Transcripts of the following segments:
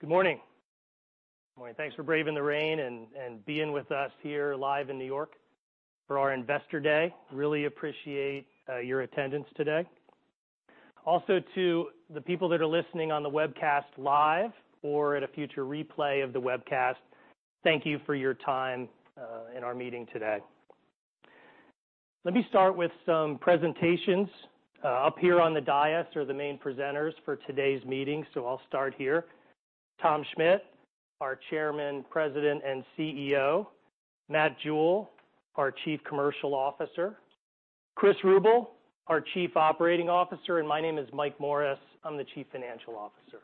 Good morning. Thanks for braving the rain and being with us here live in New York for our Investor Day. Really appreciate your attendance today. Also to the people that are listening on the webcast live or at a future replay of the webcast, thank you for your time in our meeting today. Let me start with some presentations. Up here on the dais are the main presenters for today's meeting, so I'll start here. Tom Schmitt, our Chairman, President, and CEO. Matt Jewell, our Chief Commercial Officer. Chris Ruble, our Chief Operating Officer. My name is Mike Morris, I'm the Chief Financial Officer.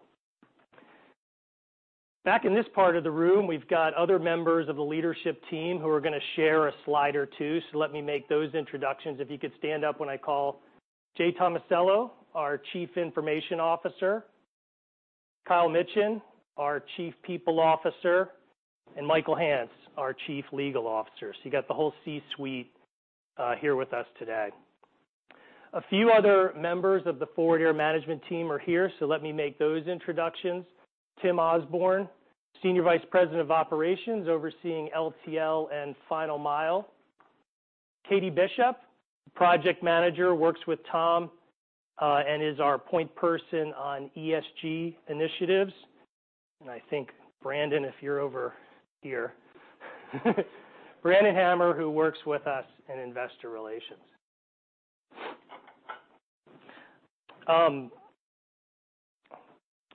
Back in this part of the room, we've got other members of the leadership team who are going to share a slide or two, so let me make those introductions. If you could stand up when I call. Jay Tomasello, our Chief Information Officer. Kyle Mitchin, our Chief People Officer. Michael Hance, our Chief Legal Officer. You got the whole C-suite here with us today. A few other members of the Forward Air management team are here, so let me make those introductions. Tim Osborne, Senior Vice President of Operations, overseeing LTL and final mile. Katie Bishop, Project Manager, works with Tom, and is our point person on ESG initiatives. I think Brandon, if you're over here. Brandon Hammer, who works with us in investor relations.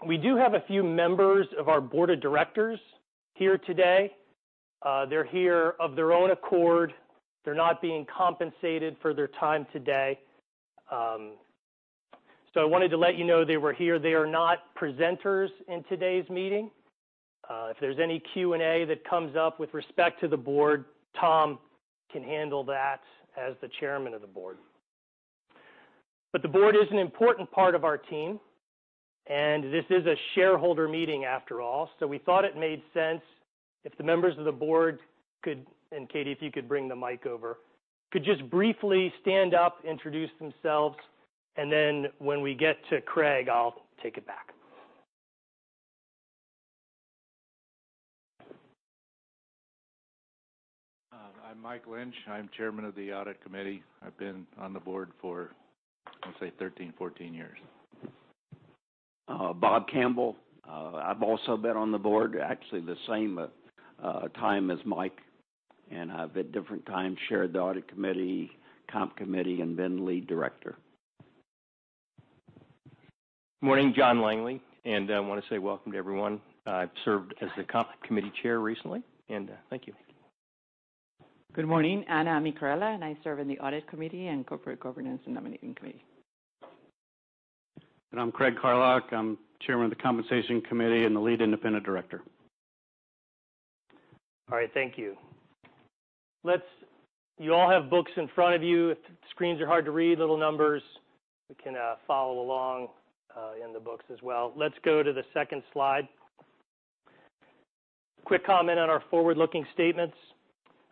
We do have a few members of our board of directors here today. They're here of their own accord. They're not being compensated for their time today. I wanted to let you know they were here. They are not presenters in today's meeting. If there's any Q&A that comes up with respect to the board, Tom can handle that as the chairman of the board. The board is an important part of our team, and this is a shareholder meeting after all, so we thought it made sense if the members of the board could, and Katie, if you could bring the mic over, could just briefly stand up, introduce themselves. When we get to Craig, I'll take it back. I'm Mike Lynch. I'm Chairman of the Audit Committee. I've been on the board for, I'd say, 13, 14 years. Bob Campbell. I've also been on the board, actually the same time as Mike. I've at different times chaired the Audit Committee, Comp Committee, and been Lead Director. Morning, John Langley. I want to say welcome to everyone. I've served as the Comp Committee Chair recently. Thank you. Good morning. Ana Amicarella. I serve in the Audit Committee and Corporate Governance and Nominating Committee. I'm Craig Carlock. I'm Chairman of the Compensation Committee and the Lead Independent Director. All right. Thank you. You all have books in front of you. If the screens are hard to read, little numbers, we can follow along in the books as well. Let's go to the second slide. Quick comment on our forward-looking statements.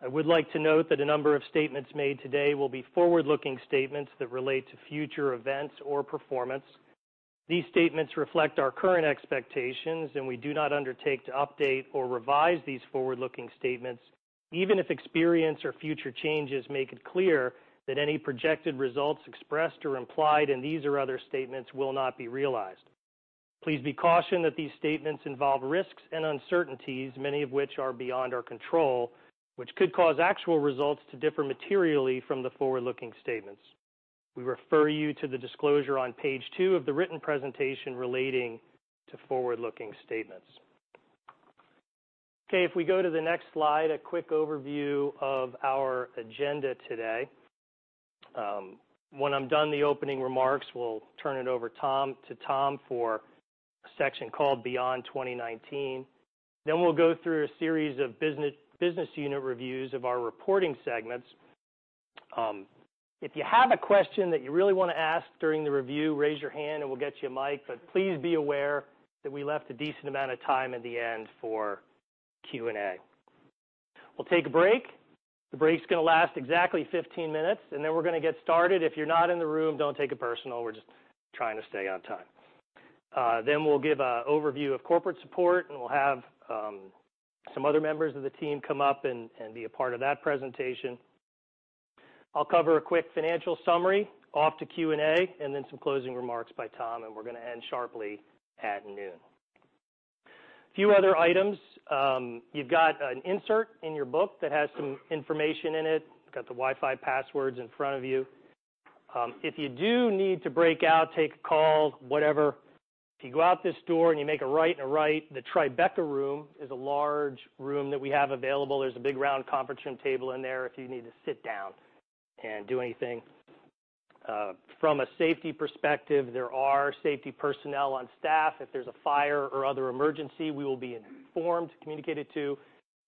I would like to note that a number of statements made today will be forward-looking statements that relate to future events or performance. These statements reflect our current expectations, and we do not undertake to update or revise these forward-looking statements, even if experience or future changes make it clear that any projected results expressed or implied in these or other statements will not be realized. Please be cautioned that these statements involve risks and uncertainties, many of which are beyond our control, which could cause actual results to differ materially from the forward-looking statements. We refer you to the disclosure on page two of the written presentation relating to forward-looking statements. Okay. If we go to the next slide, a quick overview of our agenda today. When I'm done the opening remarks, we'll turn it over to Tom for a section called Beyond 2019. We'll go through a series of business unit reviews of our reporting segments. If you have a question that you really want to ask during the review, raise your hand and we'll get you a mic, but please be aware that we left a decent amount of time at the end for Q&A. We'll take a break. The break's going to last exactly 15 minutes, and then we're going to get started. If you're not in the room, don't take it personal. We're just trying to stay on time. We'll give an overview of corporate support, and we'll have some other members of the team come up and be a part of that presentation. I'll cover a quick financial summary, off to Q&A, and then some closing remarks by Tom, and we're going to end sharply at noon. Few other items. You've got an insert in your book that has some information in it. Got the Wi-Fi passwords in front of you. If you do need to break out, take a call, whatever, if you go out this door and you make a right and a right, the Tribeca room is a large room that we have available. There's a big round conference room table in there if you need to sit down and do anything. From a safety perspective, there are safety personnel on staff. If there's a fire or other emergency, we will be informed, communicated to,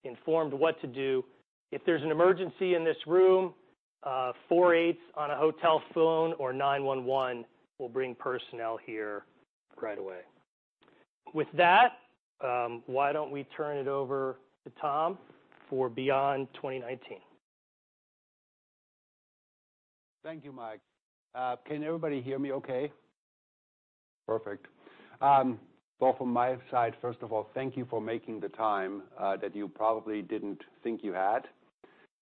informed what to do. If there's an emergency in this room, 48 on a hotel phone or 911 will bring personnel here right away. With that, why don't we turn it over to Tom for Beyond 2019. Thank you, Mike. Can everybody hear me okay? Perfect. From my side, first of all, thank you for making the time that you probably didn't think you had.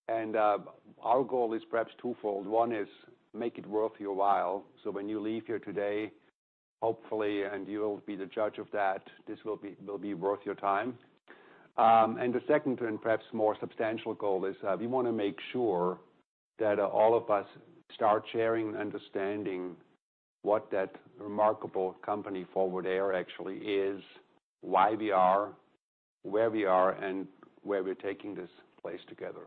Our goal is perhaps twofold. One is make it worth your while. When you leave here today, hopefully, and you'll be the judge of that, this will be worth your time. The second, and perhaps more substantial goal is we want to make sure that all of us start sharing an understanding what that remarkable company, Forward Air, actually is, why we are where we are, and where we're taking this place together.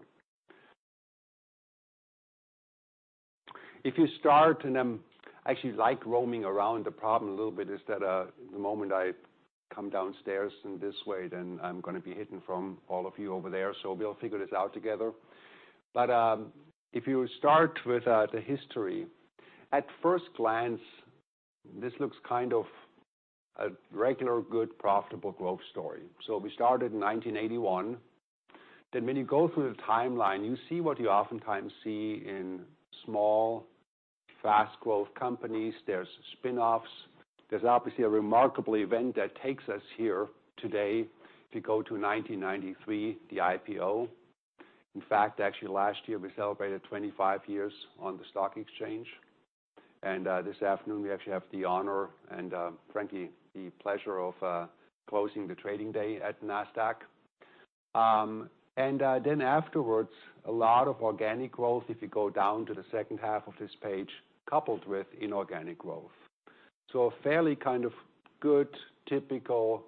If you start, I actually like roaming around the problem a little bit, is that the moment I come downstairs in this way, I'm going to be hidden from all of you over there. We'll figure this out together. If you start with the history, at first glance, this looks kind of a regular, good, profitable growth story. We started in 1981. When you go through the timeline, you see what you oftentimes see in small, fast-growth companies. There's spin-offs. There's obviously a remarkable event that takes us here today if you go to 1993, the IPO. In fact, actually last year, we celebrated 25 years on the stock exchange. This afternoon, we actually have the honor and, frankly, the pleasure of closing the trading day at Nasdaq. Afterwards, a lot of organic growth if you go down to the second half of this page, coupled with inorganic growth. A fairly good, typical,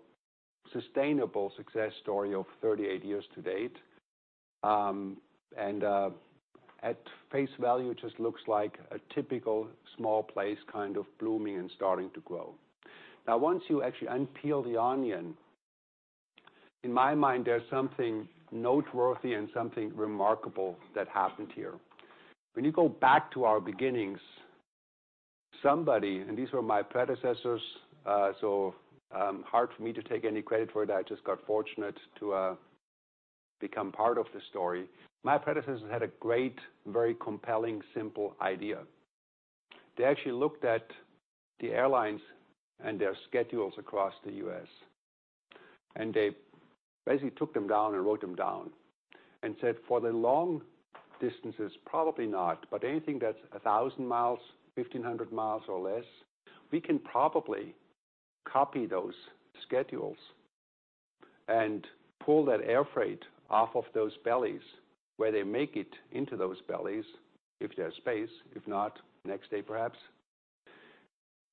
sustainable success story of 38 years to date. At face value, it just looks like a typical small place kind of blooming and starting to grow. Once you actually unpeel the onion, in my mind, there's something noteworthy and something remarkable that happened here. When you go back to our beginnings, somebody, and these were my predecessors, hard for me to take any credit for that. I just got fortunate to become part of the story. My predecessors had a great, very compelling, simple idea. They actually looked at the airlines and their schedules across the U.S., they basically took them down and wrote them down and said, for the long distances, probably not, but anything that's 1,000 miles, 1,500 miles or less, we can probably copy those schedules and pull that air freight off of those bellies where they make it into those bellies if there's space. If not, next day perhaps.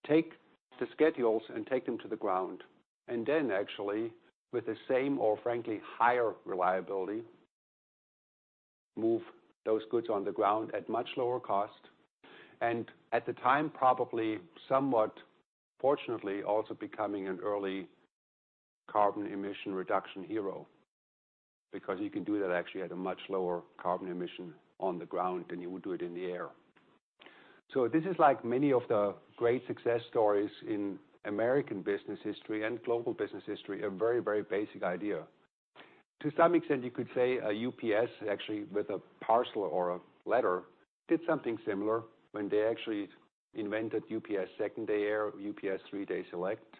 Take the schedules and take them to the ground. Actually, with the same or frankly higher reliability, move those goods on the ground at much lower cost. At the time, probably somewhat fortunately also becoming an early carbon emission reduction hero because you can do that actually at a much lower carbon emission on the ground than you would do it in the air. This is like many of the great success stories in American business history and global business history, a very, very basic idea. To some extent, you could say a UPS actually with a parcel or a letter did something similar when they actually invented UPS 2nd Day Air, UPS 3 Day Select,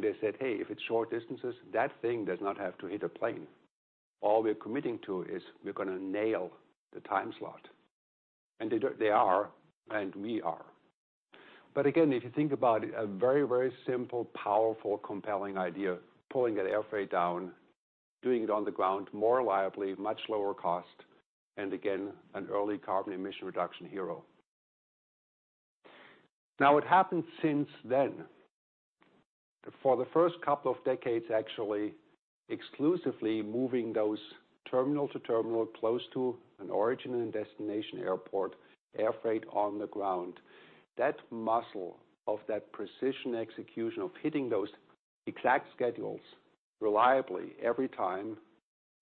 they said, "Hey, if it's short distances, that thing does not have to hit a plane. All we're committing to is we're going to nail the time slot." They are, and we are. Again, if you think about it, a very, very simple, powerful, compelling idea, pulling that air freight down, doing it on the ground more reliably, much lower cost, and again, an early carbon emission reduction hero. What happened since then, for the first couple of decades, actually exclusively moving those terminal-to-terminal close to an origin and destination airport air freight on the ground. That muscle of that precision execution of hitting those exact schedules reliably every time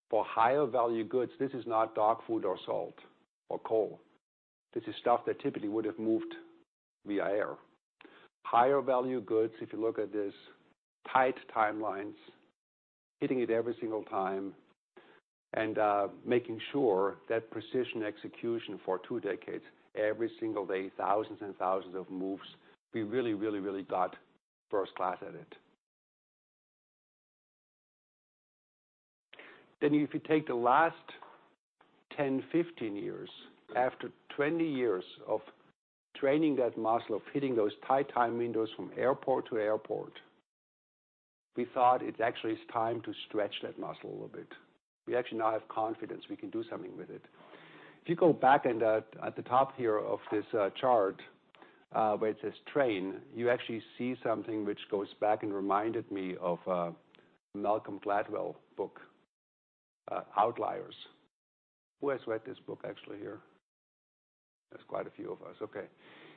for higher-value goods. This is not dog food or salt or coal. This is stuff that typically would have moved via air. Higher-value goods, if you look at this, tight timelines, hitting it every single time, and making sure that precision execution for two decades, every single day, thousands and thousands of moves. We really, really got first class at it. If you take the last 10, 15 years, after 20 years of training that muscle of hitting those tight time windows from airport to airport, we thought it actually is time to stretch that muscle a little bit. We actually now have confidence we can do something with it. If you go back and at the top here of this chart where it says Train, you actually see something which goes back and reminded me of a Malcolm Gladwell book, Outliers. Who has read this book actually here? There's quite a few of us. Okay.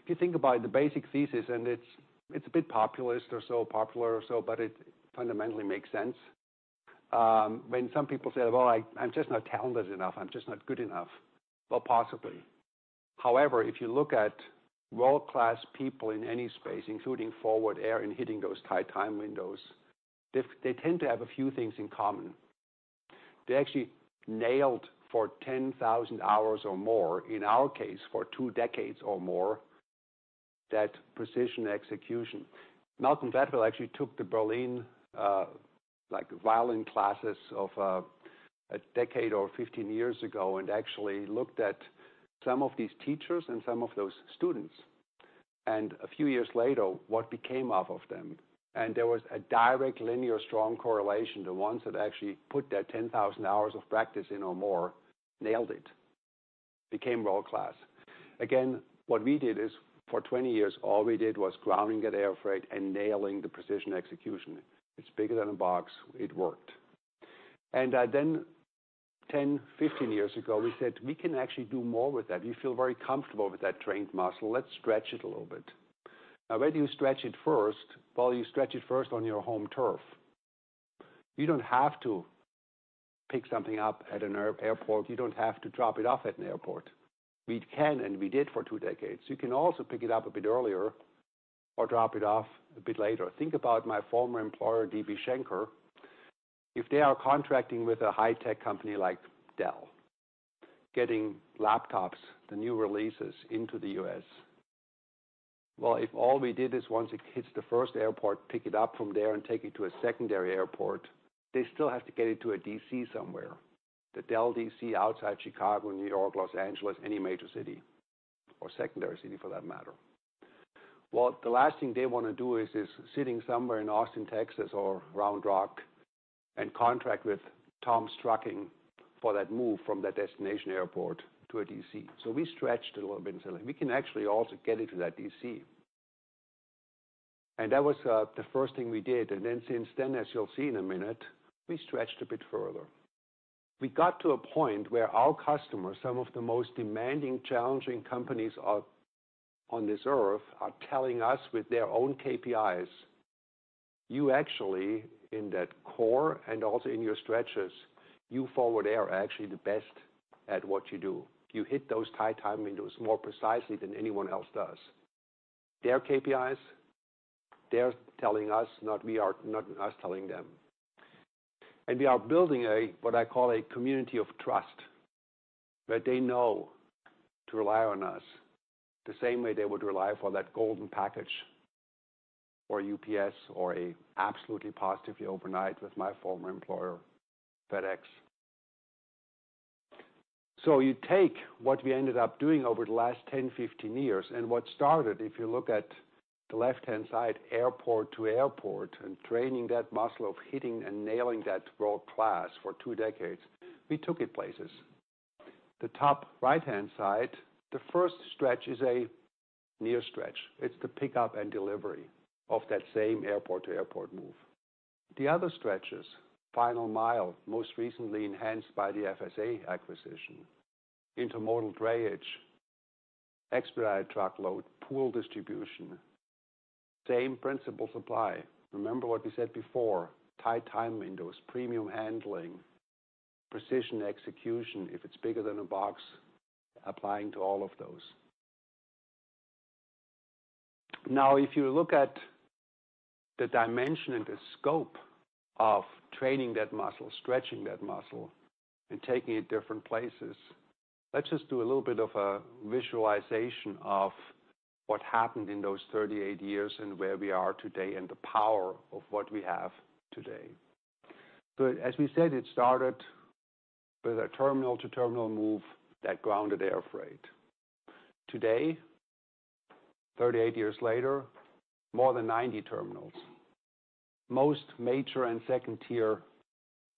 If you think about the basic thesis, and it's a bit populist or so popular, but it fundamentally makes sense. When some people say, "I'm just not talented enough. I'm just not good enough." Possibly. If you look at world-class people in any space, including Forward Air in hitting those tight time windows, they tend to have a few things in common. They actually nailed for 10,000 hours or more, in our case, for two decades or more, that precision execution. Malcolm Gladwell actually took the Berlin violin classes of a decade or 15 years ago and actually looked at some of these teachers and some of those students, and a few years later, what became of them. There was a direct, linear, strong correlation. The ones that actually put that 10,000 hours of practice in or more nailed it, became world-class. Again, what we did is for 20 years, all we did was grounding at air freight and nailing the precision execution. It's bigger than a box. It worked. 10, 15 years ago, we said, "We can actually do more with that. We feel very comfortable with that trained muscle. Let's stretch it a little bit." Where do you stretch it first? You stretch it first on your home turf. You don't have to pick something up at an airport. You don't have to drop it off at an airport. We can and we did for two decades. You can also pick it up a bit earlier or drop it off a bit later. Think about my former employer, DB Schenker. If they are contracting with a high-tech company like Dell, getting laptops, the new releases into the U.S. If all we did is once it hits the first airport, pick it up from there and take it to a secondary airport, they still have to get it to a DC somewhere. The Dell DC outside Chicago, N.Y., L.A., any major city or secondary city for that matter. The last thing they want to do is sitting somewhere in Austin, Texas, or Round Rock and contract with Tom's Trucking for that move from that destination airport to a DC. We stretched a little bit and said, "We can actually also get it to that DC." That was the first thing we did. Since then, as you'll see in a minute, we stretched a bit further. We got to a point where our customers, some of the most demanding, challenging companies on this Earth, are telling us with their own KPIs, "You actually, in that core and also in your stretches, you, Forward Air, are actually the best at what you do. You hit those tight time windows more precisely than anyone else does." Their KPIs, they're telling us, not us telling them. We are building what I call a community of trust, where they know to rely on us the same way they would rely for that golden package or UPS or a Absolutely, Positively Overnight with my former employer, FedEx. You take what we ended up doing over the last 10, 15 years and what started, if you look at the left-hand side, airport-to-airport and training that muscle of hitting and nailing that world-class for two decades, we took it places. The top right-hand side, the first stretch is a near stretch. It's the pickup and delivery of that same airport-to-airport move. The other stretches, final mile, most recently enhanced by the FSA acquisition, intermodal drayage, expedited truckload, pool distribution, same principle supply. Remember what we said before, tight time windows, premium handling, precision execution, if it's bigger than a box, applying to all of those. If you look at the dimension and the scope of training that muscle, stretching that muscle, and taking it different places, let's just do a little bit of a visualization of what happened in those 38 years and where we are today and the power of what we have today. As we said, it started with a terminal-to-terminal move that grounded air freight. Today, 38 years later, more than 90 terminals. Most major and second-tier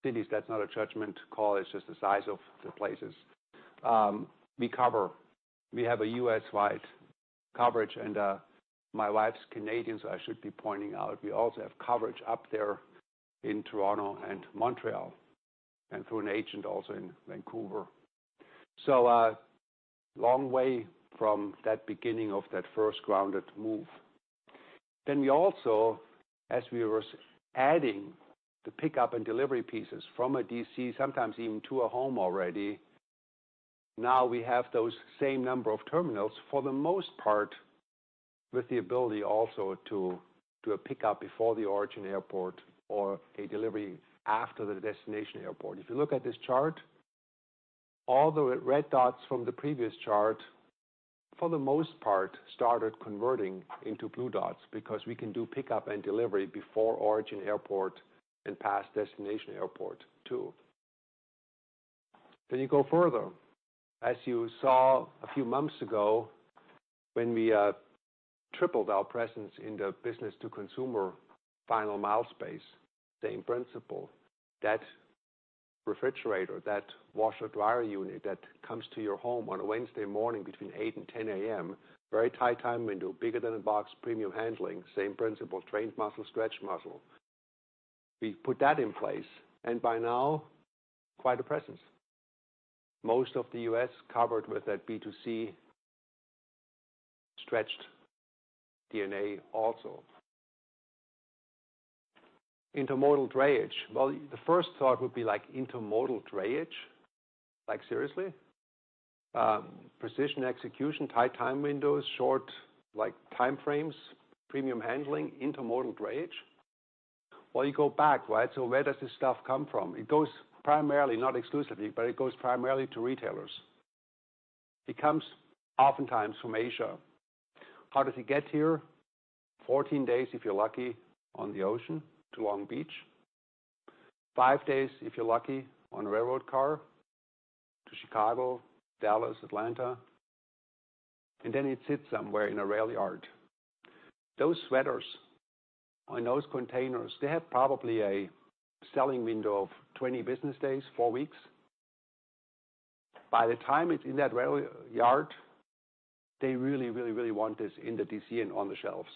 cities, that's not a judgment call, it's just the size of the places we cover. We have a U.S.-wide coverage, and my wife's Canadian, so I should be pointing out we also have coverage up there in Toronto and Montreal, and through an agent also in Vancouver. A long way from that beginning of that first grounded move. We also, as we were adding the pickup and delivery pieces from a DC, sometimes even to a home already, now we have those same number of terminals, for the most part, with the ability also to do a pickup before the origin airport or a delivery after the destination airport. If you look at this chart, all the red dots from the previous chart, for the most part, started converting into blue dots because we can do pickup and delivery before origin airport and past destination airport too. You go further. As you saw a few months ago, when we tripled our presence in the business-to-consumer final mile space, same principle. That refrigerator, that washer-dryer unit that comes to your home on a Wednesday morning between 8:00 A.M. and 10:00 A.M., very tight time window, bigger than a box, premium handling, same principle, trained muscle, stretched muscle. We put that in place, and by now, quite a presence. Most of the U.S. covered with that B2C stretched DNA also. Intermodal drayage. The first thought would be like, intermodal drayage? Like, seriously? Precision execution, tight time windows, short time frames, premium handling, intermodal drayage. You go back, right? Where does this stuff come from? It goes primarily, not exclusively, but it goes primarily to retailers. It comes oftentimes from Asia. How does it get here? 14 days, if you're lucky, on the ocean to Long Beach. five days, if you're lucky, on a railroad car to Chicago, Dallas, Atlanta, and then it sits somewhere in a rail yard. Those sweaters in those containers, they have probably a selling window of 20 business days, four weeks. By the time it's in that rail yard, they really want this in the DC and on the shelves.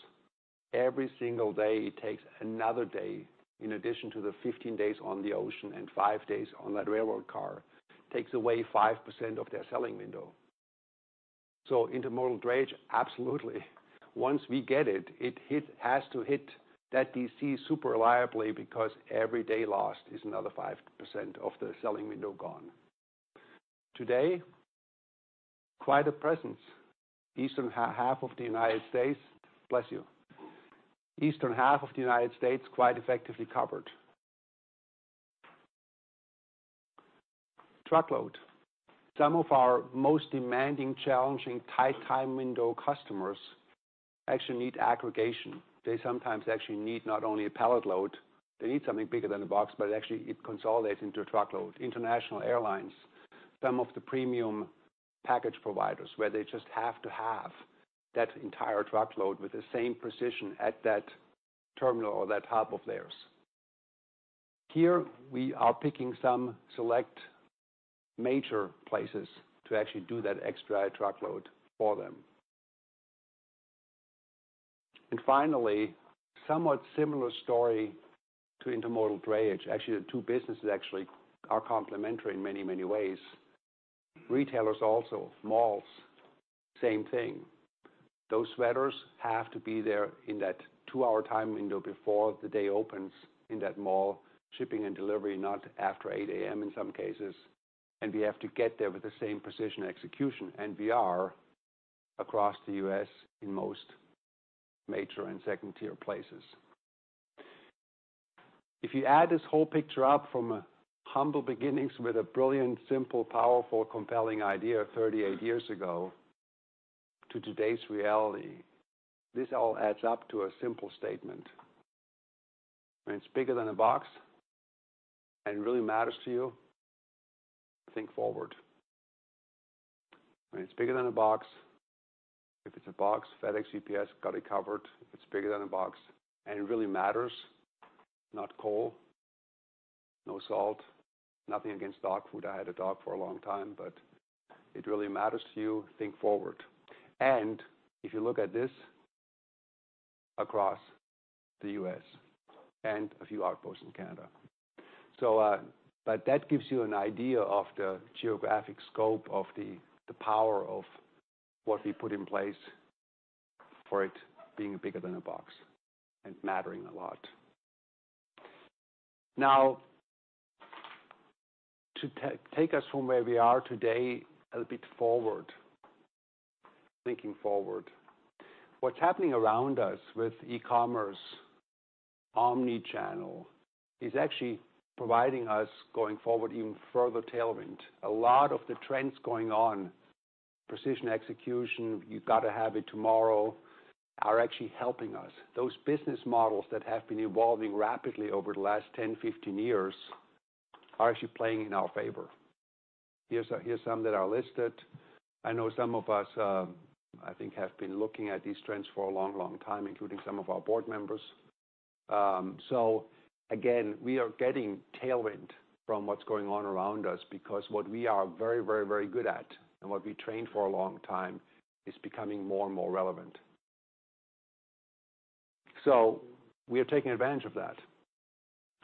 Every single day it takes another day, in addition to the 15 days on the ocean and five days on that railroad car, takes away 5% of their selling window. Intermodal drayage, absolutely. Once we get it has to hit that DC super reliably because every day lost is another 5% of the selling window gone. Today, quite a presence. Eastern half of the U.S. Bless you. Eastern half of the U.S. quite effectively covered. Truckload. Some of our most demanding, challenging, tight time window customers actually need aggregation. They sometimes actually need not only a pallet load, they need something bigger than a box, but actually it consolidates into a truckload. International airlines, some of the premium package providers, where they just have to have that entire truckload with the same precision at that terminal or that hub of theirs. Finally, somewhat similar story to intermodal drayage. The two businesses actually are complementary in many ways. Retailers also, malls, same thing. Those sweaters have to be there in that two-hour time window before the day opens in that mall. Shipping and delivery not after 8:00 A.M. in some cases, we have to get there with the same precision execution, and we are across the U.S. in most major and second-tier places. If you add this whole picture up from humble beginnings with a brilliant, simple, powerful, compelling idea 38 years ago to today's reality, this all adds up to a simple statement. When it's bigger than a box and really matters to you, think forward. When it's bigger than a box, if it's a box, FedEx, UPS got it covered. If it's bigger than a box and it really matters, not coal, no salt, nothing against dog food. I had a dog for a long time, but it really matters to you, think forward. If you look at this across the U.S. and a few outposts in Canada. That gives you an idea of the geographic scope of the power of what we put in place for it being bigger than a box and mattering a lot. To take us from where we are today a bit forward, thinking forward. What's happening around us with e-commerce, omnichannel, is actually providing us, going forward, even further tailwind. A lot of the trends going on, precision execution, you've got to have it tomorrow, are actually helping us. Those business models that have been evolving rapidly over the last 10, 15 years are actually playing in our favor. Here's some that are listed. I know some of us, I think, have been looking at these trends for a long time, including some of our board members. Again, we are getting tailwind from what's going on around us because what we are very good at and what we trained for a long time is becoming more and more relevant. We are taking advantage of that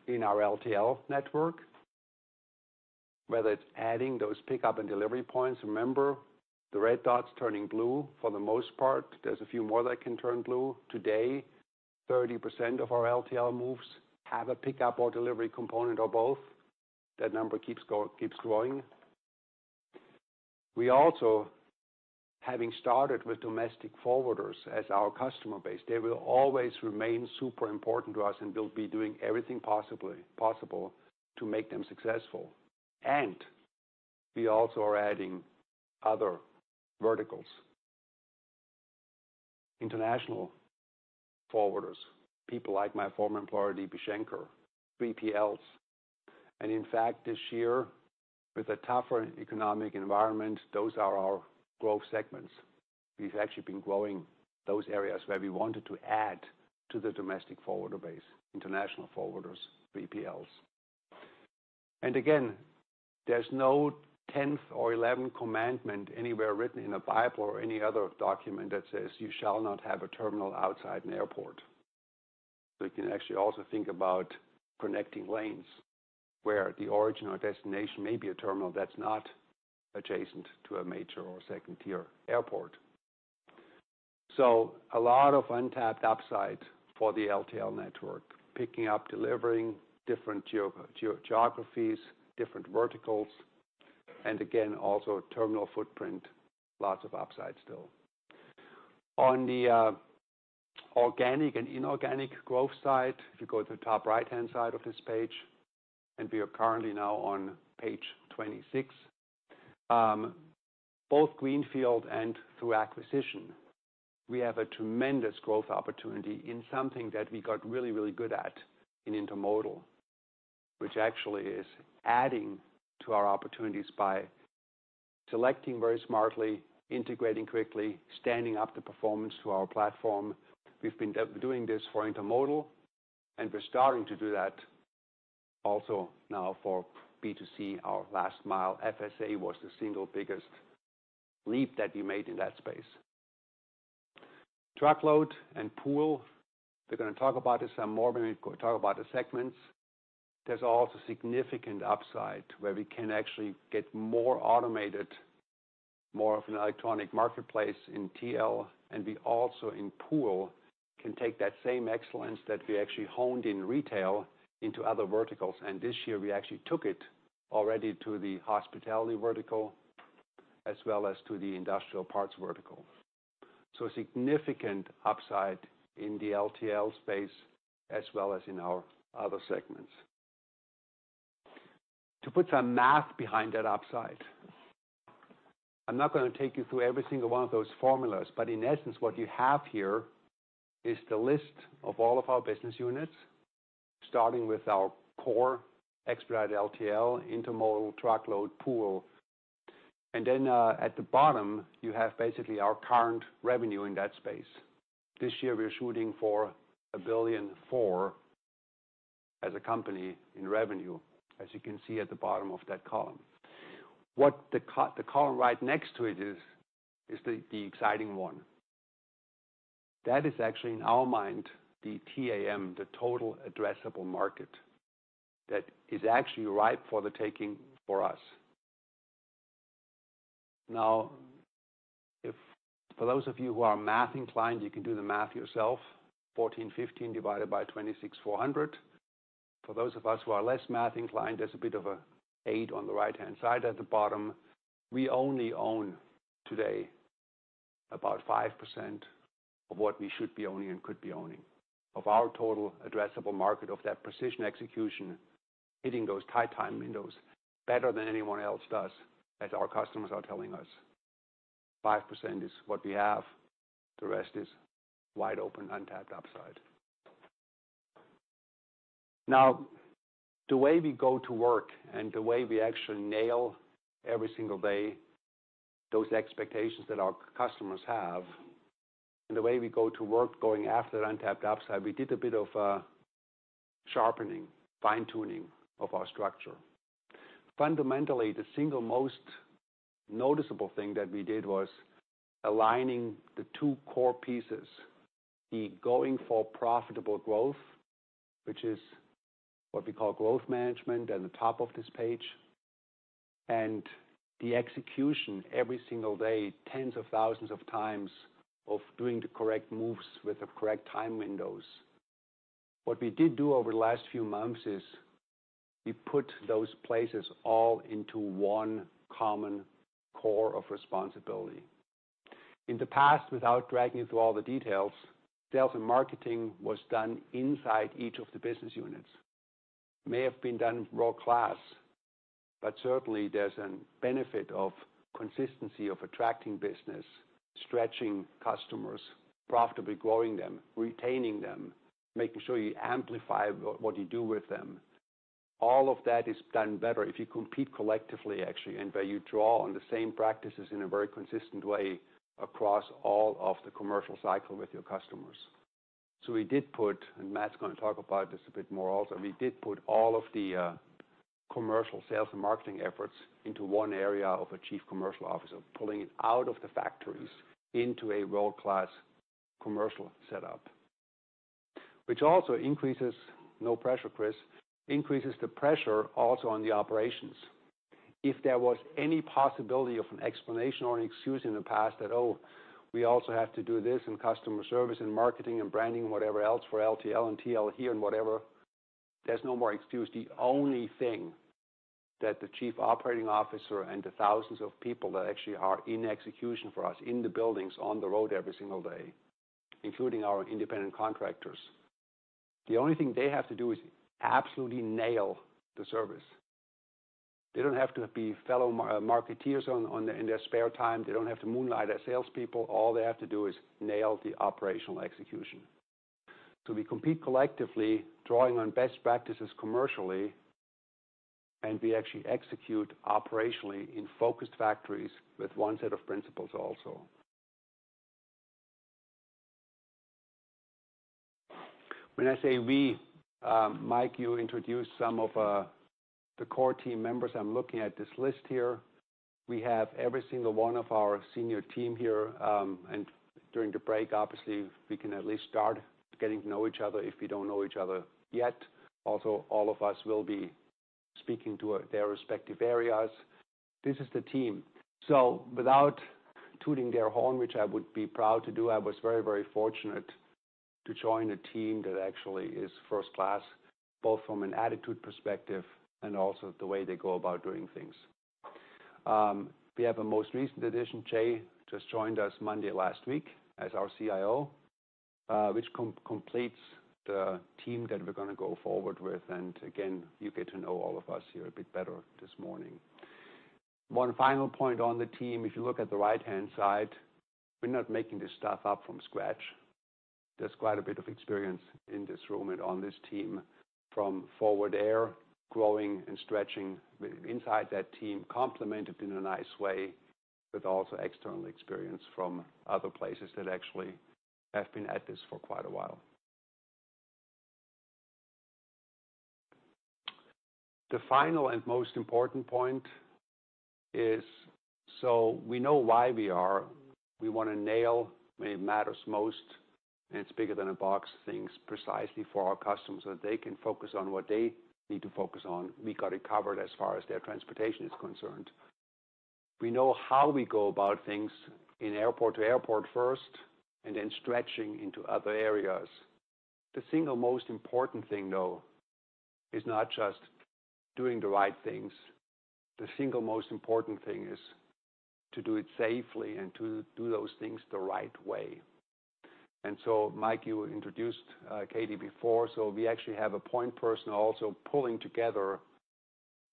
in our LTL network, whether it's adding those pickup and delivery points. Remember, the red dots turning blue, for the most part. There's a few more that can turn blue. Today, 30% of our LTL moves have a pickup or delivery component or both. That number keeps growing. We also, having started with domestic forwarders as our customer base, they will always remain super important to us, and we'll be doing everything possible to make them successful. We also are adding other verticals. International forwarders, people like my former employer, DB Schenker, 3PLs. In fact, this year, with a tougher economic environment, those are our growth segments. We've actually been growing those areas where we wanted to add to the domestic forwarder base, international forwarders, 3PLs. Again, there's no 10th or 11th commandment anywhere written in a Bible or any other document that says, "You shall not have a terminal outside an airport." We can actually also think about connecting lanes where the origin or destination may be a terminal that's not adjacent to a major or second-tier airport. A lot of untapped upside for the LTL network, picking up, delivering different geographies, different verticals, also terminal footprint, lots of upside still. On the organic and inorganic growth side, if you go to the top right-hand side of this page, we are currently now on page 26. Both greenfield and through acquisition, we have a tremendous growth opportunity in something that we got really, really good at in intermodal, which actually is adding to our opportunities by selecting very smartly, integrating quickly, standing up the performance to our platform. We've been doing this for intermodal, we're starting to do that also now for B2C, our last mile. FSA was the single biggest leap that we made in that space. Truckload and pool, we're going to talk about this some more when we talk about the segments. There's also significant upside where we can actually get more automated, more of an electronic marketplace in TL, we also in pool can take that same excellence that we actually honed in retail into other verticals. This year, we actually took it already to the hospitality vertical as well as to the industrial parts vertical. Significant upside in the LTL space as well as in our other segments. To put some math behind that upside, I'm not going to take you through every single one of those formulas, but in essence, what you have here is the list of all of our business units, starting with our core Expedited LTL, intermodal, truckload, pool. At the bottom, you have basically our current revenue in that space. This year, we're shooting for $1.4 billion as a company in revenue, as you can see at the bottom of that column. What the column right next to it is the exciting one. That is actually, in our mind, the TAM, the total addressable market, that is actually ripe for the taking for us. For those of you who are math inclined, you can do the math yourself, 1,415 divided by 26,400. For those of us who are less math inclined, there's a bit of an aid on the right-hand side at the bottom. We only own today about 5% of what we should be owning and could be owning of our total addressable market of that precision execution, hitting those tight time windows better than anyone else does, as our customers are telling us. 5% is what we have. The rest is wide-open, untapped upside. The way we go to work and the way we actually nail every single day those expectations that our customers have, and the way we go to work going after the untapped upside, we did a bit of a sharpening, fine-tuning of our structure. Fundamentally, the single most noticeable thing that we did was aligning the two core pieces, the going for profitable growth, which is what we call growth management at the top of this page, and the execution every single day, tens of thousands of times of doing the correct moves with the correct time windows. What we did do over the last few months is we put those places all into one common core of responsibility. In the past, without dragging you through all the details, sales and marketing was done inside each of the business units. Certainly there's a benefit of consistency of attracting business, stretching customers, profitably growing them, retaining them, making sure you amplify what you do with them. All of that is done better if you compete collectively, actually, where you draw on the same practices in a very consistent way across all of the commercial cycle with your customers. We did put, and Matt's going to talk about this a bit more also, we did put all of the commercial sales and marketing efforts into one area of a Chief Commercial Officer, pulling it out of the factories into a world-class commercial setup, which also increases, no pressure, Chris, increases the pressure also on the operations. If there was any possibility of an explanation or an excuse in the past that, oh, we also have to do this and customer service and marketing and branding, whatever else for LTL and TL here and whatever, there's no more excuse. The only thing that the chief operating officer and the thousands of people that actually are in execution for us in the buildings on the road every single day, including our independent contractors, the only thing they have to do is absolutely nail the service. They don't have to be fellow marketeers in their spare time. They don't have to moonlight as salespeople. All they have to do is nail the operational execution. We compete collectively, drawing on best practices commercially, and we actually execute operationally in focused factories with one set of principles also. When I say we, Mike, you introduced some of the core team members. I'm looking at this list here. We have every single one of our senior team here, and during the break, obviously, we can at least start getting to know each other if we don't know each other yet. All of us will be speaking to their respective areas. This is the team. Without tooting their horn, which I would be proud to do, I was very, very fortunate to join a team that actually is first class, both from an attitude perspective and also the way they go about doing things. We have a most recent addition. Jay just joined us Monday last week as our CIO, which completes the team that we're going to go forward with. Again, you get to know all of us here a bit better this morning. One final point on the team, if you look at the right-hand side, we're not making this stuff up from scratch. There's quite a bit of experience in this room and on this team from Forward Air growing and stretching inside that team, complemented in a nice way with also external experience from other places that actually have been at this for quite a while. The final and most important point is, we know why we are. We want to nail where it matters most, and it's bigger than a box things precisely for our customers so that they can focus on what they need to focus on. We got it covered as far as their transportation is concerned. We know how we go about things in airport-to-airport first, and then stretching into other areas. The single most important thing, though, is not just doing the right things. The single most important thing is to do it safely and to do those things the right way. Mike, you introduced Katie before, so we actually have a point person also pulling together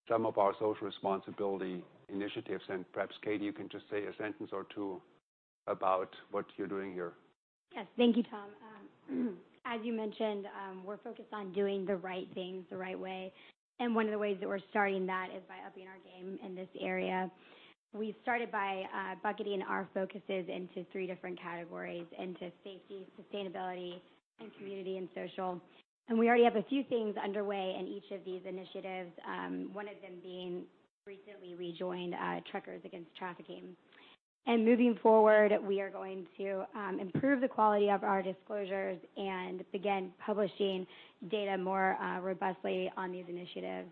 some of our social responsibility initiatives. Perhaps, Katie, you can just say a sentence or two about what you're doing here. Yes. Thank you, Tom. As you mentioned, we're focused on doing the right things the right way. One of the ways that we're starting that is by upping our game in this area. We started by bucketing our focuses into three different categories, into safety, sustainability, and community and social. We already have a few things underway in each of these initiatives. One of them being recently we joined Truckers Against Trafficking. Moving forward, we are going to improve the quality of our disclosures and begin publishing data more robustly on these initiatives,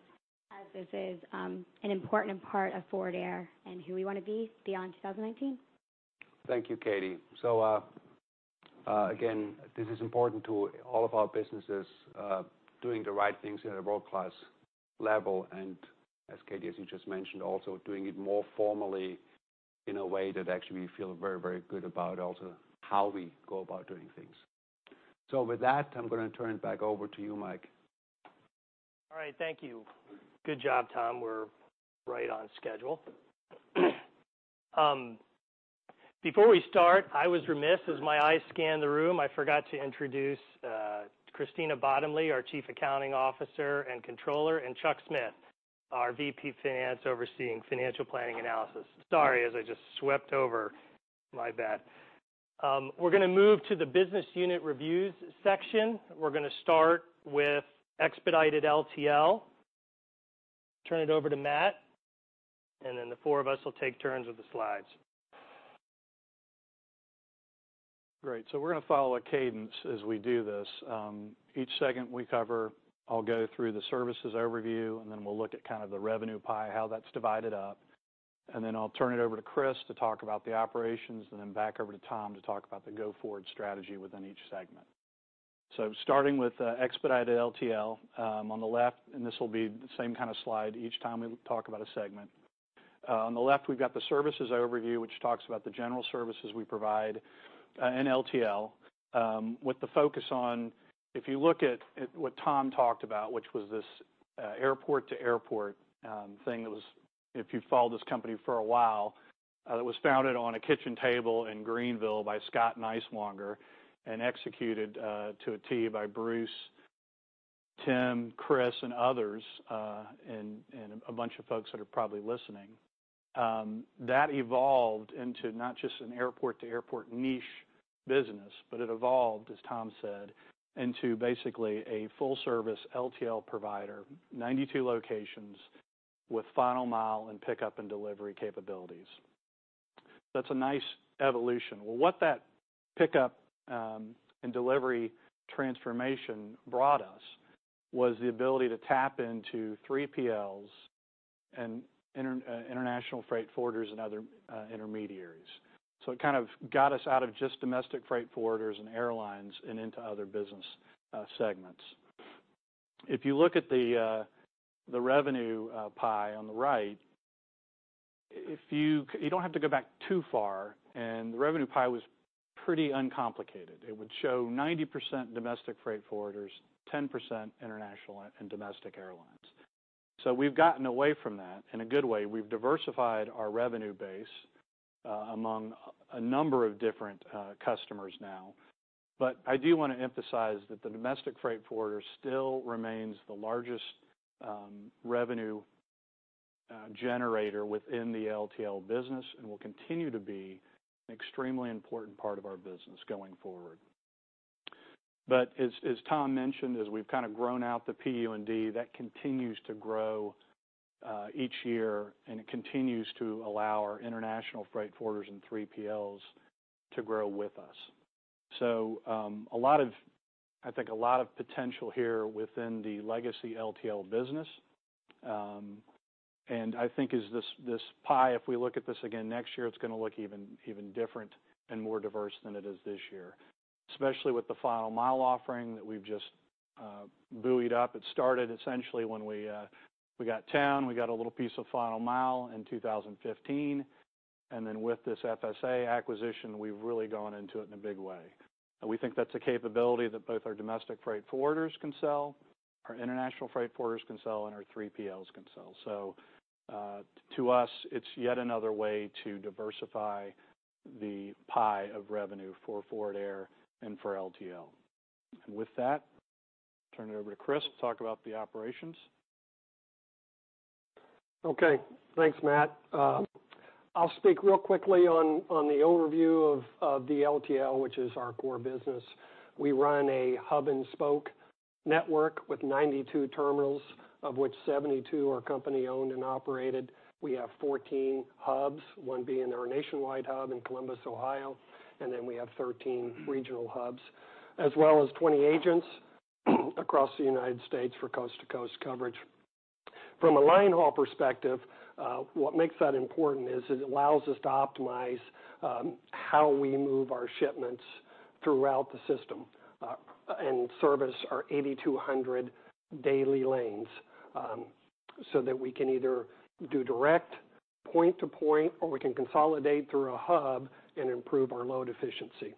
as this is an important part of Forward Air and who we want to be beyond 2019. Thank you, Katie. Again, this is important to all of our businesses, doing the right things at a world-class level. As Katie, as you just mentioned, also doing it more formally in a way that actually we feel very, very good about also how we go about doing things. With that, I'm going to turn it back over to you, Mike. All right. Thank you. Good job, Tom. We're right on schedule. Before we start, I was remiss as my eyes scanned the room, I forgot to introduce Christina Bottomley, our Chief Accounting Officer and Controller, and Chuck Smith, our VP Finance overseeing financial planning analysis. Sorry, as I just swept over. My bad. We're going to move to the business unit reviews section. We're going to start with Expedited LTL. Turn it over to Matt, and then the four of us will take turns with the slides. Great. We're going to follow a cadence as we do this. Each segment we cover, I'll go through the services overview, then we'll look at the revenue pie, how that's divided up, then I'll turn it over to Chris to talk about the operations, then back over to Tom to talk about the go-forward strategy within each segment. Starting with Expedited LTL, on the left, this will be the same kind of slide each time we talk about a segment. On the left, we've got the services overview, which talks about the general services we provide in LTL. With the focus on, if you look at what Tom talked about, which was this airport-to-airport thing that was, if you followed this company for a while, it was founded on a kitchen table in Greenville by Scott Niswonger and executed to a T by Bruce, Tim, Chris, and others, and a bunch of folks that are probably listening. That evolved into not just an airport-to-airport niche business, but it evolved, as Tom said, into basically a full-service LTL provider, 92 locations with final mile and pickup and delivery capabilities. That's a nice evolution. Well, what that pickup and delivery transformation brought us was the ability to tap into 3PLs and international freight forwarders and other intermediaries. It got us out of just domestic freight forwarders and airlines and into other business segments. If you look at the revenue pie on the right, you don't have to go back too far, and the revenue pie was pretty uncomplicated. It would show 90% domestic freight forwarders, 10% international and domestic airlines. We've gotten away from that in a good way. We've diversified our revenue base among a number of different customers now. I do want to emphasize that the domestic freight forwarder still remains the largest revenue generator within the LTL business and will continue to be an extremely important part of our business going forward. As Tom mentioned, as we've grown out the PU&D, that continues to grow each year, and it continues to allow our international freight forwarders and 3PLs to grow with us. I think a lot of potential here within the legacy LTL business. I think as this pie, if we look at this again next year, it's going to look even different and more diverse than it is this year, especially with the final mile offering that we've just buoyed up. It started essentially when we got Towne, we got a little piece of final mile in 2015, and then with this FSA acquisition, we've really gone into it in a big way. We think that's a capability that both our domestic freight forwarders can sell, our international freight forwarders can sell, and our 3PLs can sell. To us, it's yet another way to diversify the pie of revenue for Forward Air and for LTL. With that, turn it over to Chris to talk about the operations. Okay. Thanks, Matt. I'll speak real quickly on the overview of the LTL, which is our core business. We run a hub-and-spoke network with 92 terminals, of which 72 are company-owned and operated. We have 14 hubs, one being our nationwide hub in Columbus, Ohio, and then we have 13 regional hubs, as well as 20 agents across the United States for coast-to-coast coverage. From a line haul perspective, what makes that important is it allows us to optimize how we move our shipments throughout the system, and service our 8,200 daily lanes, so that we can either do direct point-to-point, or we can consolidate through a hub and improve our load efficiency.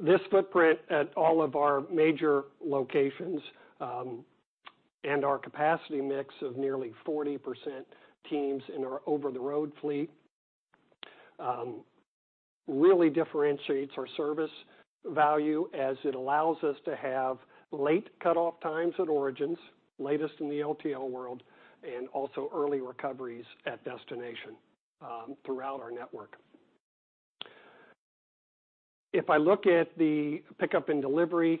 This footprint at all of our major locations, and our capacity mix of nearly 40% teams in our over-the-road fleet, really differentiates our service value as it allows us to have late cutoff times at origins, latest in the LTL world, and also early recoveries at destination throughout our network. If I look at the pickup and delivery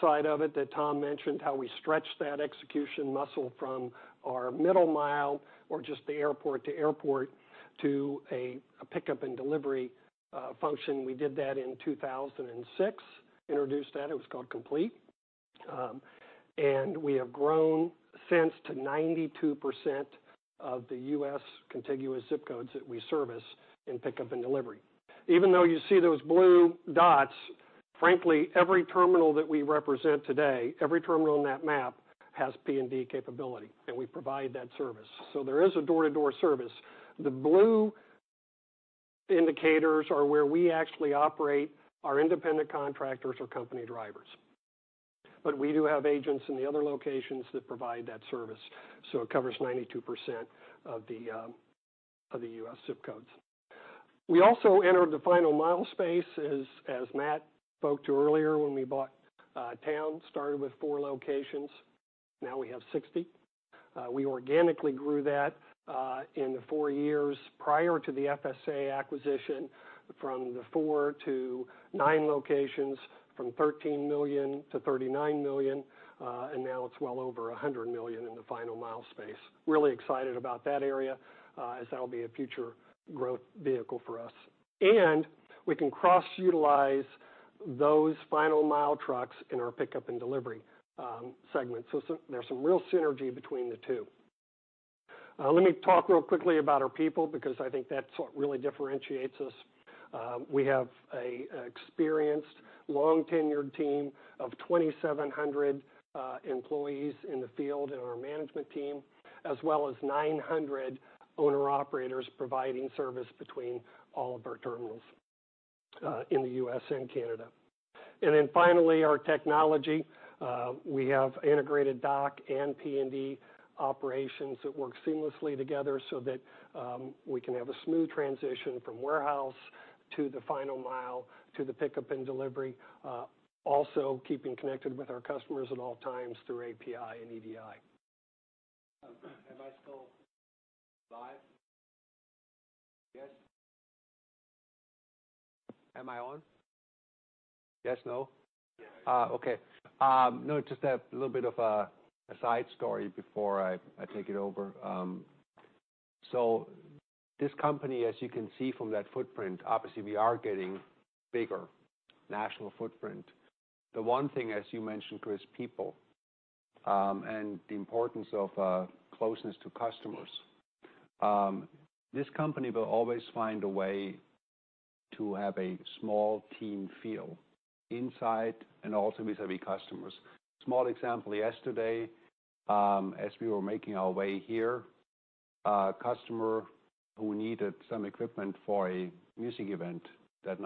side of it that Tom mentioned, how we stretch that execution muscle from our middle mile or just the airport to airport to a pickup and delivery function, we did that in 2006, introduced that. It was called Complete. We have grown since to 92% of the U.S. contiguous zip codes that we service in pickup and delivery. Even though you see those blue dots, frankly, every terminal that we represent today, every terminal on that map, has P&D capability, and we provide that service. There is a door-to-door service. The blue indicators are where we actually operate our independent contractors or company drivers. We do have agents in the other locations that provide that service, so it covers 92% of the U.S. zip codes. We also entered the final mile space, as Matt spoke to earlier, when we bought Towne. Started with four locations, now we have 60. We organically grew that in the four years prior to the FSA acquisition from the four to nine locations, from $13 million to $39 million, and now it's well over $100 million in the final mile space. Really excited about that area, as that'll be a future growth vehicle for us. We can cross-utilize those final mile trucks in our pickup and delivery segment. There's some real synergy between the two. Let me talk real quickly about our people, because I think that's what really differentiates us. We have an experienced, long-tenured team of 2,700 employees in the field in our management team, as well as 900 owner-operators providing service between all of our terminals in the U.S. and Canada. Finally, our technology. We have integrated dock and P&D operations that work seamlessly together so that we can have a smooth transition from warehouse to the final mile to the pickup and delivery. Also keeping connected with our customers at all times through API and EDI. Am I still live? Yes? Am I on? Yes? No? Yes. Okay. Just a little bit of a side story before I take it over. This company, as you can see from that footprint, obviously we are getting bigger, national footprint. The one thing, as you mentioned, Chris, people, and the importance of closeness to customers. This company will always find a way to have a small team feel inside and also vis-a-vis customers. Small example, yesterday, as we were making our way here, a customer who needed some equipment for a music event that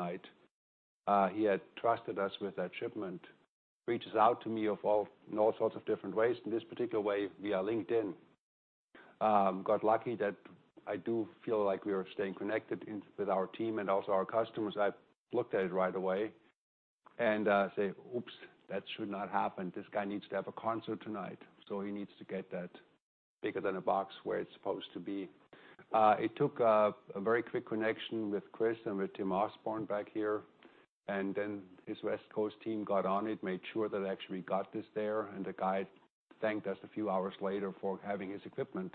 night, he had trusted us with that shipment, reaches out to me in all sorts of different ways. In this particular way, via LinkedIn. Got lucky that I do feel like we are staying connected with our team and also our customers. I looked at it right away and said, "Oops, that should not happen. This guy needs to have a concert tonight, he needs to get that bigger than a box where it's supposed to be." It took a very quick connection with Chris and with Tim Osborne back here, his West Coast team got on it, made sure that it actually got this there, the guy thanked us a few hours later for having his equipment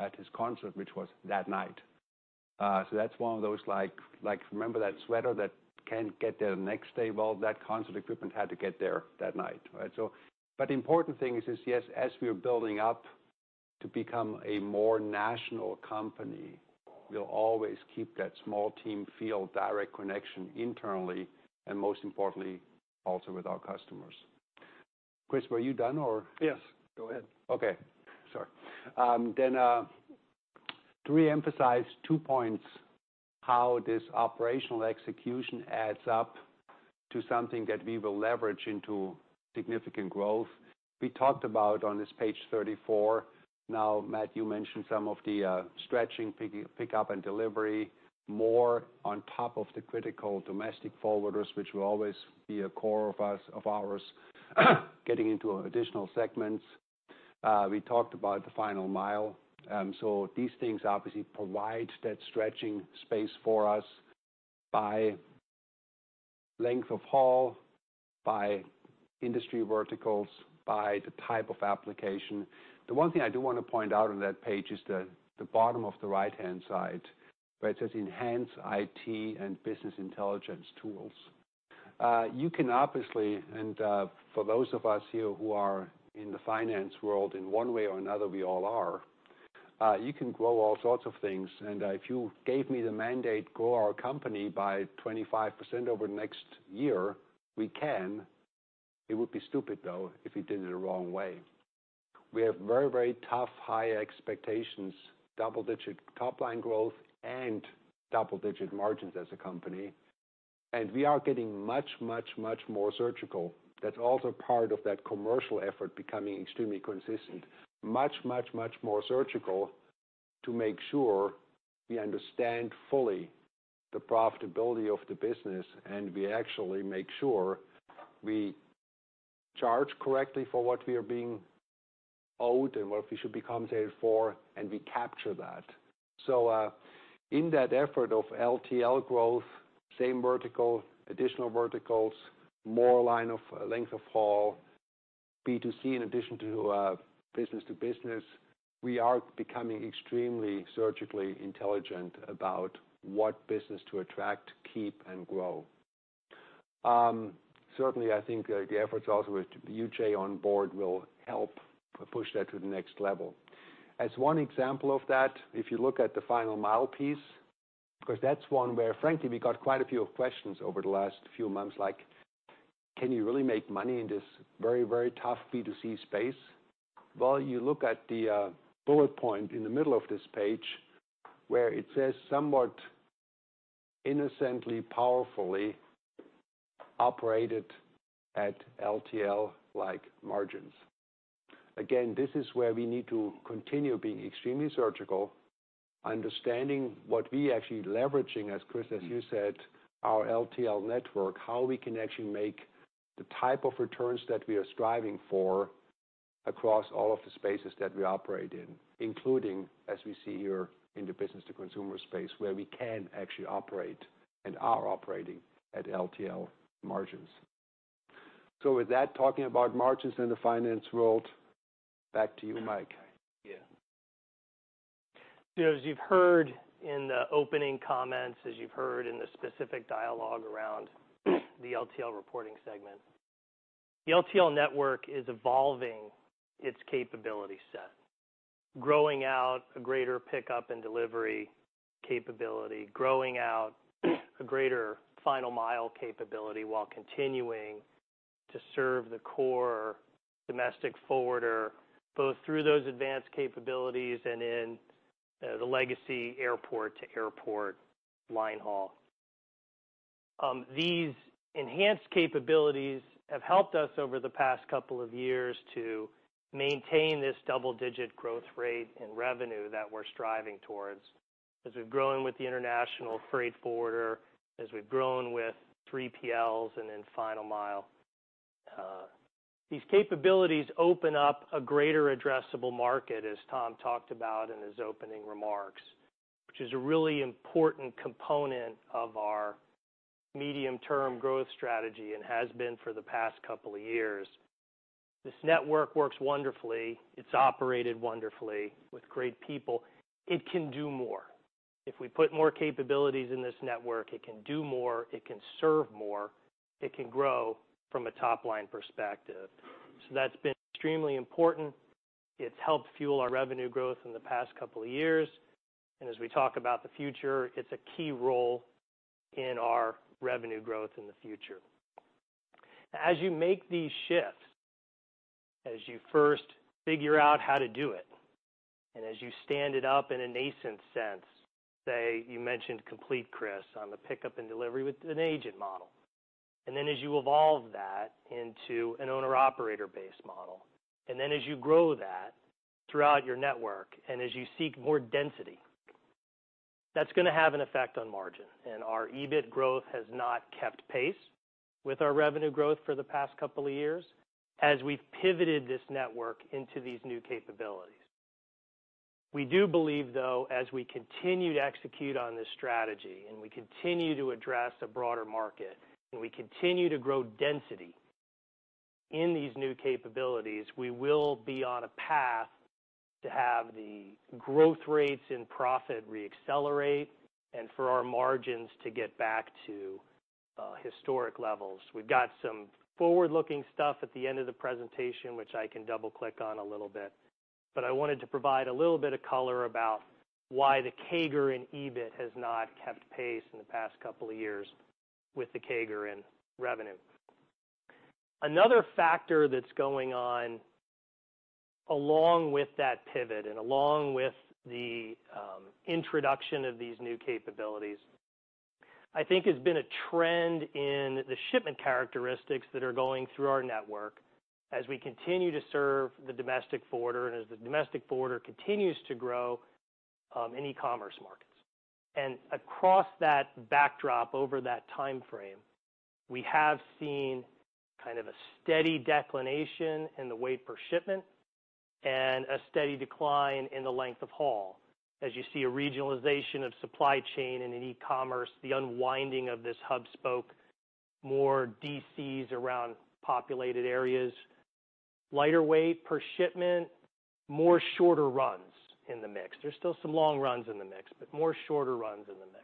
At his concert, which was that night. That's one of those like, remember that sweater that can't get there the next day? Well, that concert equipment had to get there that night. Right? The important thing is, yes, as we are building up to become a more national company, we'll always keep that small team feel, direct connection internally, and most importantly, also with our customers. Chris, were you done or? Yes, go ahead. To reemphasize two points, how this operational execution adds up to something that we will leverage into significant growth. We talked about on this page 34, now, Matt, you mentioned some of the stretching pickup and delivery, more on top of the critical domestic forwarders, which will always be a core of ours, getting into additional segments. We talked about the final mile. These things obviously provide that stretching space for us by length of haul, by industry verticals, by the type of application. The one thing I do want to point out on that page is the bottom of the right-hand side, where it says enhance IT and business intelligence tools. You can obviously, and for those of us here who are in the finance world, in one way or another, we all are, you can grow all sorts of things. If you gave me the mandate, grow our company by 25% over the next year, we can. It would be stupid, though, if we did it the wrong way. We have very tough, high expectations, double-digit top-line growth and double-digit margins as a company. We are getting much more surgical. That's also part of that commercial effort becoming extremely consistent. Much more surgical to make sure we understand fully the profitability of the business, and we actually make sure we charge correctly for what we are being owed and what we should be compensated for, and we capture that. In that effort of LTL growth, same vertical, additional verticals, more length of haul, B2C in addition to business-to-business, we are becoming extremely surgically intelligent about what business to attract, keep, and grow. Certainly, I think the efforts also with you Jay on board will help push that to the next level. As one example of that, if you look at the final mile piece, because that's one where frankly, we got quite a few questions over the last few months, like, "Can you really make money in this very tough B2C space?" Well, you look at the bullet point in the middle of this page, where it says somewhat innocently, powerfully, "Operated at LTL-like margins." Again, this is where we need to continue being extremely surgical, understanding what we actually leveraging, as Chris, as you said, our LTL network, how we can actually make the type of returns that we are striving for across all of the spaces that we operate in, including, as we see here in the business-to-consumer space, where we can actually operate and are operating at LTL margins. With that, talking about margins in the finance world, back to you, Mike. Yeah. As you've heard in the opening comments, as you've heard in the specific dialogue around the LTL reporting segment, the LTL network is evolving its capability set, growing out a greater pickup and delivery capability, growing out a greater final mile capability while continuing to serve the core domestic forwarder, both through those advanced capabilities and in the legacy airport to airport line haul. These enhanced capabilities have helped us over the past couple of years to maintain this double-digit growth rate in revenue that we're striving towards as we've grown with the international freight forwarder, as we've grown with 3PLs and in final mile. These capabilities open up a greater addressable market, as Tom talked about in his opening remarks, which is a really important component of our medium-term growth strategy and has been for the past couple of years. This network works wonderfully. It's operated wonderfully with great people. It can do more. If we put more capabilities in this network, it can do more, it can serve more, it can grow from a top-line perspective. That's been extremely important. It's helped fuel our revenue growth in the past couple of years. As we talk about the future, it's a key role in our revenue growth in the future. As you make these shifts, as you first figure out how to do it, as you stand it up in a nascent sense, say you mentioned Forward Air Complete, Chris, on the pickup and delivery with an agent model. As you evolve that into an owner-operator-based model, as you grow that throughout your network as you seek more density, that's going to have an effect on margin. Our EBIT growth has not kept pace with our revenue growth for the past couple of years as we've pivoted this network into these new capabilities. We do believe, though, as we continue to execute on this strategy, we continue to address a broader market, we continue to grow density in these new capabilities, we will be on a path to have the growth rates and profit re-accelerate, and for our margins to get back to historic levels. We've got some forward-looking stuff at the end of the presentation, which I can double-click on a little bit. I wanted to provide a little bit of color about why the CAGR in EBIT has not kept pace in the past couple of years with the CAGR in revenue. Another factor that's going on along with that pivot, along with the introduction of these new capabilities, I think, has been a trend in the shipment characteristics that are going through our network as we continue to serve the domestic forwarder, as the domestic forwarder continues to grow in e-commerce markets. Across that backdrop, over that timeframe, we have seen a steady declination in the weight per shipment and a steady decline in the length of haul. As you see a regionalization of supply chain in e-commerce, the unwinding of this hub-spoke more DCs around populated areas, lighter weight per shipment, more shorter runs in the mix. There's still some long runs in the mix, but more shorter runs in the mix.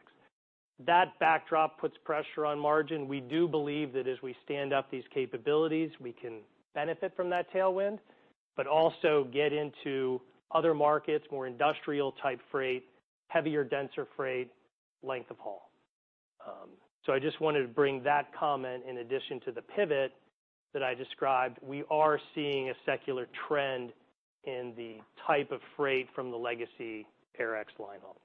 That backdrop puts pressure on margin. We do believe that as we stand up these capabilities, we can benefit from that tailwind, but also get into other markets, more industrial-type freight, heavier, denser freight, length of haul. I just wanted to bring that comment in addition to the pivot that I described. We are seeing a secular trend in the type of freight from the legacy [AirEx] line haul.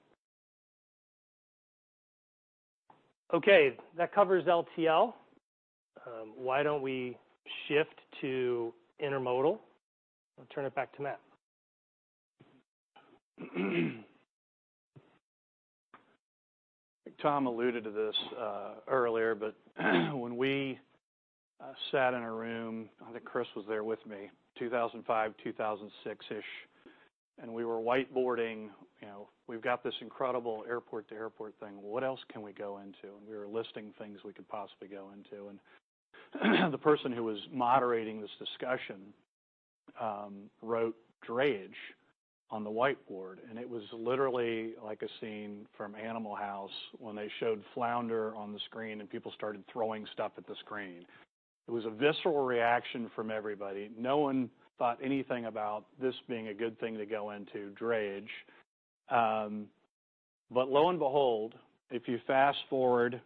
Okay, that covers LTL. Why don't we shift to intermodal? I'll turn it back to Matt. Tom alluded to this earlier, but when we sat in a room, I think Chris was there with me, 2005, 2006-ish, and we were whiteboarding, "We've got this incredible airport-to-airport thing. What else can we go into?" We were listing things we could possibly go into, and the person who was moderating this discussion wrote drayage on the whiteboard, and it was literally like a scene from "Animal House" when they showed flounder on the screen, and people started throwing stuff at the screen. It was a visceral reaction from everybody. No one thought anything about this being a good thing to go into, drayage. Lo and behold, if you fast-forward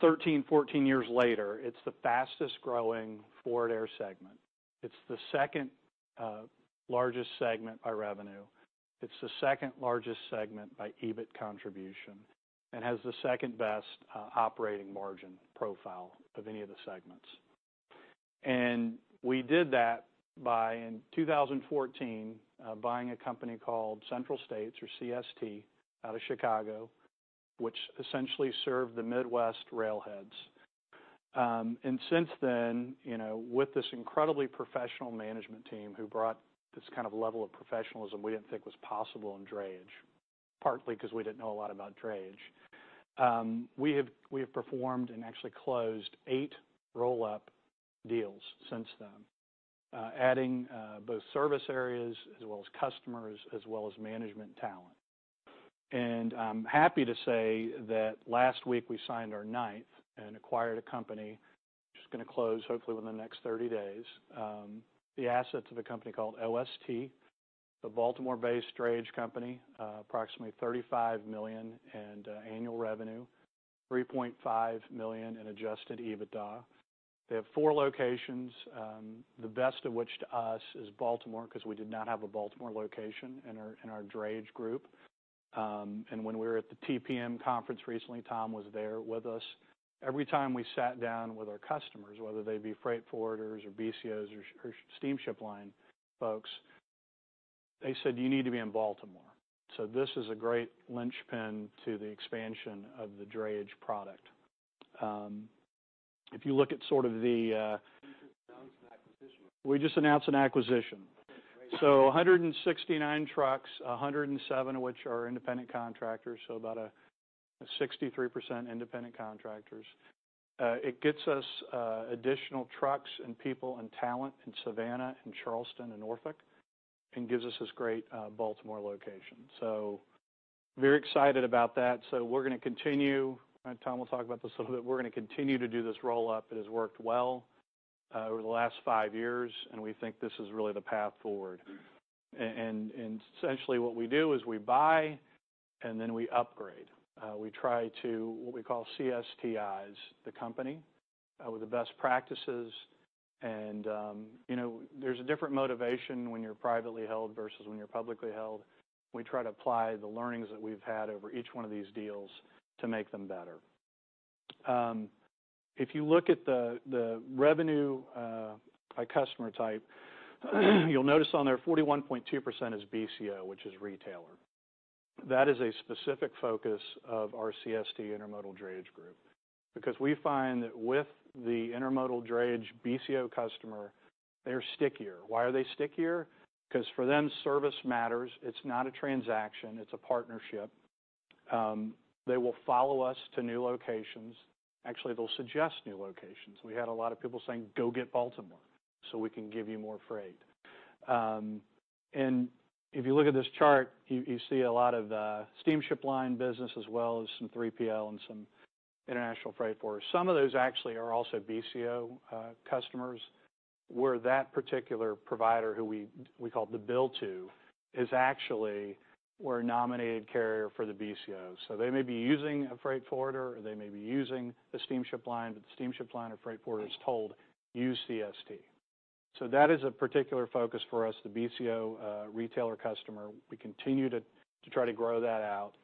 13, 14 years later, it's the fastest-growing Forward Air segment. It's the second largest segment by revenue. It's the second-largest segment by EBIT contribution and has the second-best operating margin profile of any of the segments. We did that by, in 2014, buying a company called Central States, or CST, out of Chicago, which essentially served the Midwest rail heads. Since then, with this incredibly professional management team who brought this kind of level of professionalism we didn't think was possible in drayage, partly because we didn't know a lot about drayage, we have performed and actually closed eight roll-up deals since then, adding both service areas, as well as customers, as well as management talent. I'm happy to say that last week we signed our ninth and acquired a company, which is going to close, hopefully, within the next 30 days. The assets of a company called OST, a Baltimore-based drayage company, approximately $35 million in annual revenue, $3.5 million in adjusted EBITDA. They have four locations, the best of which to us is Baltimore, because we did not have a Baltimore location in our drayage group. When we were at the TPM conference recently, Tom was there with us. Every time we sat down with our customers, whether they be freight forwarders or BCOs or steamship line folks, they said, "You need to be in Baltimore." This is a great linchpin to the expansion of the drayage product. You just announced an acquisition. We just announced an acquisition. Okay, great. 169 trucks, 107 of which are independent contractors, about 63% independent contractors. It gets us additional trucks and people and talent in Savannah, in Charleston, in Norfolk, and gives us this great Baltimore location. Very excited about that. We're going to continue, and Tom will talk about this a little bit. We're going to continue to do this roll-up. It has worked well over the last five years, and we think this is really the path forward. Essentially, what we do is we buy and then we upgrade. We try to, what we call CST-ize, the company, with the best practices, and there's a different motivation when you're privately held versus when you're publicly held. We try to apply the learnings that we've had over each one of these deals to make them better. If you look at the revenue by customer type, you'll notice on there 41.2% is BCO, which is retailer. That is a specific focus of our CST Intermodal Drayage group because we find that with the intermodal drayage BCO customer, they are stickier. Why are they stickier? Because for them, service matters. It's not a transaction. It's a partnership. They will follow us to new locations. Actually, they'll suggest new locations. We had a lot of people saying, "Go get Baltimore so we can give you more freight." If you look at this chart, you see a lot of steamship line business, as well as some 3PL and some international freight forwarders. Some of those actually are also BCO customers, where that particular provider, who we call the bill to, is actually, we're a nominated carrier for the BCO. They may be using a freight forwarder, or they may be using a steamship line, but the steamship line or freight forwarder is told, "Use CST." That is a particular focus for us, the BCO retailer customer. We continue to try to grow that out, and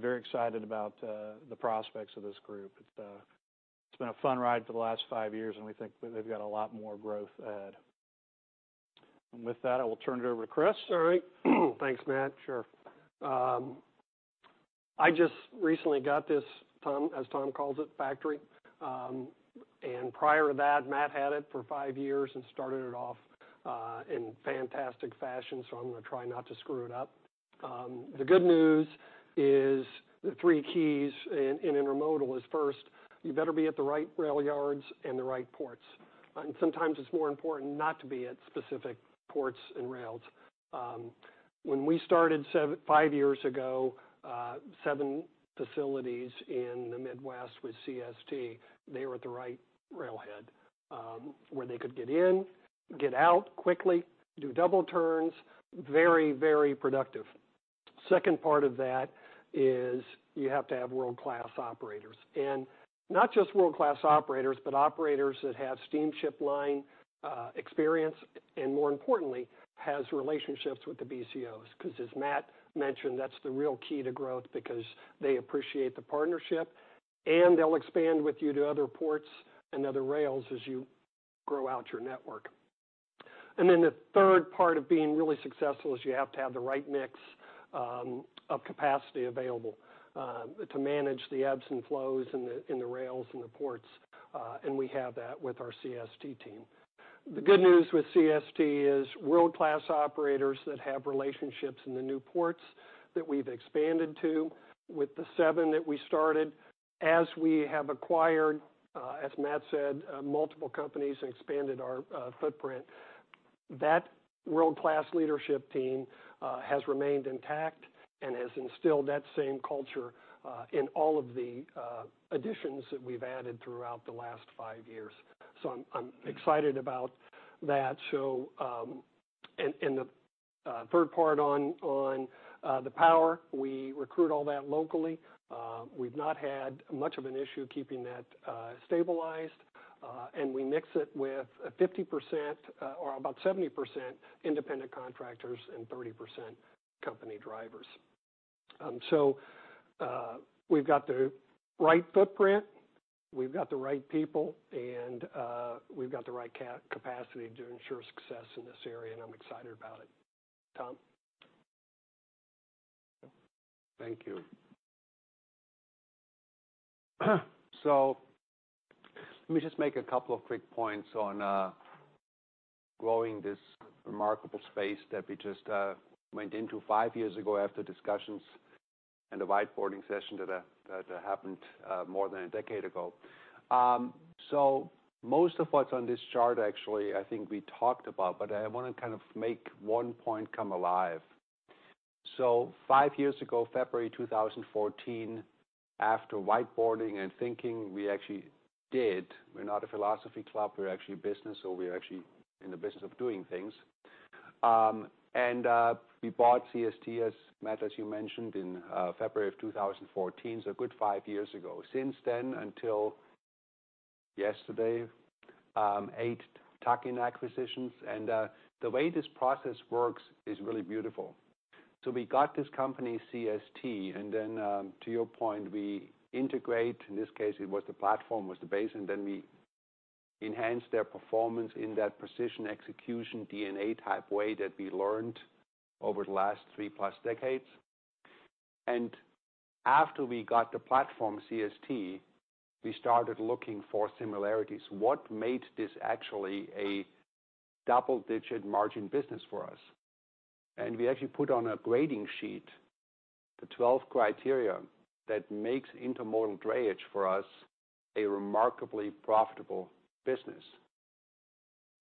very excited about the prospects of this group. It's been a fun ride for the last five years, and we think they've got a lot more growth ahead. With that, I will turn it over to Chris. All right. Thanks, Matt. Sure. I just recently got this, as Tom calls it, factory. Prior to that, Matt had it for five years and started it off in fantastic fashion. I'm going to try not to screw it up. The good news is the three keys in intermodal is, first, you better be at the right rail yards and the right ports. Sometimes it's more important not to be at specific ports and rails. When we started five years ago, seven facilities in the Midwest with CST, they were at the right rail head, where they could get in, get out quickly, do double turns. Very productive. Second part of that is you have to have world-class operators. Not just world-class operators, but operators that have steamship line experience, and more importantly, has relationships with the BCOs. As Matt mentioned, that's the real key to growth because they appreciate the partnership, and they'll expand with you to other ports and other rails as you grow out your network. Then the third part of being really successful is you have to have the right mix of capacity available to manage the ebbs and flows in the rails and the ports. We have that with our CST team. The good news with CST is world-class operators that have relationships in the new ports that we've expanded to with the seven that we started. As we have acquired, as Matt said, multiple companies and expanded our footprint, that world-class leadership team has remained intact and has instilled that same culture in all of the additions that we've added throughout the last five years. I'm excited about that. The third part on the power, we recruit all that locally. We've not had much of an issue keeping that stabilized. We mix it with 50%, or about 70% independent contractors and 30% company drivers. We've got the right footprint, we've got the right people, and we've got the right capacity to ensure success in this area, and I'm excited about it. Tom? Thank you. Let me just make a couple of quick points on growing this remarkable space that we just went into five years ago after discussions and a whiteboarding session that happened more than a decade ago. Most of what's on this chart, actually, I think we talked about, but I want to kind of make one point come alive. five years ago, February 2014, after whiteboarding and thinking, we actually did. We're not a philosophy club. We're actually a business, so we're actually in the business of doing things. We bought CST, as Matt, as you mentioned, in February of 2014, so a good five years ago. Since then until yesterday, eight tuck-in acquisitions. The way this process works is really beautiful. We got this company, CST, to your point, we integrate, in this case, it was the platform was the base, then we enhance their performance in that precision execution DNA type way that we learned over the last three-plus decades. After we got the platform, CST, we started looking for similarities. What made this actually a double-digit margin business for us? We actually put on a grading sheet the 12 criteria that makes intermodal drayage for us a remarkably profitable business.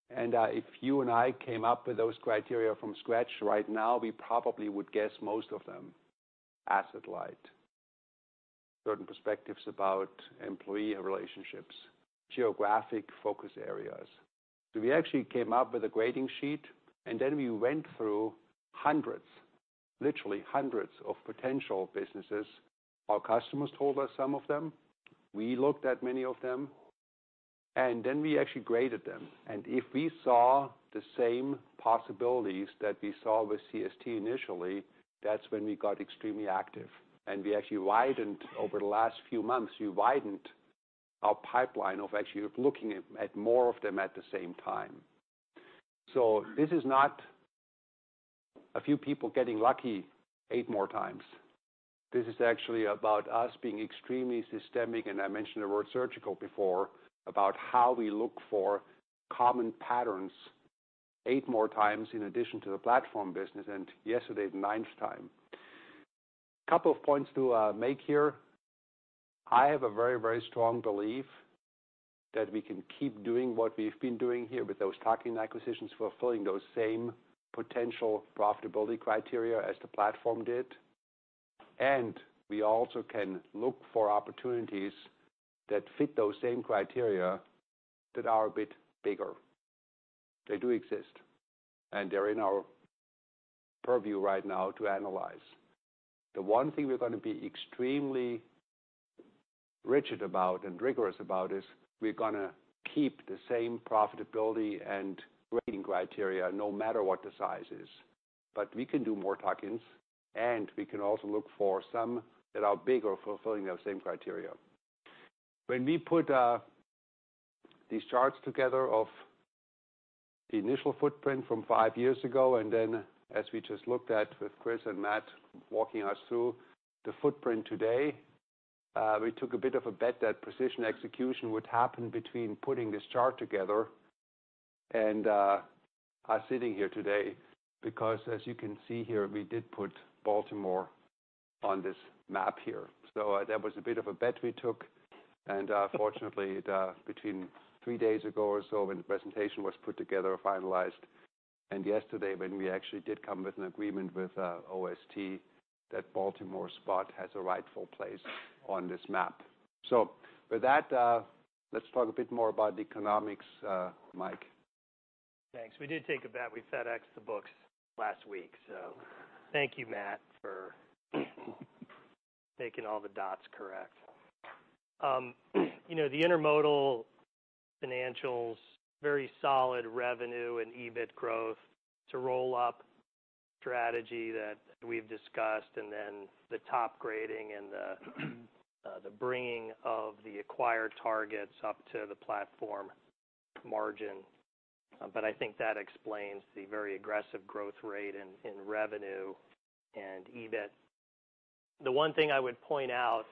If you and I came up with those criteria from scratch right now, we probably would guess most of them. Asset light, certain perspectives about employee relationships, geographic focus areas. We actually came up with a grading sheet, then we went through hundreds, literally hundreds of potential businesses. Our customers told us some of them. We looked at many of them, we actually graded them. If we saw the same possibilities that we saw with CST initially, that's when we got extremely active. We actually widened over the last few months, we widened our pipeline of actually looking at more of them at the same time. This is not a few people getting lucky eight more times. This is actually about us being extremely systemic, and I mentioned the word surgical before, about how we look for common patterns. Eight more times in addition to the platform business, and yesterday is the ninth time. Couple of points to make here. I have a very, very strong belief that we can keep doing what we've been doing here with those tuck-in acquisitions, fulfilling those same potential profitability criteria as the platform did. We also can look for opportunities that fit those same criteria that are a bit bigger. They do exist, and they're in our purview right now to analyze. The one thing we're going to be extremely rigid about and rigorous about is we're going to keep the same profitability and grading criteria, no matter what the size is. We can do more tuck-ins, and we can also look for some that are bigger fulfilling those same criteria. When we put these charts together of the initial footprint from 5 years ago, then as we just looked at with Chris and Matt walking us through the footprint today, we took a bit of a bet that precision execution would happen between putting this chart together and us sitting here today. As you can see here, we did put Baltimore on this map here. That was a bit of a bet we took, and fortunately, between 3 days ago or so when the presentation was put together or finalized and yesterday when we actually did come with an agreement with OST, that Baltimore spot has a rightful place on this map. With that, let's talk a bit more about the economics, Mike. Thanks. We did take a bet. We FedExed the books last week, thank you, Matt, for making all the dots correct. The intermodal financials, very solid revenue and EBIT growth to roll up strategy that we've discussed, then the top grading and the bringing of the acquired targets up to the platform margin. I think that explains the very aggressive growth rate in revenue and EBIT. The one thing I would point out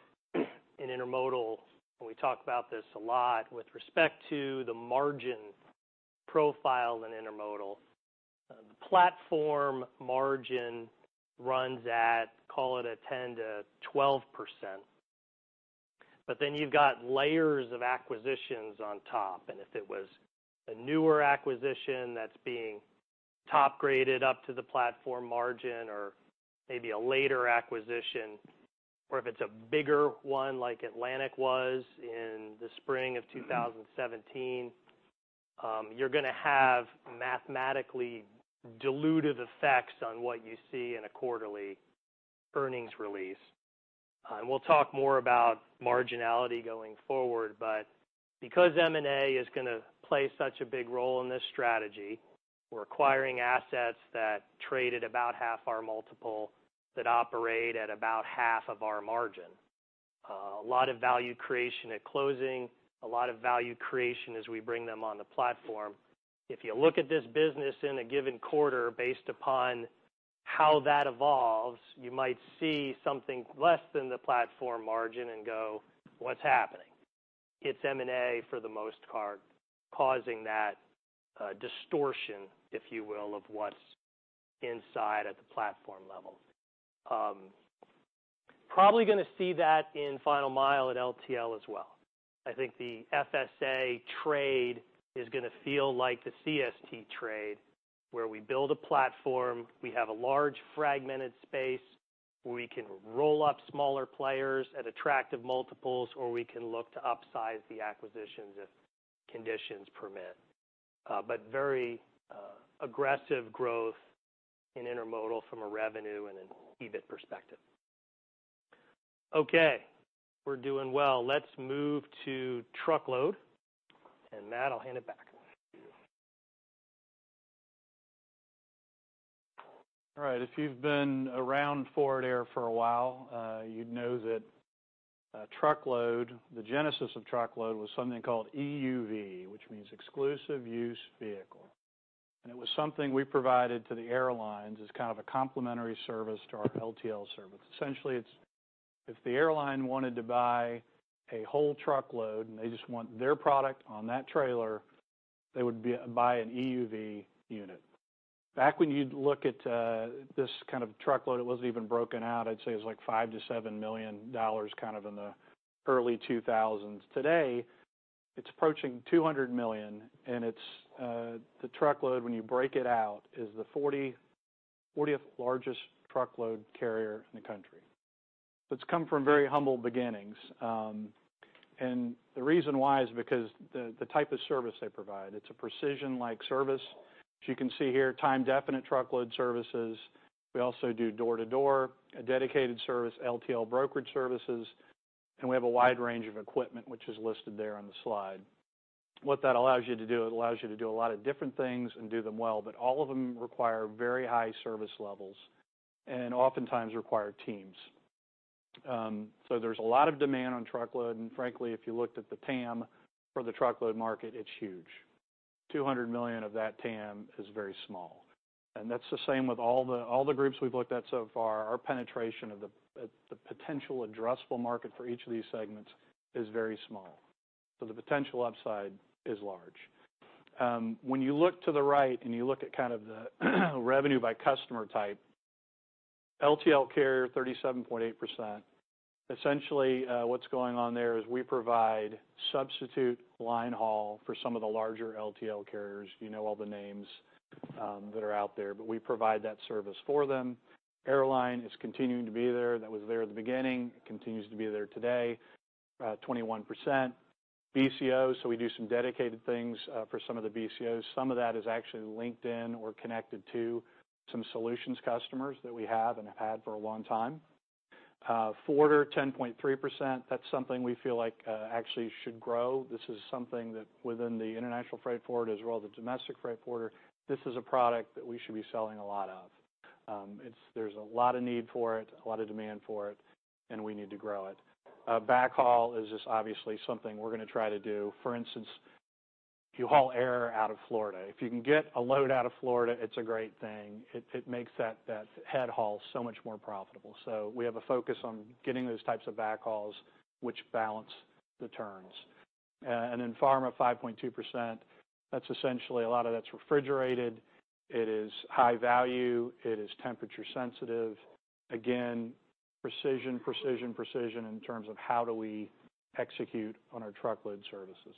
in intermodal, and we talk about this a lot with respect to the margin profile in intermodal. The platform margin runs at, call it a 10% to 12%, then you've got layers of acquisitions on top. If it was a newer acquisition that's being top-graded up to the platform margin or maybe a later acquisition, or if it's a bigger one like Atlantic was in the spring of 2017, you're going to have mathematically dilutive effects on what you see in a quarterly earnings release. We'll talk more about marginality going forward, because M&A is going to play such a big role in this strategy, we're acquiring assets that trade at about half our multiple that operate at about half of our margin. A lot of value creation at closing, a lot of value creation as we bring them on the platform. If you look at this business in a given quarter based upon how that evolves, you might see something less than the platform margin and go, "What's happening?" It's M&A for the most part, causing that distortion, if you will, of what's inside at the platform level. Probably going to see that in final mile at LTL as well. I think the FSA trade is going to feel like the CST trade, where we build a platform, we have a large fragmented space, we can roll up smaller players at attractive multiples, or we can look to upsize the acquisitions if conditions permit. Very aggressive growth in intermodal from a revenue and an EBIT perspective. Okay, we're doing well. Let's move to truckload. Matt, I'll hand it back. All right. If you've been around Forward Air for a while, you'd know that truckload, the genesis of truckload was something called EUV, which means exclusive use vehicle. It was something we provided to the airlines as kind of a complimentary service to our LTL service. Essentially, if the airline wanted to buy a whole truckload and they just want their product on that trailer, they would buy an EUV unit. Back when you'd look at this kind of truckload, it wasn't even broken out. I'd say it was like $5 million to $7 million kind of in the early 2000s. Today, it's approaching $200 million, and the truckload, when you break it out, is the 40th largest truckload carrier in the country. It's come from very humble beginnings. The reason why is because the type of service they provide, it's a precision-like service. As you can see here, time-definite truckload services. We also do door-to-door, a dedicated service, LTL brokerage services, and we have a wide range of equipment, which is listed there on the slide. What that allows you to do, it allows you to do a lot of different things and do them well, but all of them require very high service levels and oftentimes require teams. There's a lot of demand on truckload, and frankly, if you looked at the TAM for the truckload market, it's huge. $200 million of that TAM is very small. That's the same with all the groups we've looked at so far. Our penetration of the potential addressable market for each of these segments is very small, so the potential upside is large. When you look to the right and you look at the revenue by customer type, LTL carrier, 37.8%. Essentially, what's going on there is we provide substitute line haul for some of the larger LTL carriers. You know all the names that are out there, we provide that service for them. Airline is continuing to be there. That was there at the beginning, continues to be there today, 21%. BCOs, we do some dedicated things for some of the BCOs. Some of that is actually linked in or connected to some Solutions customers that we have and have had for a long time. Forwarder, 10.3%. That's something we feel like actually should grow. This is something that within the international freight forwarder, as well as the domestic freight forwarder, this is a product that we should be selling a lot of. There's a lot of need for it, a lot of demand for it, we need to grow it. Backhaul is just obviously something we're going to try to do. For instance, if you haul air out of Florida, if you can get a load out of Florida, it's a great thing. It makes that head haul so much more profitable. We have a focus on getting those types of backhauls, which balance the turns. Then pharma, 5.2%. That's essentially, a lot of that's refrigerated. It is high value. It is temperature sensitive. Again, precision, precision in terms of how do we execute on our truckload services.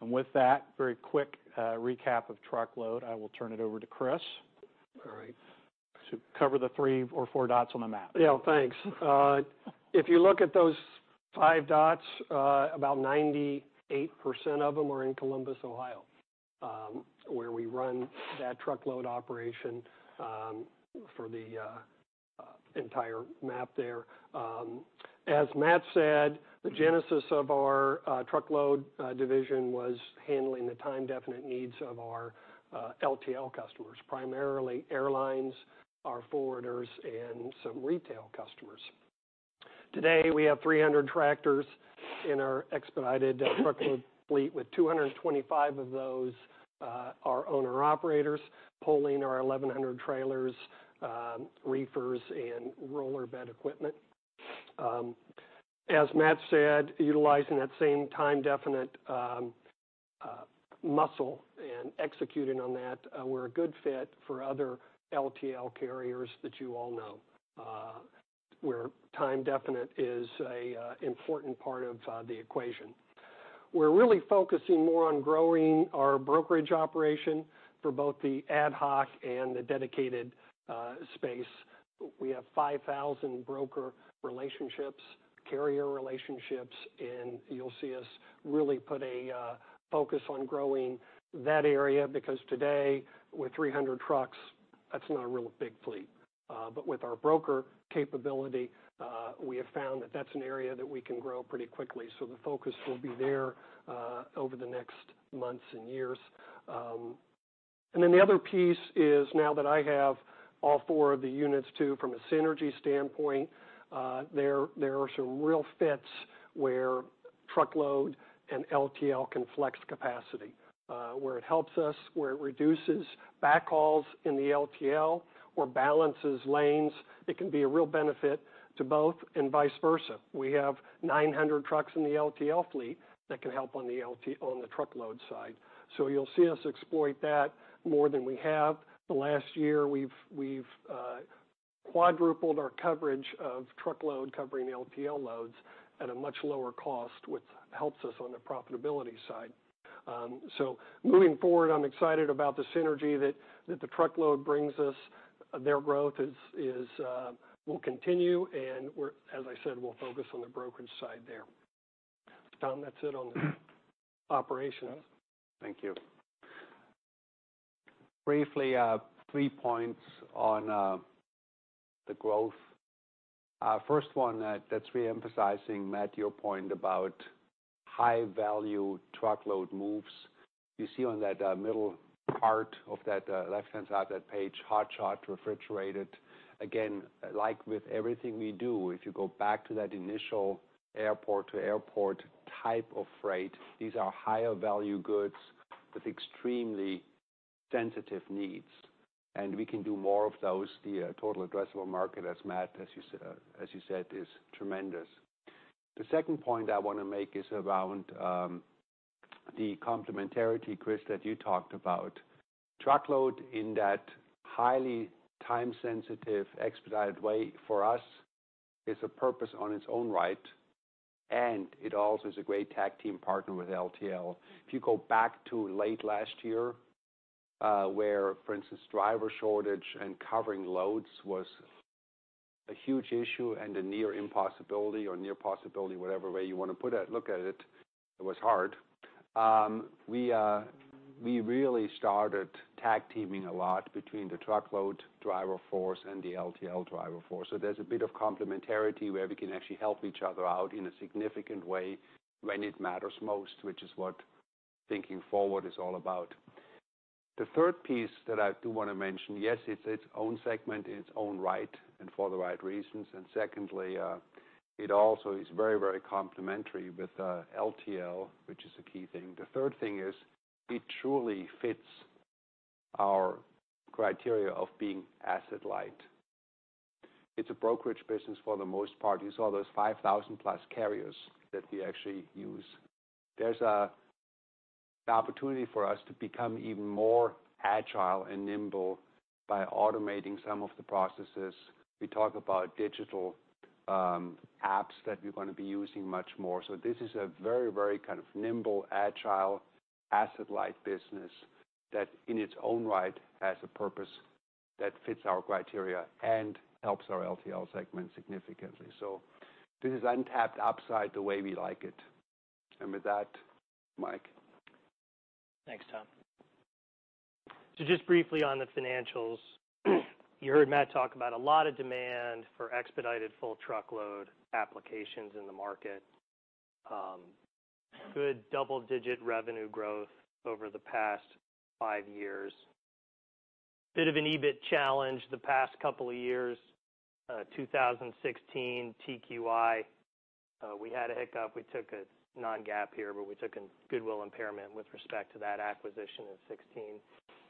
With that very quick recap of truckload, I will turn it over to Chris. All right. To cover the three or four dots on the map. Yeah, thanks. If you look at those five dots, about 98% of them are in Columbus, Ohio, where we run that truckload operation for the entire map there. As Matt said, the genesis of our truckload division was handling the time-definite needs of our LTL customers, primarily airlines, our forwarders, and some retail customers. Today, we have 300 tractors in our expedited truckload fleet, with 225 of those are owner-operators pulling our 1,100 trailers, reefers, and roller bed equipment. As Matt said, utilizing that same time-definite muscle and executing on that, we're a good fit for other LTL carriers that you all know, where time definite is a important part of the equation. We're really focusing more on growing our brokerage operation for both the ad hoc and the dedicated space. We have 5,000 broker relationships, carrier relationships. You'll see us really put a focus on growing that area, because today, with 300 trucks, that's not a real big fleet. With our broker capability, we have found that that's an area that we can grow pretty quickly. The focus will be there over the next months and years. The other piece is now that I have all four of the units, too, from a synergy standpoint, there are some real fits where truckload and LTL can flex capacity. Where it helps us, where it reduces backhauls in the LTL or balances lanes, it can be a real benefit to both and vice versa. We have 900 trucks in the LTL fleet that can help on the truckload side. You'll see us exploit that more than we have. The last year, we've quadrupled our coverage of truckload covering LTL loads at a much lower cost, which helps us on the profitability side. Moving forward, I'm excited about the synergy that the truckload brings us. Their growth will continue, and as I said, we'll focus on the brokerage side there. Tom, that's it on the operations. Thank you. Briefly, three points on the growth. First one, that's re-emphasizing, Matt, your point about high-value truckload moves. You see on that middle part of that left-hand side of that page, hot shot refrigerated. Again, like with everything we do, if you go back to that initial airport to airport type of freight, these are higher value goods with extremely sensitive needs, and we can do more of those. The total addressable market, as Matt, as you said, is tremendous. The second point I want to make is around the complementarity, Chris, that you talked about. Truckload in that highly time sensitive, expedited way for us is a purpose on its own right, and it also is a great tag team partner with LTL. If you go back to late last year, where, for instance, driver shortage and covering loads was a huge issue and a near impossibility or near possibility, whatever way you want to look at it was hard. We really started tag teaming a lot between the truckload driver force and the LTL driver force. There's a bit of complementarity where we can actually help each other out in a significant way when it matters most, which is what thinking forward is all about. The third piece that I do want to mention, yes, it's its own segment in its own right and for the right reasons. Secondly, it also is very complimentary with LTL, which is a key thing. The third thing is it truly fits our criteria of being asset light. It's a brokerage business for the most part. You saw those 5,000-plus carriers that we actually use. There's an opportunity for us to become even more agile and nimble by automating some of the processes. We talk about digital apps that we're going to be using much more. This is a very kind of nimble, agile, asset-light business that in its own right has a purpose that fits our criteria and helps our LTL segment significantly. This is untapped upside the way we like it. With that, Mike. Thanks, Tom. Just briefly on the financials. You heard Matt talk about a lot of demand for expedited full truckload applications in the market. Good double-digit revenue growth over the past five years. Bit of an EBIT challenge the past couple of years. 2016, TQI, we had a hiccup. We took a non-GAAP here, but we took a goodwill impairment with respect to that acquisition in 2016.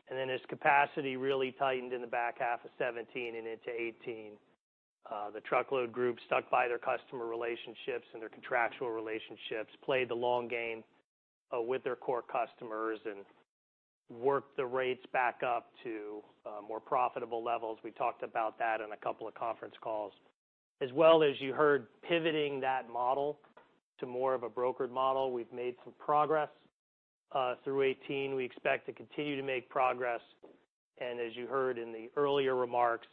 As capacity really tightened in the back half of 2017 and into 2018, the truckload group stuck by their customer relationships and their contractual relationships, played the long game with their core customers, and worked the rates back up to more profitable levels. We talked about that on a couple of conference calls. As well as you heard, pivoting that model to more of a brokered model. We've made some progress through 2018. We expect to continue to make progress, as you heard in the earlier remarks,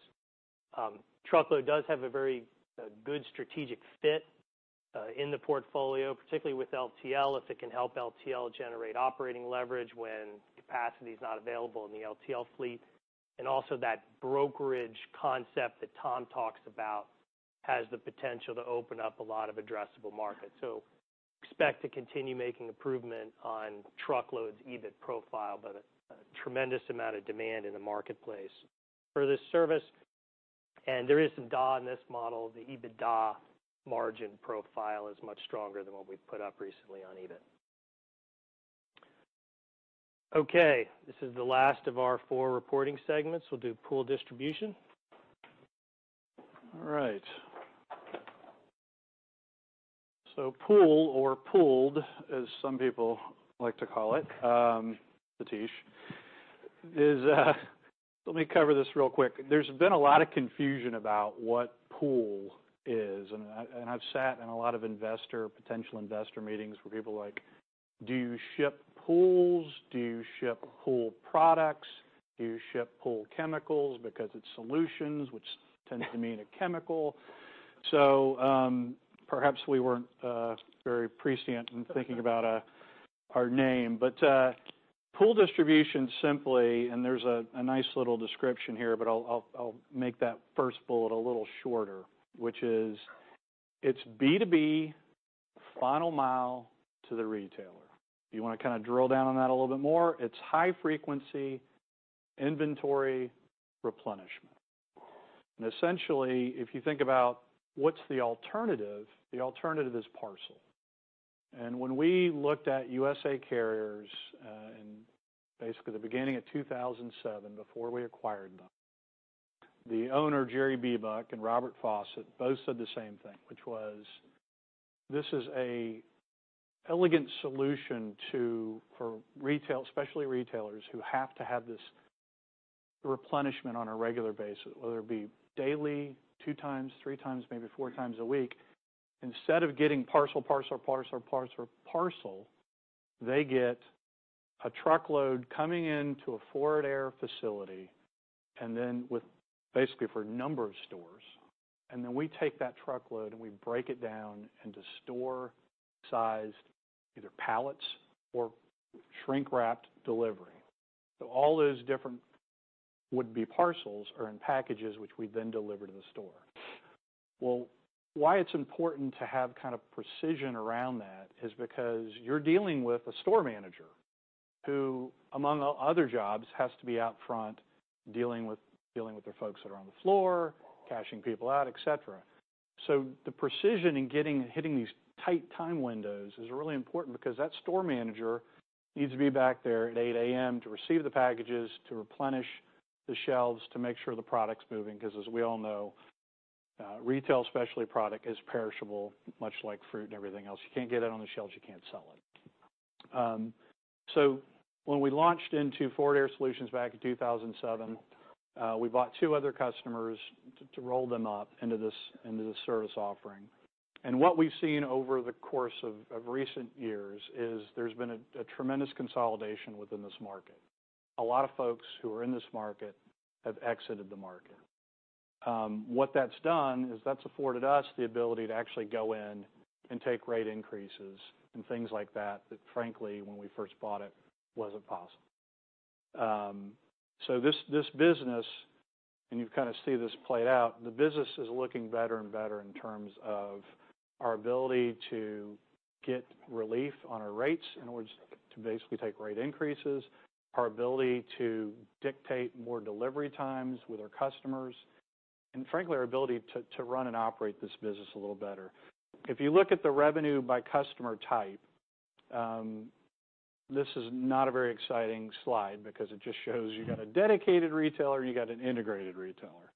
truckload does have a very good strategic fit in the portfolio, particularly with LTL, if it can help LTL generate operating leverage when capacity is not available in the LTL fleet. Also that brokerage concept that Tom talks about has the potential to open up a lot of addressable markets. Expect to continue making improvement on truckload's EBIT profile, but a tremendous amount of demand in the marketplace for this service. There is some D&A in this model. The EBITDA margin profile is much stronger than what we've put up recently on EBIT. Okay, this is the last of our four reporting segments. We'll do pool distribution. All right. Pool, or pooled, as some people like to call it, Satish, is let me cover this real quick. There's been a lot of confusion about what pool is, and I've sat in a lot of potential investor meetings where people are like, "Do you ship pools? Do you ship pool products? Do you ship pool chemicals because it's solutions, which tends to mean a chemical." Perhaps we weren't very prescient in thinking about our name. Pool distribution simply, and there's a nice little description here, but I'll make that first bullet a little shorter, which is, it's B2B final mile to the retailer. If you want to kind of drill down on that a little bit more, it's high-frequency inventory replenishment. Essentially, if you think about what's the alternative, the alternative is parcel. When we looked at USA Carriers in basically the beginning of 2007, before we acquired them, the owner, [Jerry Bebout], and Robert Fawcett both said the same thing, which was, "This is an elegant solution especially retailers who have to have this replenishment on a regular basis, whether it be daily, two times, three times, maybe four times a week." Instead of getting parcel, they get a truckload coming into a Forward Air facility, and then with basically for a number of stores, and then we take that truckload and we break it down into store-sized, either pallets or shrink-wrapped delivery. All those different would-be parcels are in packages, which we then deliver to the store. Well, why it's important to have kind of precision around that is because you're dealing with a store manager, who among other jobs, has to be out front dealing with the folks that are on the floor, cashing people out, et cetera. The precision in hitting these tight time windows is really important because that store manager needs to be back there at 8:00 A.M. to receive the packages, to replenish the shelves, to make sure the product's moving, because as we all know, retail, especially product, is perishable, much like fruit and everything else. You can't get it on the shelves, you can't sell it. When we launched into Forward Air Solutions back in 2007, we bought two other customers to roll them up into this service offering. What we've seen over the course of recent years is there's been a tremendous consolidation within this market. A lot of folks who are in this market have exited the market. What that's done is that's afforded us the ability to actually go in and take rate increases and things like that frankly, when we first bought it, wasn't possible. This business, and you kind of see this played out, the business is looking better and better in terms of our ability to get relief on our rates in order to basically take rate increases, our ability to dictate more delivery times with our customers, and frankly, our ability to run and operate this business a little better. If you look at the revenue by customer type. This is not a very exciting slide because it just shows you've got a dedicated retailer, and you've got an integrated retailer.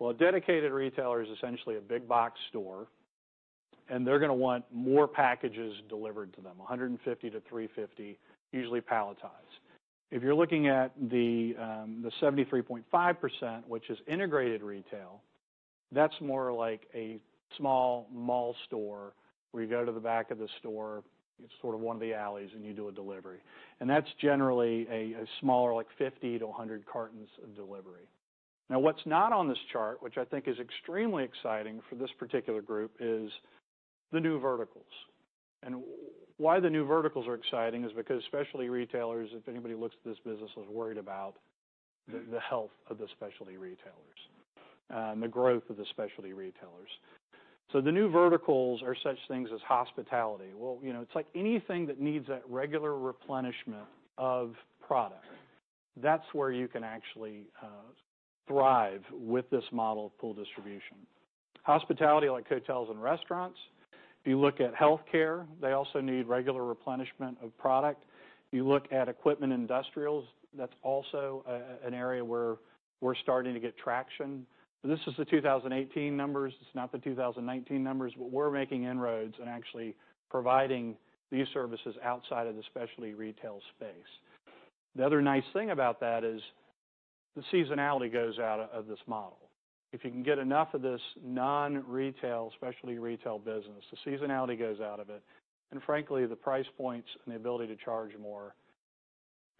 A dedicated retailer is essentially a big box store, and they're going to want more packages delivered to them, 150 to 350, usually palletized. If you're looking at the 73.5%, which is integrated retail, that's more like a small mall store where you go to the back of the store, it's sort of one of the alleys, and you do a delivery. That's generally a smaller, like 50 to 100 cartons of delivery. What's not on this chart, which I think is extremely exciting for this particular group, is the new verticals. Why the new verticals are exciting is because specialty retailers, if anybody looks at this business, is worried about the health of the specialty retailers, and the growth of the specialty retailers. The new verticals are such things as hospitality. It's like anything that needs that regular replenishment of product. That's where you can actually thrive with this model of pool distribution. Hospitality, like hotels and restaurants. Healthcare, they also need regular replenishment of product. Equipment and industrials, that's also an area where we're starting to get traction. This is the 2018 numbers, it's not the 2019 numbers, but we're making inroads and actually providing these services outside of the specialty retail space. The other nice thing about that is the seasonality goes out of this model. If you can get enough of this non-retail, specialty retail business, the seasonality goes out of it. Frankly, the price points and the ability to charge more,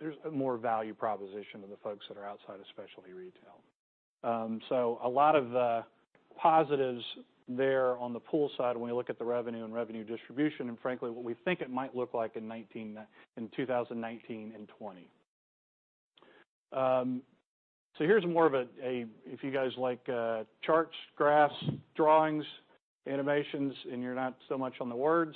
there's more value proposition to the folks that are outside of specialty retail. A lot of positives there on the pool side when we look at the revenue and revenue distribution, and frankly, what we think it might look like in 2019 and 2020. Here's more of a, if you guys like charts, graphs, drawings, animations, and you're not so much on the words,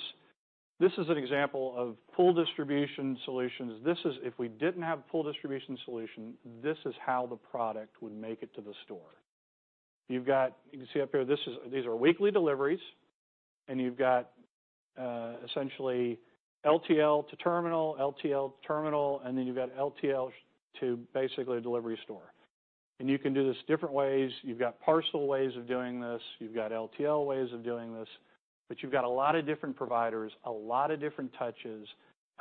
this is an example of pool distribution solutions. If we didn't have pool distribution solution, this is how the product would make it to the store. You can see up here, these are weekly deliveries, and you've got, essentially, LTL to terminal, LTL to terminal, and then you've got LTL to basically a delivery store. You can do this different ways. You've got parcel ways of doing this. You've got LTL ways of doing this. You've got a lot of different providers, a lot of different touches,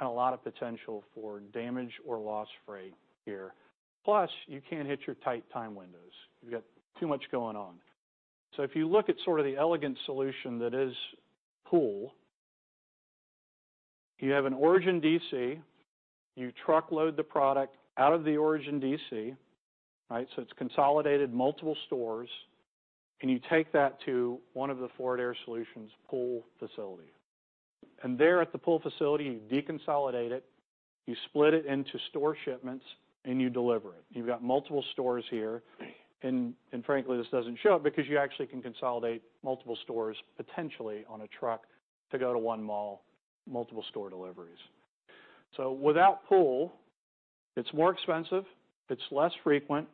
and a lot of potential for damage or loss freight here. Plus, you can't hit your tight time windows. You've got too much going on. If you look at sort of the elegant solution that is pool, you have an origin DC, you truckload the product out of the origin DC. It's consolidated multiple stores, and you take that to one of the Forward Air Solutions pool facility. There at the pool facility, you deconsolidate it, you split it into store shipments, and you deliver it. You've got multiple stores here. Frankly, this doesn't show up because you actually can consolidate multiple stores, potentially, on a truck to go to one mall, multiple store deliveries. Without pool, it's more expensive, it's less frequent,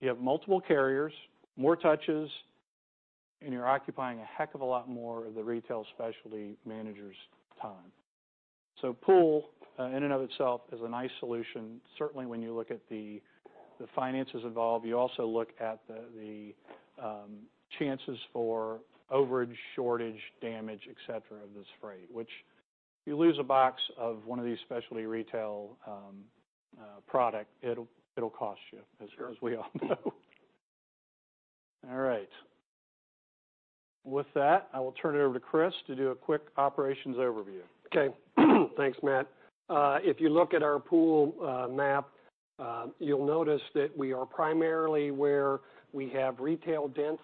you have multiple carriers, more touches, and you're occupying a heck of a lot more of the retail specialty manager's time. Pool, in and of itself, is a nice solution, certainly when you look at the finances involved. You also look at the chances for overage, shortage, damage, et cetera, of this freight. Which if you lose a box of one of these specialty retail product, it'll cost you, as we all know. All right. With that, I will turn it over to Chris to do a quick operations overview. Okay. Thanks, Matt. If you look at our pool map, you'll notice that we are primarily where we have retail dense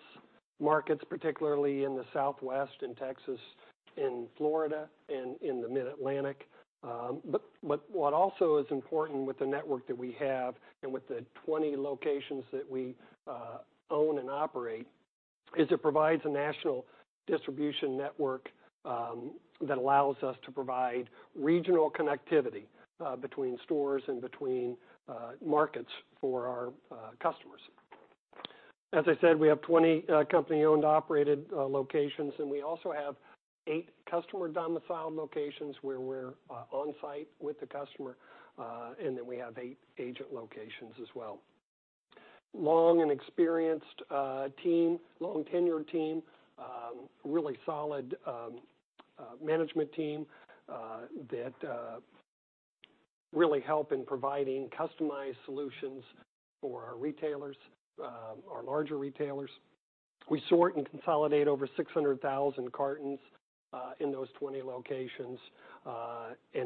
markets, particularly in the Southwest, in Texas, in Florida, and in the Mid-Atlantic. What also is important with the network that we have and with the 20 locations that we own and operate, is it provides a national distribution network that allows us to provide regional connectivity between stores and between markets for our customers. As I said, we have 20 company-owned, operated locations, and we also have eight customer-domiciled locations where we're on-site with the customer. Then we have eight agent locations as well. Long and experienced team, long tenured team. Really solid management team that really help in providing customized solutions for our retailers, our larger retailers. We sort and consolidate over 600,000 cartons in those 20 locations.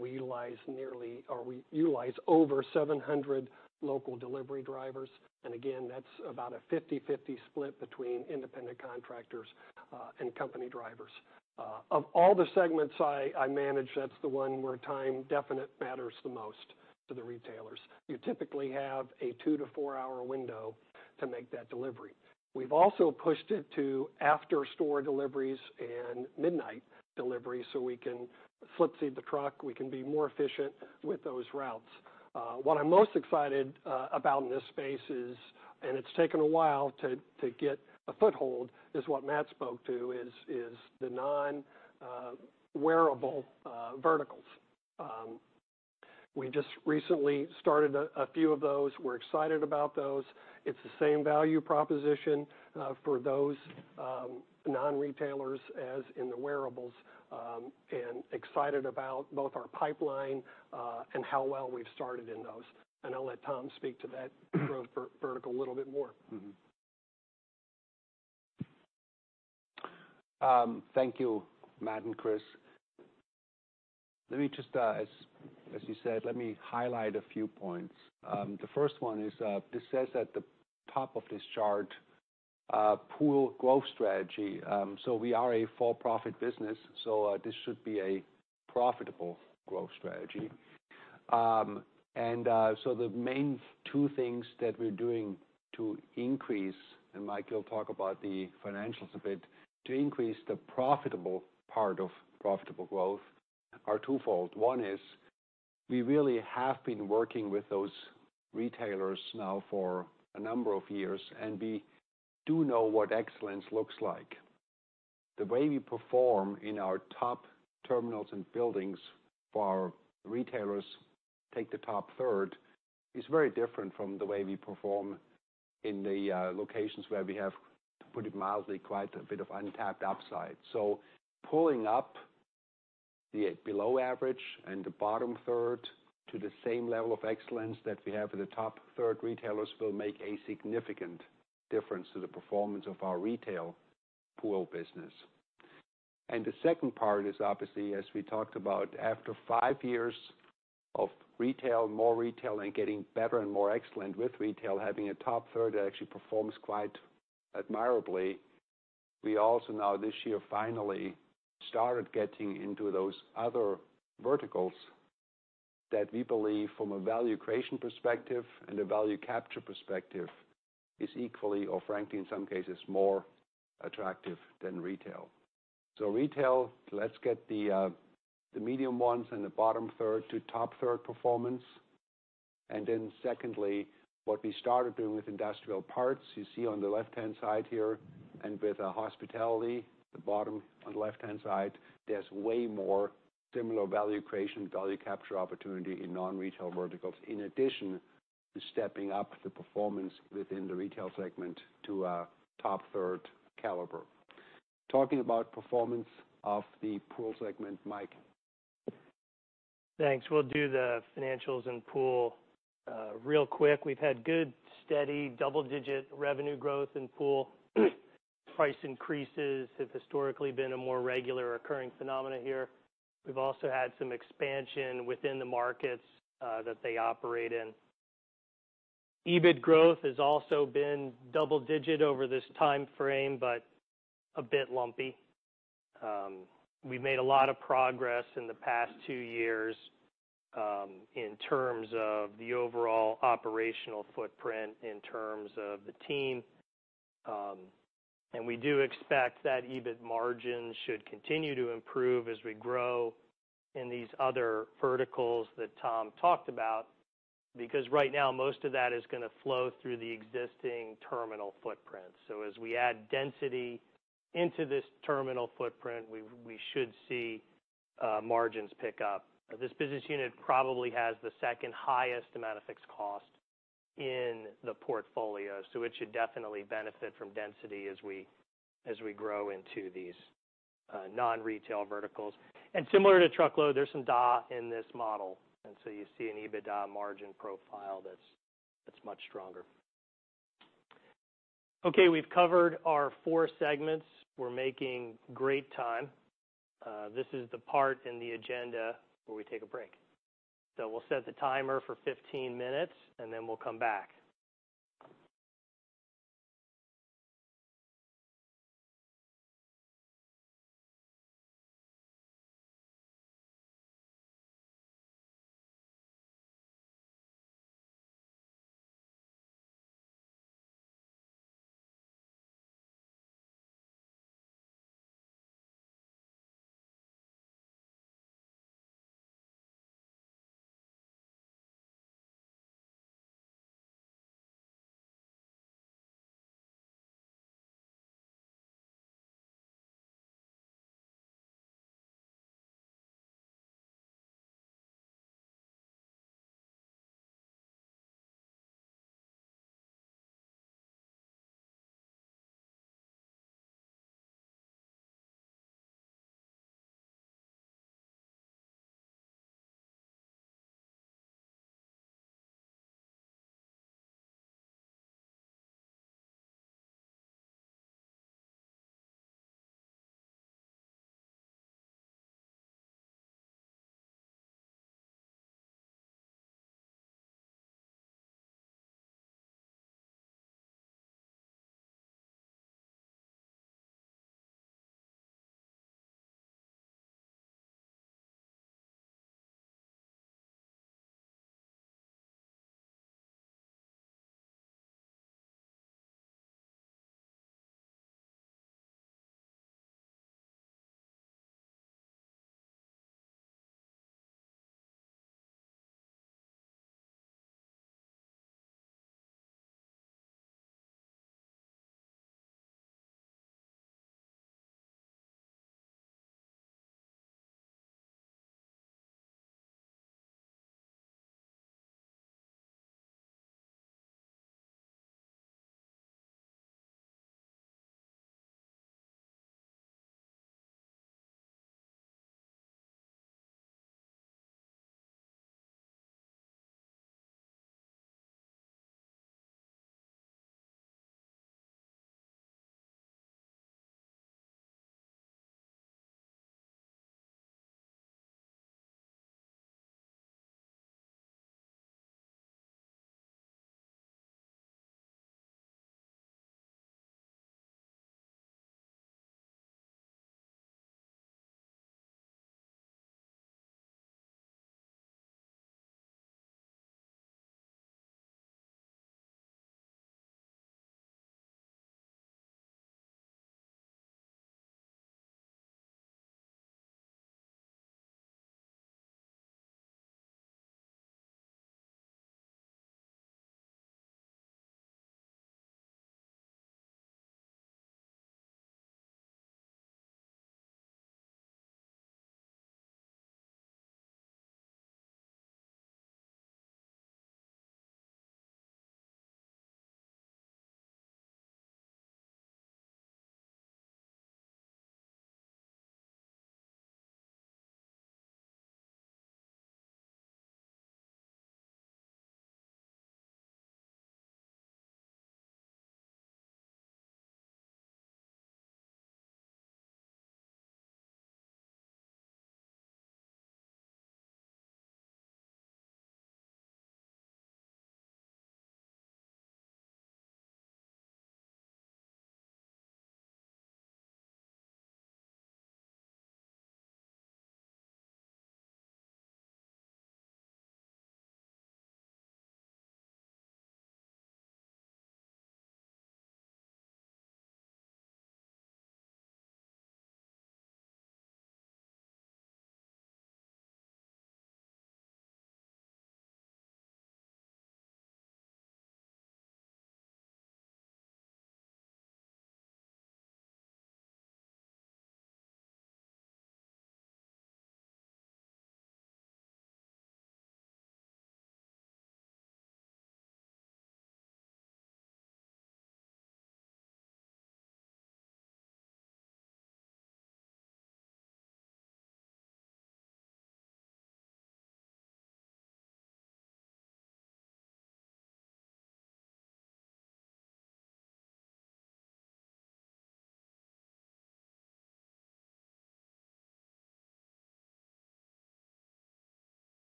We utilize over 700 local delivery drivers, again, that's about a 50/50 split between independent contractors and company drivers. Of all the segments I manage, that's the one where time definite matters the most to the retailers. You typically have a two to four-hour window to make that delivery. We've also pushed it to after store deliveries and midnight delivery so we can flip seed the truck, we can be more efficient with those routes. What I'm most excited about in this space is, it's taken a while to get a foothold, is what Matt spoke to, is the non-wearable verticals. We just recently started a few of those. We're excited about those. It's the same value proposition for those non-retailers as in the wearables, excited about both our pipeline and how well we've started in those. I'll let Tom speak to that growth vertical a little bit more. Thank you, Matt and Chris. As you said, let me highlight a few points. The first one is, this says at the top of this chart, pool growth strategy. We are a for-profit business, this should be a profitable growth strategy. The main two things that we're doing to increase, and Mike, you'll talk about the financials a bit, to increase the profitable part of profitable growth are twofold. One is, we really have been working with those retailers now for a number of years, and we do know what excellence looks like. The way we perform in our top terminals and buildings for our retailers, take the top third, is very different from the way we perform in the locations where we have, to put it mildly, quite a bit of untapped upside. Pulling up the below average and the bottom third to the same level of excellence that we have in the top third retailers will make a significant difference to the performance of our retail pool business. The second part is obviously, as we talked about, after five years of retail, more retail and getting better and more excellent with retail, having a top third that actually performs quite admirably. We also now this year finally started getting into those other verticals that we believe from a value creation perspective and a value capture perspective is equally or frankly, in some cases, more attractive than retail. Retail, let's get the medium ones and the bottom third to top third performance. Secondly, what we started doing with industrial parts, you see on the left-hand side here, and with hospitality, the bottom on the left-hand side. There's way more similar value creation, value capture opportunity in non-retail verticals. In addition to stepping up the performance within the retail segment to a top third caliber. Talking about performance of the pool segment, Mike. Thanks. We'll do the financials and pool real quick. We've had good, steady double-digit revenue growth in pool. Price increases have historically been a more regular occurring phenomena here. We've also had some expansion within the markets that they operate in. EBIT growth has also been double digit over this time frame, but a bit lumpy. We've made a lot of progress in the past two years in terms of the overall operational footprint, in terms of the team. We do expect that EBIT margin should continue to improve as we grow in these other verticals that Tom talked about, because right now, most of that is going to flow through the existing terminal footprint. As we add density into this terminal footprint, we should see margins pick up. This business unit probably has the second highest amount of fixed cost in the portfolio, it should definitely benefit from density as we grow into these non-retail verticals. Similar to truckload, there's some D&A in this model, you see an EBITDA margin profile that's much stronger. Okay, we've covered our four segments. We're making great time. This is the part in the agenda where we take a break. We'll set the timer for 15 minutes, then we'll come back.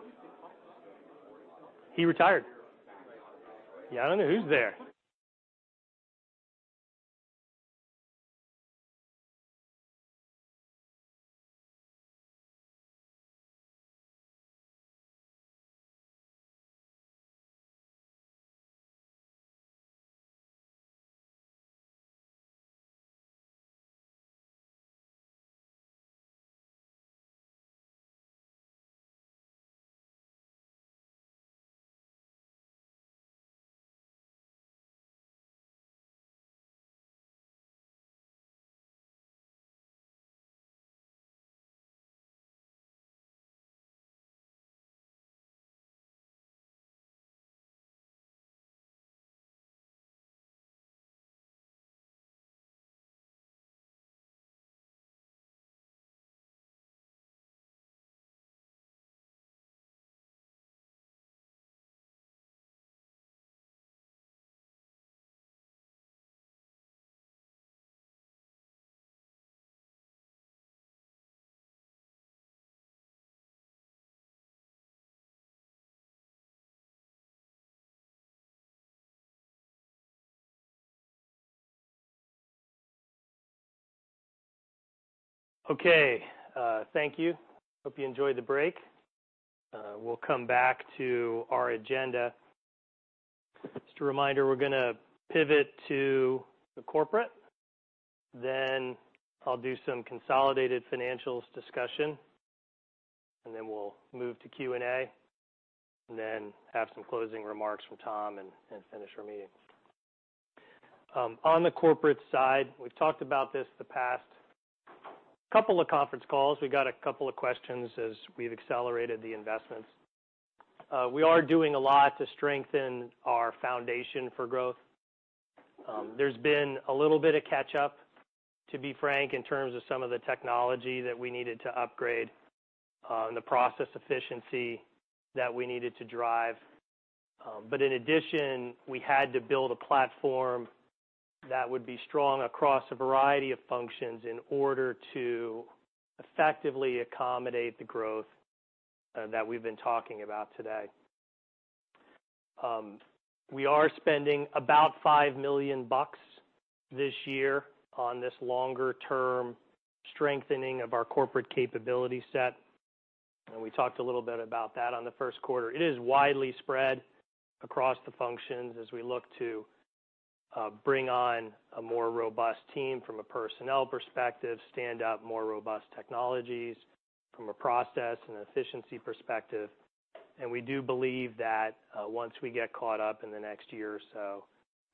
What is the cost of doing? He retired. Yeah, I don't know. Who's there? Okay. Thank you. Hope you enjoyed the break. We'll come back to our agenda. Just a reminder, we're going to pivot to the corporate, I'll do some consolidated financials discussion, we'll move to Q&A, have some closing remarks from Tom and finish our meeting. On the corporate side, we've talked about this the past couple of conference calls. We got a couple of questions as we've accelerated the investments. We are doing a lot to strengthen our foundation for growth. There's been a little bit of catch-up, to be frank, in terms of some of the technology that we needed to upgrade, and the process efficiency that we needed to drive. In addition, we had to build a platform that would be strong across a variety of functions in order to effectively accommodate the growth that we've been talking about today. We are spending about $5 million this year on this longer-term strengthening of our corporate capability set, we talked a little bit about that on the first quarter. It is widely spread across the functions as we look to bring on a more robust team from a personnel perspective, stand up more robust technologies from a process and efficiency perspective. We do believe that once we get caught up in the next year or so,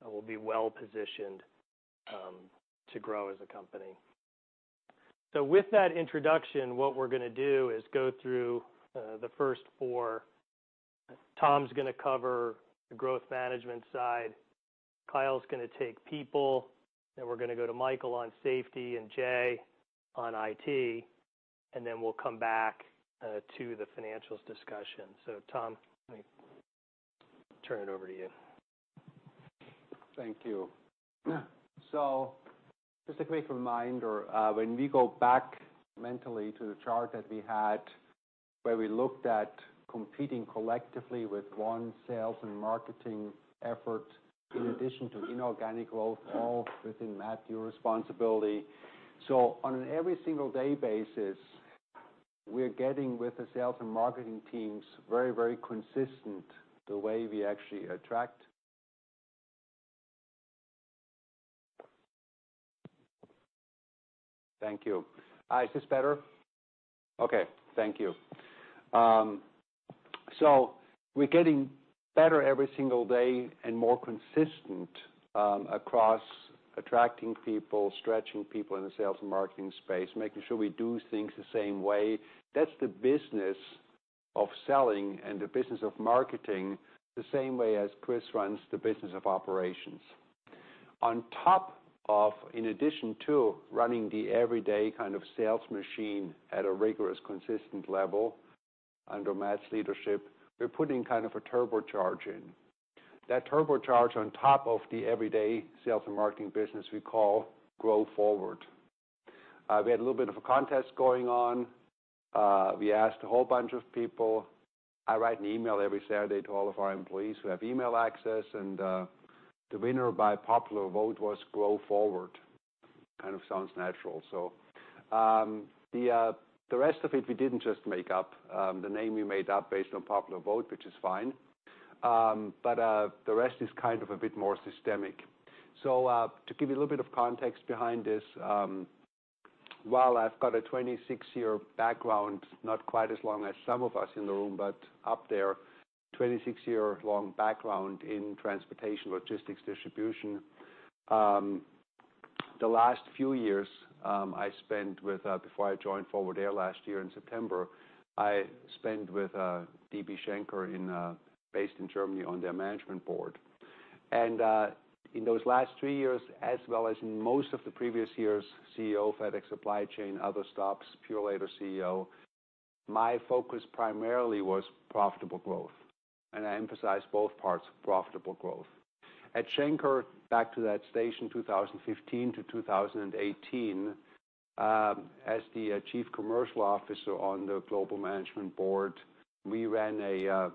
we'll be well-positioned to grow as a company. With that introduction, what we're going to do is go through the first four. Tom's going to cover the growth management side, Kyle's going to take people, then we're going to go to Michael on safety, and Jay on IT, and then we'll come back to the financials discussion. Tom, let me turn it over to you. Thank you. Just a quick reminder, when we go back mentally to the chart that we had, where we looked at competing collectively with one sales and marketing effort, in addition to inorganic growth, all within Matthew's responsibility. On an every single day basis, we're getting with the sales and marketing teams very consistent. We're getting better every single day and more consistent across attracting people, stretching people in the sales and marketing space, making sure we do things the same way. That's the business of selling and the business of marketing, the same way as Chris runs the business of operations. On top of, in addition to running the everyday kind of sales machine at a rigorous, consistent level. Under Matt's leadership, we're putting kind of a turbocharge in. That turbocharge on top of the everyday sales and marketing business we call Grow Forward. We had a little bit of a contest going on. We asked a whole bunch of people. I write an email every Saturday to all of our employees who have email access, and the winner by popular vote was Grow Forward. Kind of sounds natural. The rest of it, we didn't just make up. The name we made up based on popular vote, which is fine. The rest is kind of a bit more systemic. To give you a little bit of context behind this, while I've got a 26-year background, not quite as long as some of us in the room, but up there, 26-year-long background in transportation, logistics, distribution. The last few years, before I joined Forward Air last year in September, I spent with DB Schenker based in Germany on their management board. In those last three years, as well as in most of the previous years, CEO of FedEx Supply Chain, other stops, Purolator CEO, my focus primarily was profitable growth. I emphasize both parts of profitable growth. At Schenker, back to that station, 2015 to 2018, as the Chief Commercial Officer on the global management board, we ran a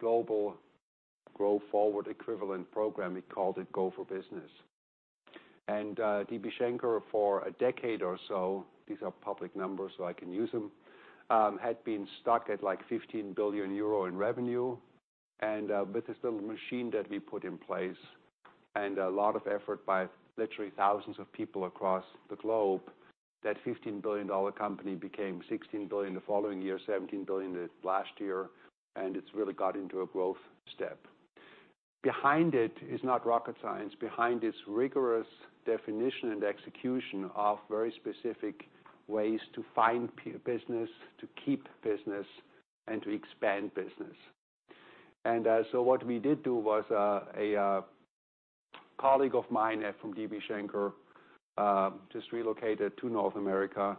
global Grow Forward equivalent program. We called it Go For Business. DB Schenker for a decade or so, these are public numbers, so I can use them, had been stuck at 15 billion euro in revenue. With this little machine that we put in place and a lot of effort by literally thousands of people across the globe, that $15 billion company became $16 billion the following year, $17 billion last year, it's really got into a growth step. Behind it is not rocket science. Behind it is rigorous definition and execution of very specific ways to find business, to keep business, and to expand business. What we did do was, a colleague of mine from DB Schenker just relocated to North America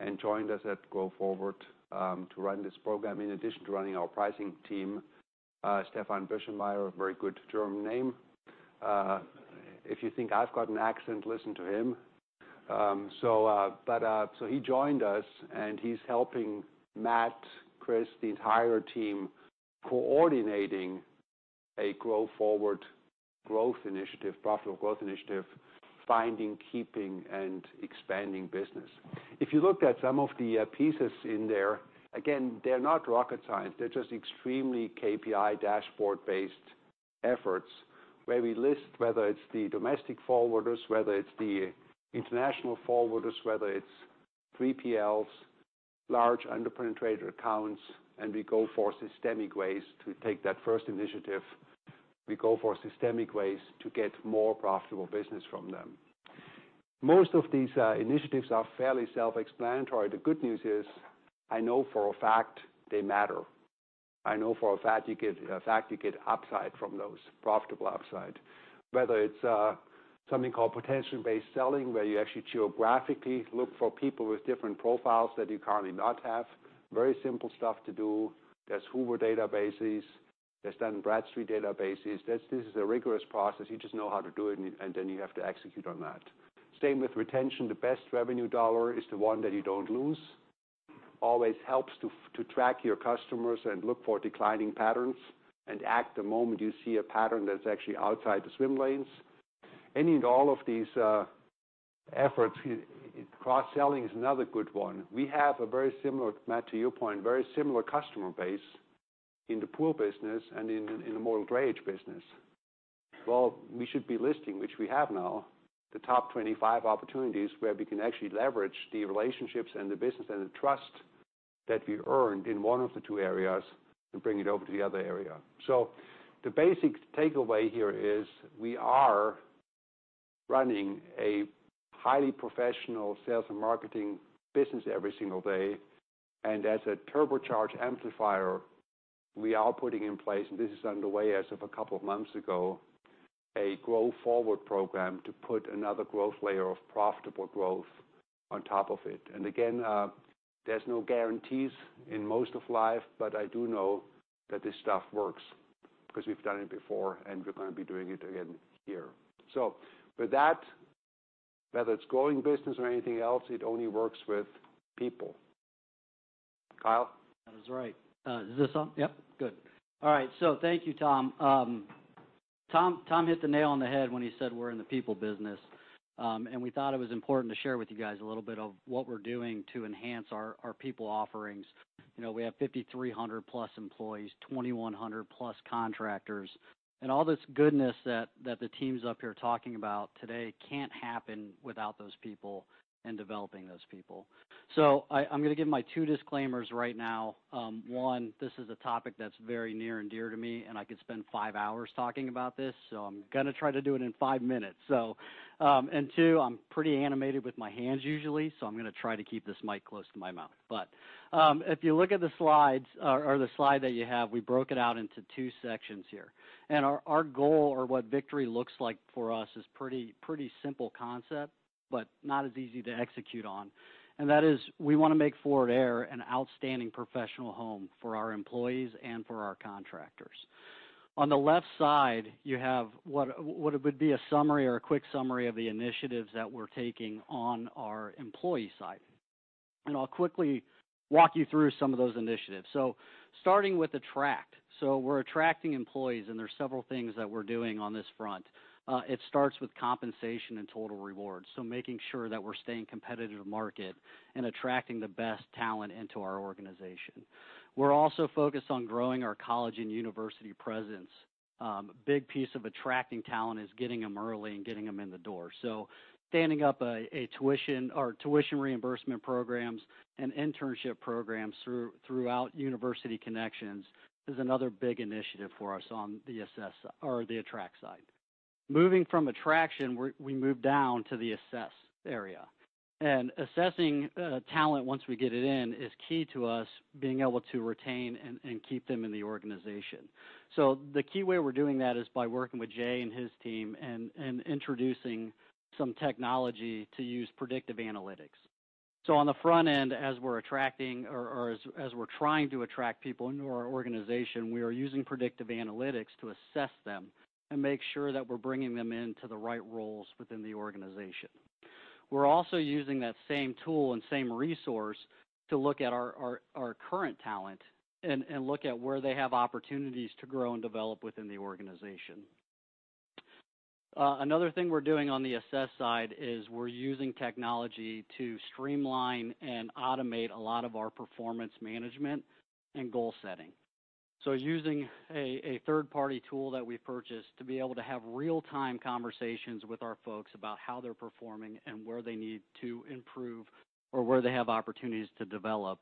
and joined us at Grow Forward to run this program in addition to running our pricing team. Stefan Birschenmaier, a very good German name. If you think I've got an accent, listen to him. He joined us, and he's helping Matt, Chris, the entire team coordinating a Grow Forward growth initiative, profitable growth initiative, finding, keeping, and expanding business. If you look at some of the pieces in there, again, they're not rocket science. They're just extremely KPI dashboard-based efforts where we list whether it's the domestic forwarders, whether it's the international forwarders, whether it's 3PLs, large under-penetrated accounts, and we go for systemic ways to take that first initiative. We go for systemic ways to get more profitable business from them. Most of these initiatives are fairly self-explanatory. The good news is I know for a fact they matter. I know for a fact you get upside from those, profitable upside. Whether it's something called potential-based selling, where you actually geographically look for people with different profiles that you currently not have. Very simple stuff to do. There's Hoover's databases, there's Dun & Bradstreet databases. This is a rigorous process. You just know how to do it, and then you have to execute on that. Same with retention. The best revenue dollar is the one that you don't lose. Always helps to track your customers and look for declining patterns and act the moment you see a pattern that's actually outside the swim lanes. Any and all of these efforts, cross-selling is another good one. We have a very similar, Matt, to your point, very similar customer base in the pool business and in the more drayage business. We should be listing, which we have now, the top 25 opportunities where we can actually leverage the relationships and the business and the trust that we earned in one of the two areas and bring it over to the other area. The basic takeaway here is we are running a highly professional sales and marketing business every single day. As a turbocharged amplifier, we are putting in place, and this is underway as of a couple of months ago, a Grow Forward program to put another growth layer of profitable growth on top of it. Again, there's no guarantees in most of life, but I do know that this stuff works because we've done it before and we're going to be doing it again here. With that, whether it's growing business or anything else, it only works with people. Kyle? That is right. Is this on? Yep. Good. Thank you, Tom. Tom hit the nail on the head when he said we're in the people business. We thought it was important to share with you guys a little bit of what we're doing to enhance our people offerings. We have 5,300-plus employees, 2,100-plus contractors, and all this goodness that the team's up here talking about today can't happen without those people and developing those people. I'm going to give my two disclaimers right now. One, this is a topic that's very near and dear to me, and I could spend five hours talking about this, so I'm going to try to do it in five minutes. Two, I'm pretty animated with my hands usually, so I'm going to try to keep this mic close to my mouth. If you look at the slides or the slide that you have, we broke it out into two sections here. Our goal or what victory looks like for us is pretty simple concept, but not as easy to execute on. That is we want to make Forward Air an outstanding professional home for our employees and for our contractors. On the left side, you have what would be a summary or a quick summary of the initiatives that we're taking on our employee side. I'll quickly walk you through some of those initiatives. Starting with attract. We're attracting employees, there's several things that we're doing on this front. It starts with compensation and total rewards, so making sure that we're staying competitive market and attracting the best talent into our organization. We're also focused on growing our college and university presence. Big piece of attracting talent is getting them early and getting them in the door. Standing up a tuition reimbursement programs and internship programs throughout university connections is another big initiative for us on the assess or the attract side. Moving from attraction, we move down to the assess area, assessing talent once we get it in is key to us being able to retain and keep them in the organization. The key way we're doing that is by working with Jay and his team and introducing some technology to use predictive analytics. On the front end, as we're attracting or as we're trying to attract people into our organization, we are using predictive analytics to assess them and make sure that we're bringing them into the right roles within the organization. We're also using that same tool and same resource to look at our current talent and look at where they have opportunities to grow and develop within the organization. Another thing we're doing on the assess side is we're using technology to streamline and automate a lot of our performance management and goal setting. Using a third-party tool that we purchased to be able to have real-time conversations with our folks about how they're performing and where they need to improve or where they have opportunities to develop,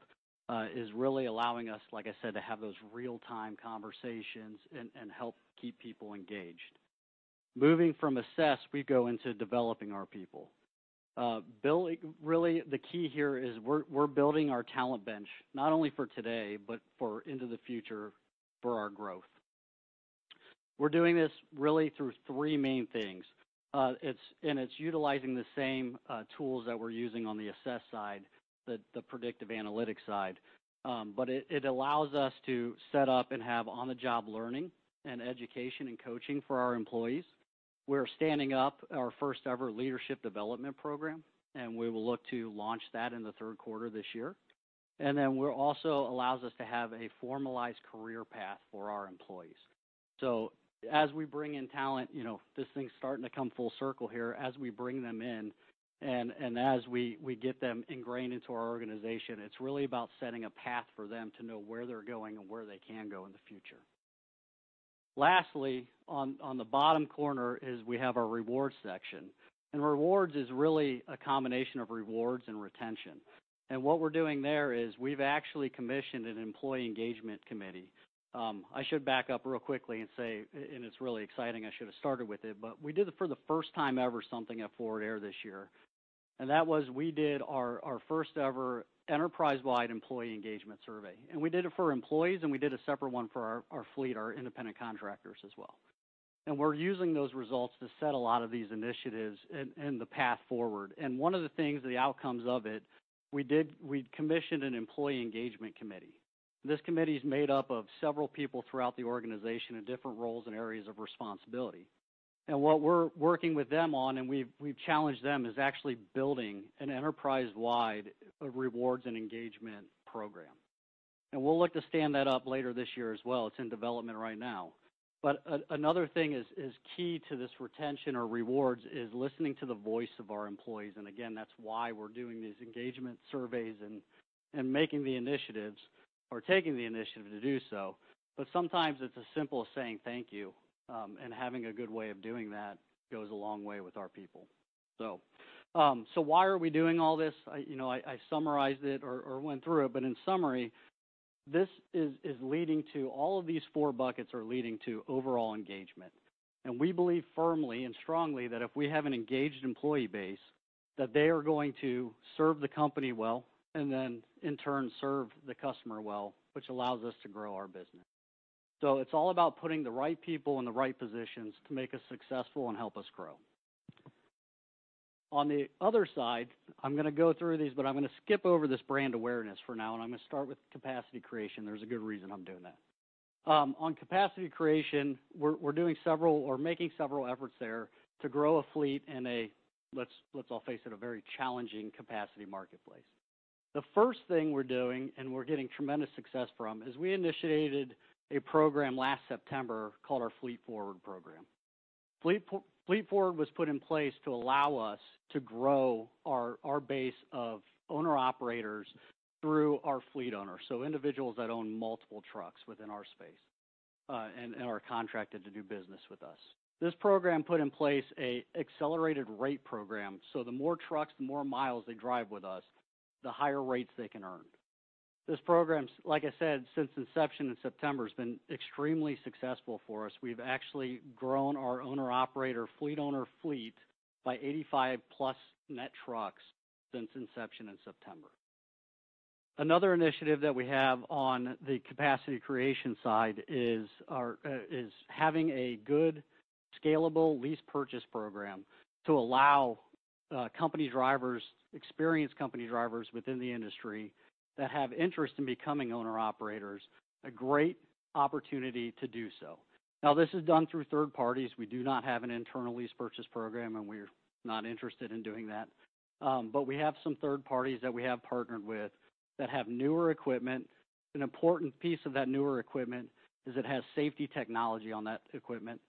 is really allowing us, like I said, to have those real-time conversations and help keep people engaged. Moving from assess, we go into developing our people. Really the key here is we're building our talent bench, not only for today, but for into the future for our growth. We're doing this really through three main things. It's utilizing the same tools that we're using on the assess side, the predictive analytics side. It allows us to set up and have on-the-job learning and education and coaching for our employees. We're standing up our first ever leadership development program, and we will look to launch that in the third quarter this year. It will also allow us to have a formalized career path for our employees. As we bring in talent, this thing's starting to come full circle here. As we bring them in and as we get them ingrained into our organization, it's really about setting a path for them to know where they're going and where they can go in the future. Lastly, on the bottom corner, we have our reward section. Rewards is really a combination of rewards and retention. What we're doing there is we've actually commissioned an employee engagement committee. I should back up real quickly and say, it's really exciting, I should have started with it, but we did it for the first time ever something at Forward Air this year. That was we did our first ever enterprise-wide employee engagement survey. We did it for employees, and we did a separate one for our fleet, our independent contractors as well. We're using those results to set a lot of these initiatives and the path forward. One of the things, the outcomes of it, we commissioned an employee engagement committee. This committee is made up of several people throughout the organization in different roles and areas of responsibility. What we're working with them on, and we've challenged them, is actually building an enterprise-wide rewards and engagement program. We'll look to stand that up later this year as well. It's in development right now. Another thing is key to this retention or rewards is listening to the voice of our employees. Again, that's why we're doing these engagement surveys and making the initiatives or taking the initiative to do so. Sometimes it's as simple as saying thank you, and having a good way of doing that goes a long way with our people. Why are we doing all this? I summarized it or went through it, but in summary, all of these four buckets are leading to overall engagement. We believe firmly and strongly that if we have an engaged employee base, that they are going to serve the company well, and then in turn, serve the customer well, which allows us to grow our business. It's all about putting the right people in the right positions to make us successful and help us grow. On the other side, I'm going to go through these, but I'm going to skip over this brand awareness for now, I'm going to start with capacity creation. There's a good reason I'm doing that. On capacity creation, we're doing several or making several efforts there to grow a fleet in a, let's all face it, a very challenging capacity marketplace. The first thing we're doing, and we're getting tremendous success from, is we initiated a program last September called our Fleet Forward program. Fleet Forward was put in place to allow us to grow our base of owner-operators through our fleet owners, so individuals that own multiple trucks within our space, and are contracted to do business with us. This program put in place a accelerated rate program, so the more trucks, the more miles they drive with us, the higher rates they can earn. This program, like I said, since inception in September, has been extremely successful for us. We've actually grown our owner-operator fleet by 85+ net trucks since inception in September. Another initiative that we have on the capacity creation side is having a good, scalable lease purchase program to allow experienced company drivers within the industry that have interest in becoming owner-operators, a great opportunity to do so. Now, this is done through third parties. We do not have an internal lease purchase program, and we're not interested in doing that. We have some third parties that we have partnered with that have newer equipment. An important piece of that newer equipment is it has safety technology on that equipment.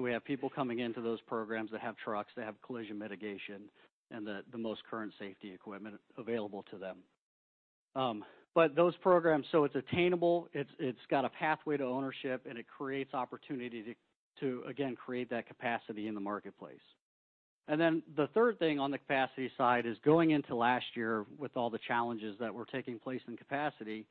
We have people coming into those programs that have trucks, that have collision mitigation, and the most current safety equipment available to them. Those programs, so it's attainable, it's got a pathway to ownership, and it creates opportunity to, again, create that capacity in the marketplace. The third thing on the capacity side is going into last year with all the challenges that were taking place in capacity,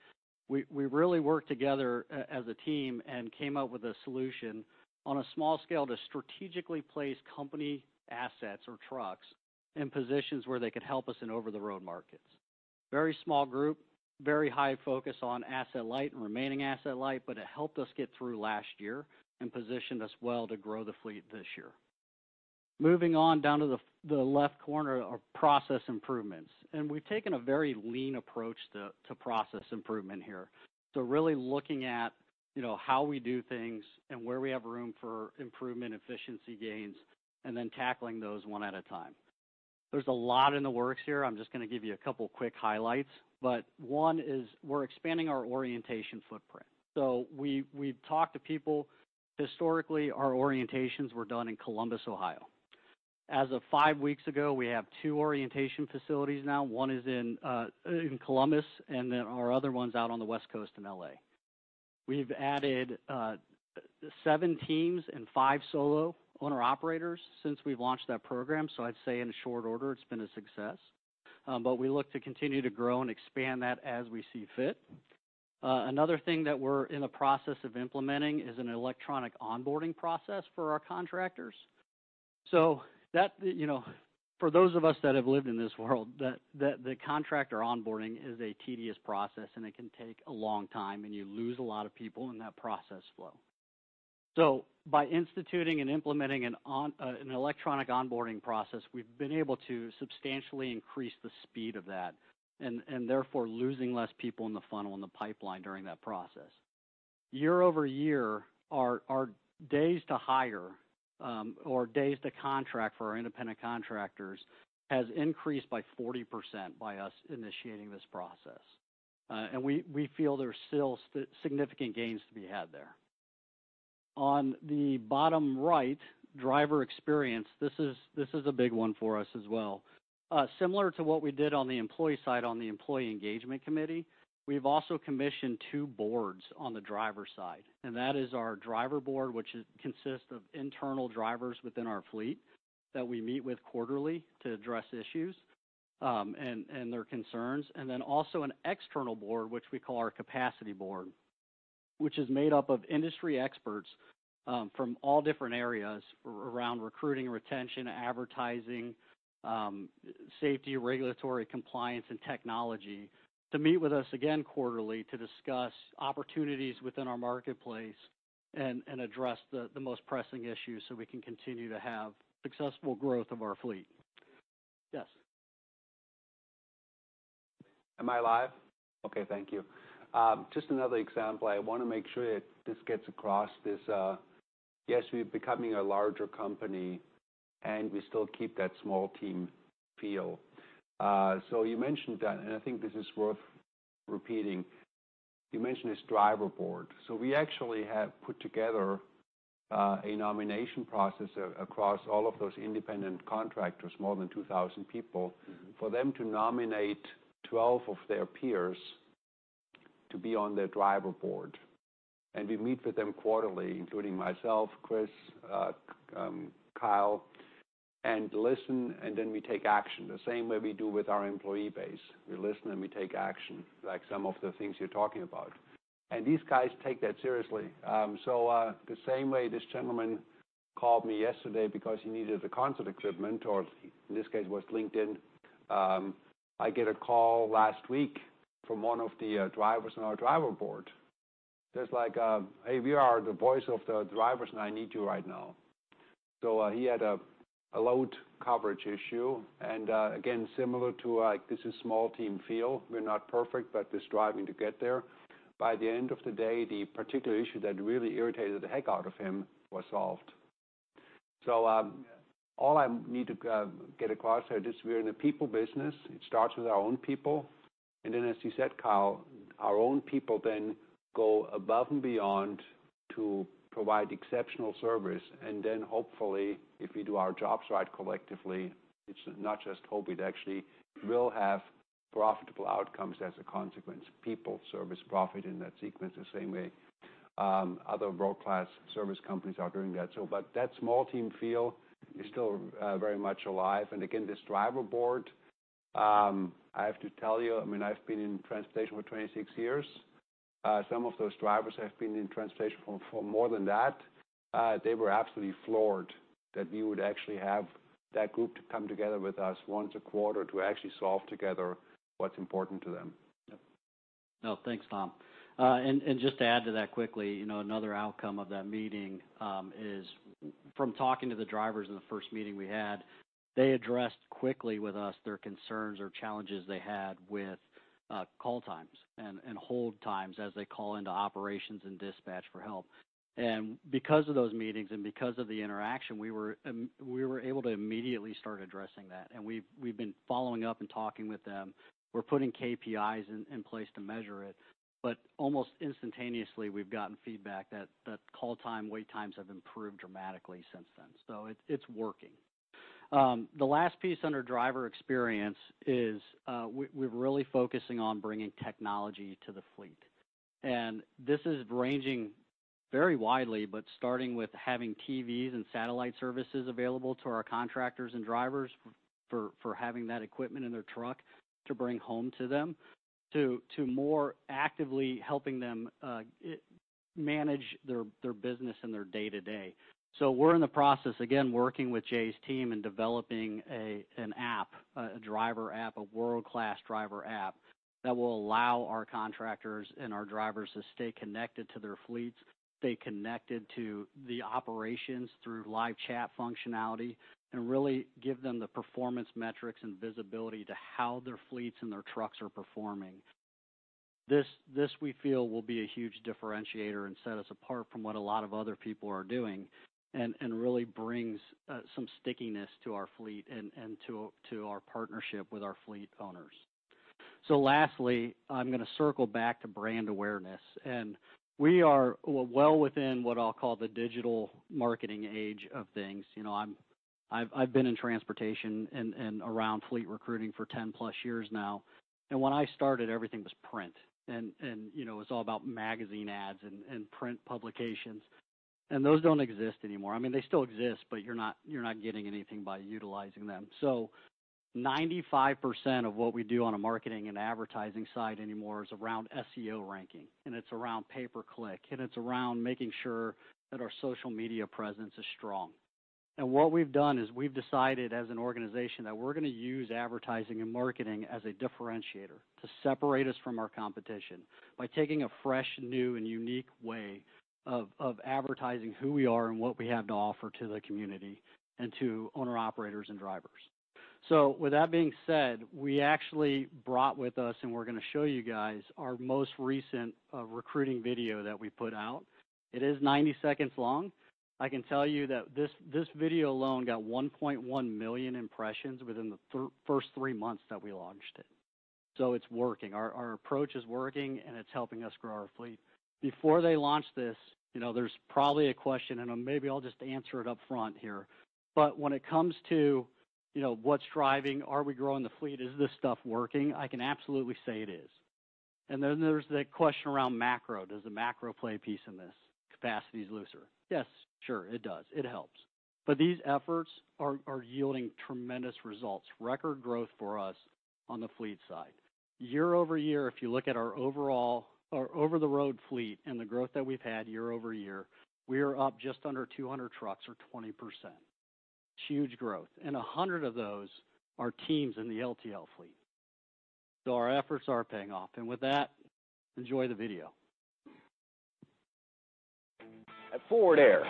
we really worked together as a team and came up with a solution on a small scale to strategically place company assets or trucks in positions where they could help us in over-the-road markets. Very small group, very high focus on asset light and remaining asset light, it helped us get through last year and positioned us well to grow the fleet this year. Moving on down to the left corner are process improvements. We've taken a very lean approach to process improvement here. Really looking at how we do things and where we have room for improvement, efficiency gains, then tackling those one at a time. There's a lot in the works here. I'm just going to give you a couple quick highlights. One is we're expanding our orientation footprint. We've talked to people. Historically, our orientations were done in Columbus, Ohio. As of five weeks ago, we have two orientation facilities now. One is in Columbus, and then our other one's out on the West Coast in L.A. We've added seven teams and five solo owner-operators since we've launched that program, I'd say in short order, it's been a success. We look to continue to grow and expand that as we see fit. Another thing that we're in the process of implementing is an electronic onboarding process for our contractors. For those of us that have lived in this world, the contractor onboarding is a tedious process. It can take a long time. You lose a lot of people in that process flow. By instituting and implementing an electronic onboarding process, we've been able to substantially increase the speed of that. Therefore losing less people in the funnel and the pipeline during that process. Year-over-year, our days to hire, or days to contract for our independent contractors, has increased by 40% by us initiating this process. We feel there's still significant gains to be had there. On the bottom right, driver experience, this is a big one for us as well. Similar to what we did on the employee side on the employee engagement committee, we've also commissioned two boards on the driver side. That is our driver board, which consists of internal drivers within our fleet that we meet with quarterly to address issues and their concerns. Also an external board, which we call our capacity board, which is made up of industry experts from all different areas around recruiting, retention, advertising, safety, regulatory compliance, and technology to meet with us again quarterly to discuss opportunities within our marketplace and address the most pressing issues we can continue to have successful growth of our fleet. Yes. Am I live? Okay. Thank you. Just another example. I want to make sure that this gets across this. Yes, we're becoming a larger company, we still keep that small team feel. You mentioned that. I think this is worth repeating. You mentioned this driver board. We actually have put together a nomination process across all of those independent contractors, more than 2,000 people. For them to nominate 12 of their peers to be on their driver board. We meet with them quarterly, including myself, Chris, Kyle, listen. We take action, the same way we do with our employee base. We listen, we take action, like some of the things you're talking about. These guys take that seriously. The same way this gentleman called me yesterday because he needed the concert equipment, or in this case, it was LinkedIn. I get a call last week from one of the drivers on our driver board. "Hey, we are the voice of the drivers, I need you right now." He had a load coverage issue. Again, similar to this is small team feel. We're not perfect, but just striving to get there. By the end of the day, the particular issue that really irritated the heck out of him was solved. Yeah All I need to get across here, just we're in the people business. It starts with our own people. As you said, Kyle, our own people then go above and beyond to provide exceptional service. Hopefully, if we do our jobs right collectively, it's not just hope, we'd actually will have profitable outcomes as a consequence. People, service, profit in that sequence the same way other world-class service companies are doing that. That small team feel is still very much alive. Again, this driver board, I have to tell you, I've been in transportation for 26 years. Some of those drivers have been in transportation for more than that. They were absolutely floored that we would actually have that group to come together with us once a quarter to actually solve together what's important to them. Yep. No. Thanks, Tom. Just to add to that quickly, another outcome of that meeting is from talking to the drivers in the first meeting we had, they addressed quickly with us their concerns or challenges they had with call times and hold times as they call into operations and dispatch for help. Because of those meetings and because of the interaction, we were able to immediately start addressing that. We've been following up and talking with them. We're putting KPIs in place to measure it, but almost instantaneously, we've gotten feedback that call time wait times have improved dramatically since then. It's working. The last piece under driver experience is, we're really focusing on bringing technology to the fleet. This is ranging very widely, but starting with having TVs and satellite services available to our contractors and drivers for having that equipment in their truck to bring home to them, to more actively helping them manage their business and their day-to-day. We're in the process, again, working with Jay's team and developing an app, a driver app, a world-class driver app that will allow our contractors and our drivers to stay connected to their fleets, stay connected to the operations through live chat functionality, and really give them the performance metrics and visibility to how their fleets and their trucks are performing. This, we feel, will be a huge differentiator and set us apart from what a lot of other people are doing and really brings some stickiness to our fleet and to our partnership with our fleet owners. Lastly, I'm going to circle back to brand awareness. We are well within what I'll call the digital marketing age of things. I've been in transportation and around fleet recruiting for 10-plus years now. When I started, everything was print, and it was all about magazine ads and print publications. Those don't exist anymore. I mean, they still exist, but you're not getting anything by utilizing them. 95% of what we do on a marketing and advertising side anymore is around SEO ranking, and it's around pay per click, and it's around making sure that our social media presence is strong. What we've done is we've decided as an organization that we're going to use advertising and marketing as a differentiator to separate us from our competition by taking a fresh, new, and unique way of advertising who we are and what we have to offer to the community and to owner-operators and drivers. With that being said, we actually brought with us, and we're going to show you guys our most recent recruiting video that we put out. It is 90 seconds long. I can tell you that this video alone got 1.1 million impressions within the first three months that we launched it. It's working. Our approach is working, and it's helping us grow our fleet. Before they launch this, there's probably a question, and maybe I'll just answer it up front here. When it comes to what's driving, are we growing the fleet, is this stuff working, I can absolutely say it is. Then there's the question around macro. Does the macro play a piece in this? Capacity is looser. Yes, sure it does. It helps. These efforts are yielding tremendous results, record growth for us on the fleet side. Year-over-year, if you look at our overall over-the-road fleet and the growth that we've had year-over-year, we are up just under 200 trucks or 20%. Huge growth. 100 of those are teams in the LTL fleet. Our efforts are paying off. With that, enjoy the video. At Forward Air.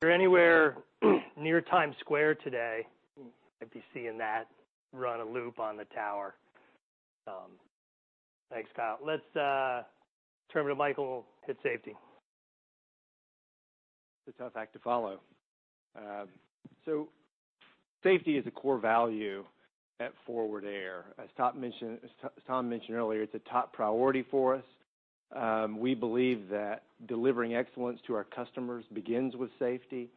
If you're anywhere near Times Square today, you might be seeing that run a loop on the tower. Thanks, Kyle. Let's turn it to Michael. Hit safety. That's a tough act to follow. Safety is a core value at Forward Air. As Tom mentioned earlier, it's a top priority for us. We believe that delivering excellence to our customers begins with safety,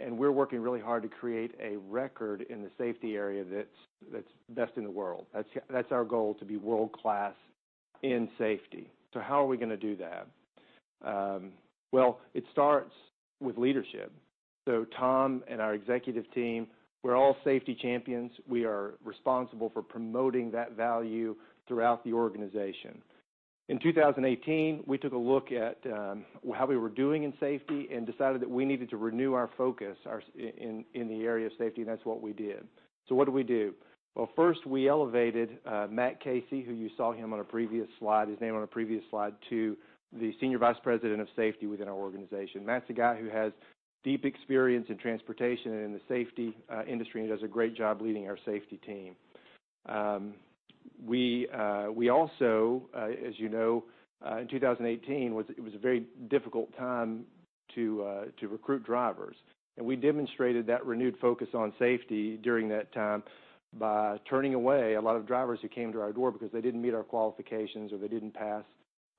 and we're working really hard to create a record in the safety area that's best in the world. That's our goal, to be world-class in safety. How are we going to do that? It starts with leadership. Tom and our executive team, we're all safety champions. We are responsible for promoting that value throughout the organization. In 2018, we took a look at how we were doing in safety and decided that we needed to renew our focus in the area of safety, and that's what we did. What did we do? First we elevated Matt Casey, who you saw his name on a previous slide, to the Senior Vice President of Safety within our organization. Matt's a guy who has deep experience in transportation and in the safety industry, and he does a great job leading our safety team. We also, as you know, in 2018, it was a very difficult time to recruit drivers. We demonstrated that renewed focus on safety during that time by turning away a lot of drivers who came to our door because they didn't meet our qualifications or they didn't pass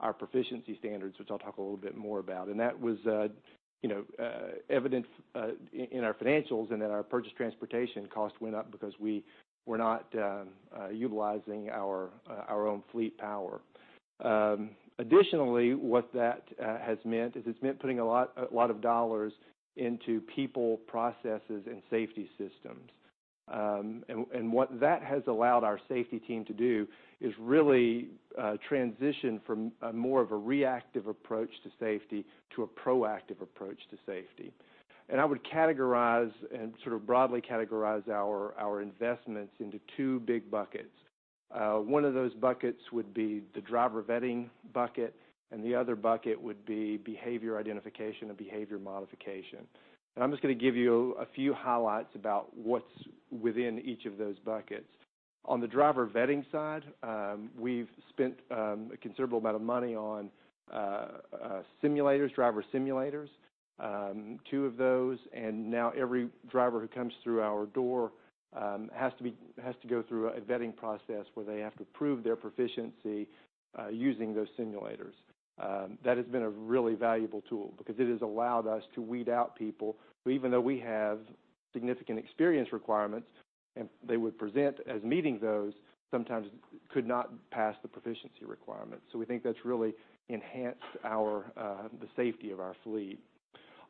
our proficiency standards, which I'll talk a little bit more about. That was evident in our financials, our purchased transportation cost went up because we were not utilizing our own fleet power. Additionally, what that has meant is it's meant putting a lot of dollars into people, processes, and safety systems. What that has allowed our safety team to do is really transition from more of a reactive approach to safety, to a proactive approach to safety. I would categorize and sort of broadly categorize our investments into two big buckets. One of those buckets would be the driver vetting bucket, the other bucket would be behavior identification and behavior modification. I'm just going to give you a few highlights about what's within each of those buckets. On the driver vetting side, we've spent a considerable amount of money on driver simulators, two of those, and now every driver who comes through our door has to go through a vetting process where they have to prove their proficiency using those simulators. That has been a really valuable tool because it has allowed us to weed out people who, even though we have significant experience requirements, and they would present as meeting those, sometimes could not pass the proficiency requirements. We think that's really enhanced the safety of our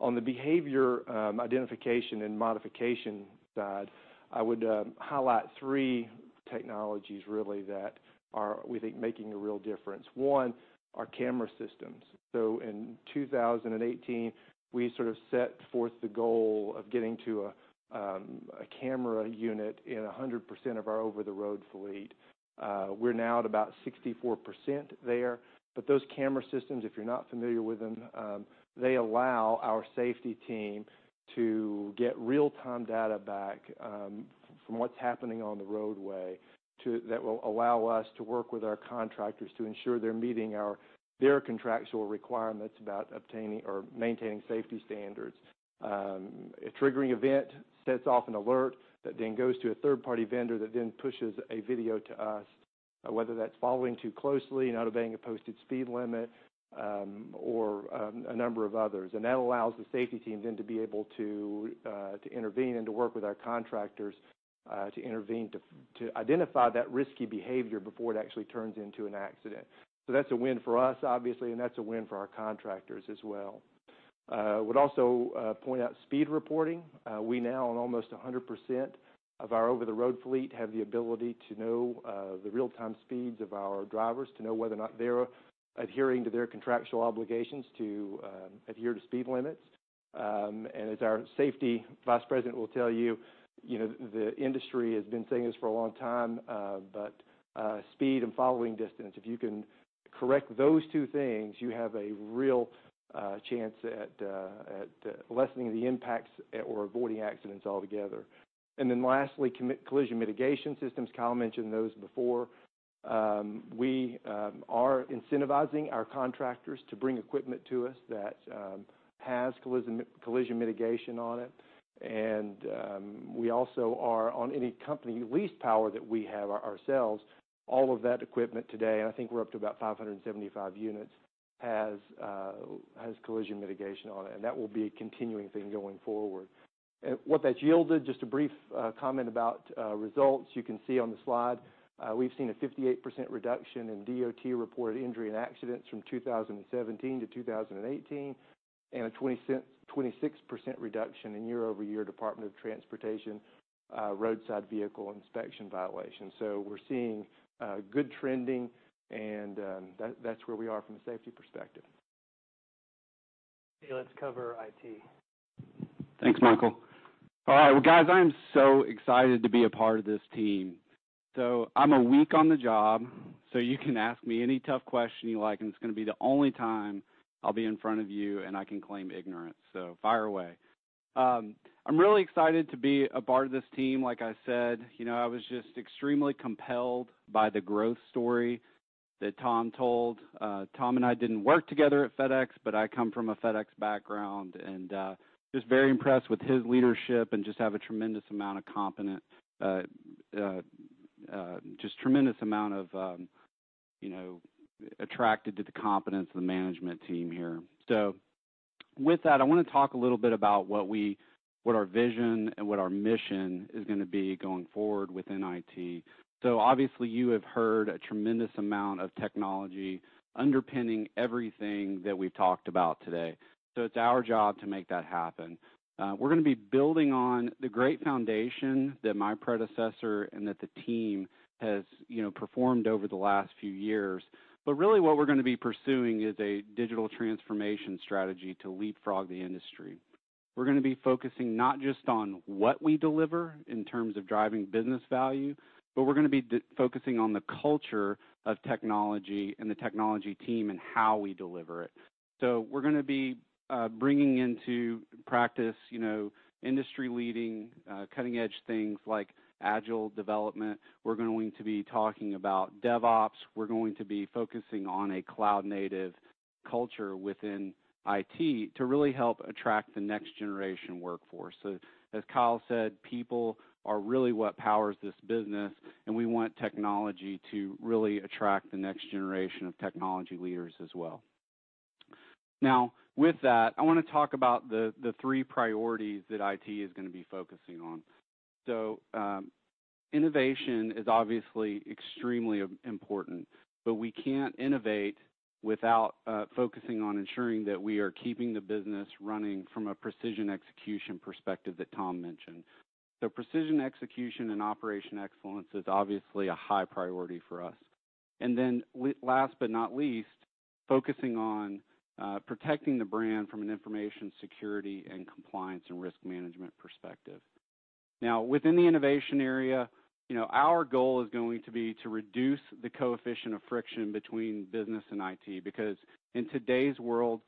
fleet. On the behavior identification and modification side, I would highlight three technologies really that are, we think, making a real difference. One, our camera systems. In 2018, we sort of set forth the goal of getting to a camera unit in 100% of our over-the-road fleet. We're now at about 64% there. Those camera systems, if you're not familiar with them, they allow our safety team to get real-time data back from what's happening on the roadway that will allow us to work with our contractors to ensure they're meeting their contractual requirements about obtaining or maintaining safety standards. A triggering event sets off an alert that then goes to a third-party vendor that then pushes a video to us, whether that's following too closely, not obeying a posted speed limit, or a number of others. That allows the safety team then to be able to intervene and to work with our contractors to intervene to identify that risky behavior before it actually turns into an accident. That's a win for us, obviously, and that's a win for our contractors as well. Would also point out speed reporting. We now, on almost 100% of our over-the-road fleet, have the ability to know the real-time speeds of our drivers, to know whether or not they're adhering to their contractual obligations to adhere to speed limits. As our safety vice president will tell you, the industry has been saying this for a long time, but speed and following distance, if you can correct those two things, you have a real chance at lessening the impacts or avoiding accidents altogether. Lastly, collision mitigation systems. Kyle mentioned those before. We are incentivizing our contractors to bring equipment to us that has collision mitigation on it. We also are, on any company lease power that we have ourselves, all of that equipment today, and I think we're up to about 575 units, has collision mitigation on it, and that will be a continuing thing going forward. What that's yielded, just a brief comment about results you can see on the slide. We've seen a 58% reduction in DOT-reported injury and accidents from 2017 to 2018, and a 26% reduction in year-over-year Department of Transportation roadside vehicle inspection violations. We're seeing good trending, and that's where we are from a safety perspective. Okay, let's cover IT. Thanks, Michael. All right. Well, guys, I am so excited to be a part of this team. I'm a week on the job, so you can ask me any tough question you like, and it's going to be the only time I'll be in front of you, and I can claim ignorance. Fire away. I'm really excited to be a part of this team. Like I said, I was just extremely compelled by the growth story that Tom told. Tom and I didn't work together at FedEx, but I come from a FedEx background, and just very impressed with his leadership and just have a tremendous amount of, attracted to the competence of the management team here. With that, I want to talk a little bit about what our vision and what our mission is going to be going forward within IT. Obviously you have heard a tremendous amount of technology underpinning everything that we've talked about today. It's our job to make that happen. We're going to be building on the great foundation that my predecessor and that the team has performed over the last few years. Really what we're going to be pursuing is a digital transformation strategy to leapfrog the industry. We're going to be focusing not just on what we deliver in terms of driving business value, but we're going to be focusing on the culture of technology and the technology team and how we deliver it. We're going to be bringing into practice industry leading, cutting-edge things like agile development. We're going to be talking about DevOps. We're going to be focusing on a cloud-native culture within IT to really help attract the next generation workforce. As Kyle said, people are really what powers this business, and we want technology to really attract the next generation of technology leaders as well. With that, I want to talk about the 3 priorities that IT is going to be focusing on. Innovation is obviously extremely important, we can't innovate without focusing on ensuring that we are keeping the business running from a precision execution perspective that Tom mentioned. Precision execution and operation excellence is obviously a high priority for us. Last but not least, focusing on protecting the brand from an information security and compliance and risk management perspective. Within the innovation area, our goal is going to be to reduce the coefficient of friction between business and IT, because in today's world,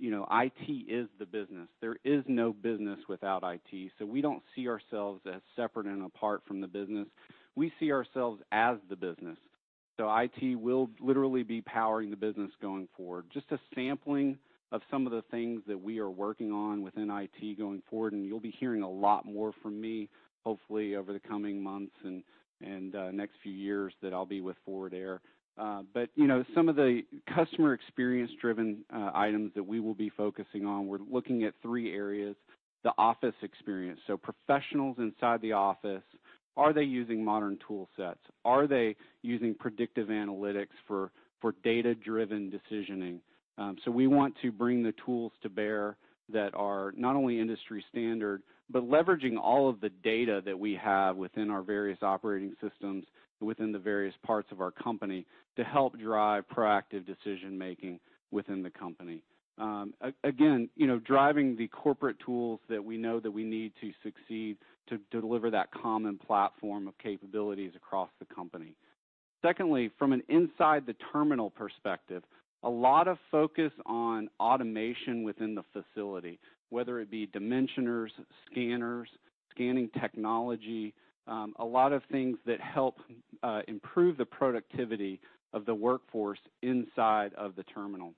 IT is the business. There is no business without IT. We don't see ourselves as separate and apart from the business. We see ourselves as the business. IT will literally be powering the business going forward. Just a sampling of some of the things that we are working on within IT going forward, and you'll be hearing a lot more from me hopefully over the coming months and next few years that I'll be with Forward Air. Some of the customer experience driven items that we will be focusing on, we're looking at 3 areas. The office experience. Professionals inside the office, are they using modern tool sets? Are they using predictive analytics for data-driven decisioning? We want to bring the tools to bear that are not only industry standard, but leveraging all of the data that we have within our various operating systems within the various parts of our company to help drive proactive decision-making within the company. Again, driving the corporate tools that we know that we need to succeed to deliver that common platform of capabilities across the company. Secondly, from an inside the terminal perspective, a lot of focus on automation within the facility, whether it be dimensioners, scanners, scanning technology, a lot of things that help improve the productivity of the workforce inside of the terminal.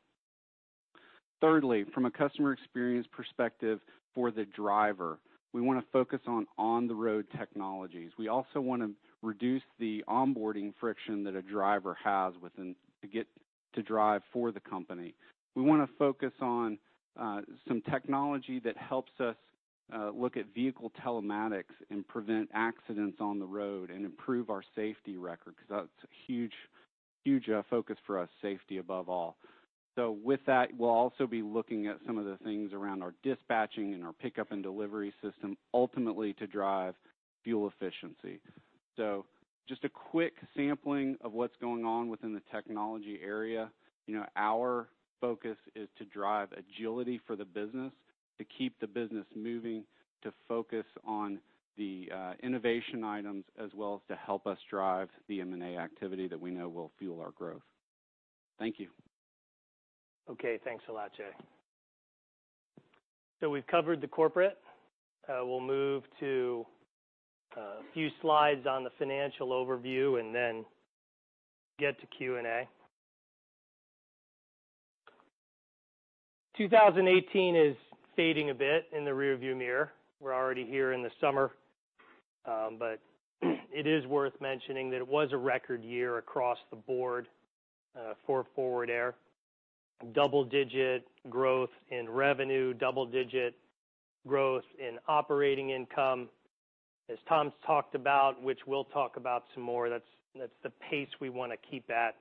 Thirdly, from a customer experience perspective for the driver, we want to focus on the road technologies. We also want to reduce the onboarding friction that a driver has to get to drive for the company. We want to focus on some technology that helps us look at vehicle telematics and prevent accidents on the road and improve our safety record because that's a huge focus for us, safety above all. With that, we'll also be looking at some of the things around our dispatching and our pickup and delivery system, ultimately to drive fuel efficiency. Just a quick sampling of what's going on within the technology area. Our focus is to drive agility for the business, to keep the business moving, to focus on the innovation items as well as to help us drive the M&A activity that we know will fuel our growth. Thank you. Okay. Thanks a lot, Jay. We've covered the corporate. We'll move to a few slides on the financial overview. Get to Q&A. 2018 is fading a bit in the rearview mirror. We're already here in the summer. It is worth mentioning that it was a record year across the board for Forward Air. Double-digit growth in revenue, double-digit growth in operating income. As Tom's talked about, which we'll talk about some more, that's the pace we want to keep at.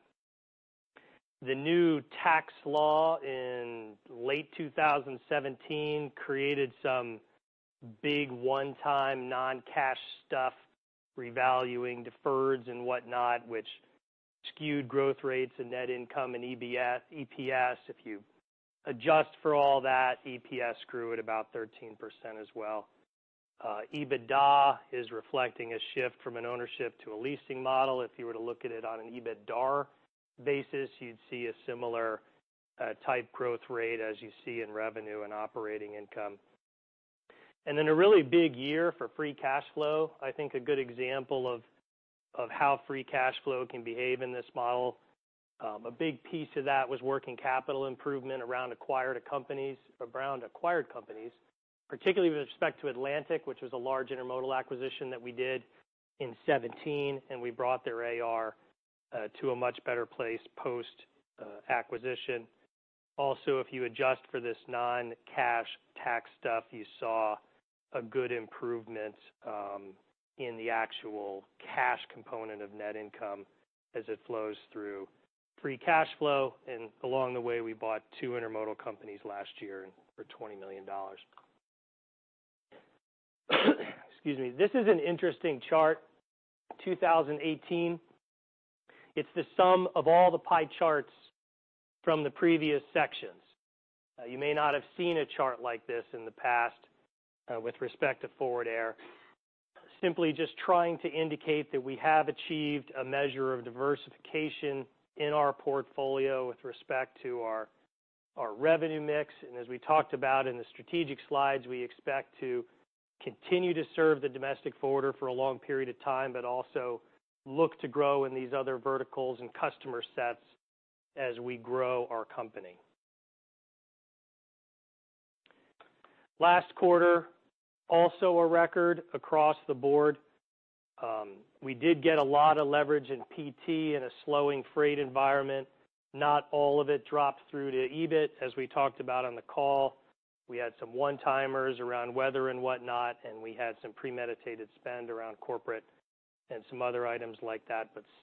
The new tax law in late 2017 created some big one-time non-cash stuff, revaluing deferreds and whatnot, which skewed growth rates and net income and EPS. If you adjust for all that, EPS grew at about 13% as well. EBITDA is reflecting a shift from an ownership to a leasing model. If you were to look at it on an EBITDAR basis, you'd see a similar type growth rate as you see in revenue and operating income. A really big year for free cash flow. I think a good example of how free cash flow can behave in this model. A big piece of that was working capital improvement around acquired companies, particularly with respect to Atlantic, which was a large intermodal acquisition that we did in 2017, and we brought their AR to a much better place post-acquisition. Also, if you adjust for this non-cash tax stuff, you saw a good improvement in the actual cash component of net income as it flows through free cash flow. Along the way, we bought two intermodal companies last year for $20 million. Excuse me. This is an interesting chart, 2018. It's the sum of all the pie charts from the previous sections. You may not have seen a chart like this in the past with respect to Forward Air. Simply just trying to indicate that we have achieved a measure of diversification in our portfolio with respect to our revenue mix. As we talked about in the strategic slides, we expect to continue to serve the domestic forwarder for a long period of time, but also look to grow in these other verticals and customer sets as we grow our company. Last quarter, also a record across the board. We did get a lot of leverage in PT in a slowing freight environment. Not all of it dropped through to EBIT, as we talked about on the call.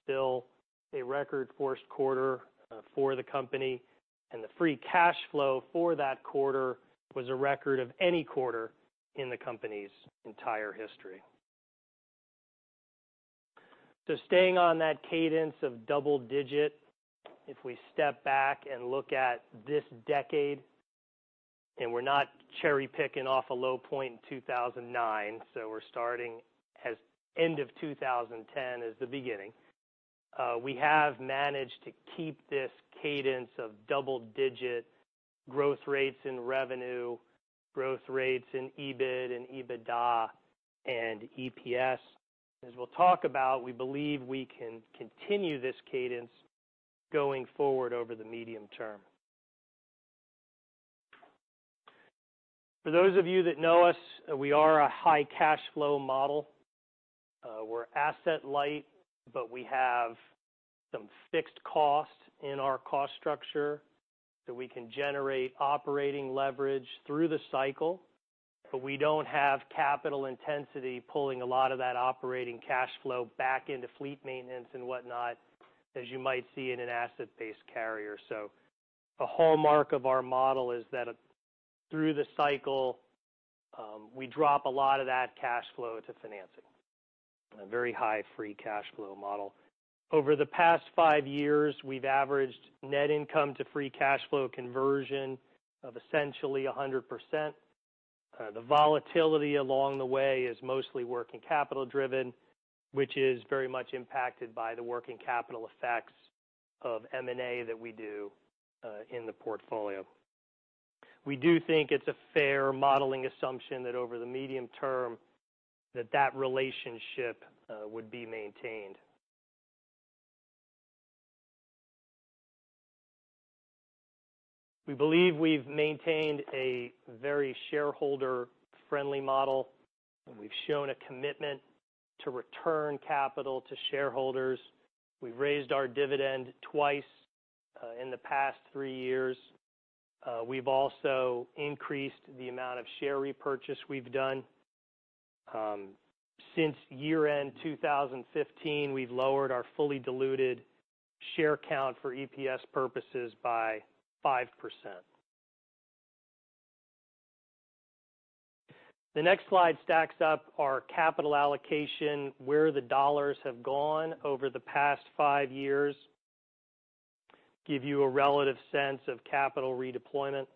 Still, a record first quarter for the company, and the free cash flow for that quarter was a record of any quarter in the company's entire history. Staying on that cadence of double-digit, if we step back and look at this decade, and we're not cherry-picking off a low point in 2009, we're starting as end of 2010 as the beginning. We have managed to keep this cadence of double-digit growth rates in revenue, growth rates in EBIT and EBITDA and EPS. As we'll talk about, we believe we can continue this cadence going forward over the medium term. For those of you that know us, we are a high cash flow model. We're asset light, but we have some fixed costs in our cost structure that we can generate operating leverage through the cycle, but we don't have capital intensity pulling a lot of that operating cash flow back into fleet maintenance and whatnot as you might see in an asset-based carrier. The hallmark of our model is that through the cycle, we drop a lot of that cash flow to financing. A very high free cash flow model. Over the past five years, we've averaged net income to free cash flow conversion of essentially 100%. The volatility along the way is mostly working capital-driven, which is very much impacted by the working capital effects of M&A that we do in the portfolio. We do think it's a fair modeling assumption that over the medium term, that that relationship would be maintained. We believe we've maintained a very shareholder-friendly model, and we've shown a commitment to return capital to shareholders. We've raised our dividend twice in the past three years. We've also increased the amount of share repurchase we've done. Since year-end 2015, we've lowered our fully diluted share count for EPS purposes by 5%. The next slide stacks up our capital allocation, where the dollars have gone over the past five years, give you a relative sense of capital redeployment.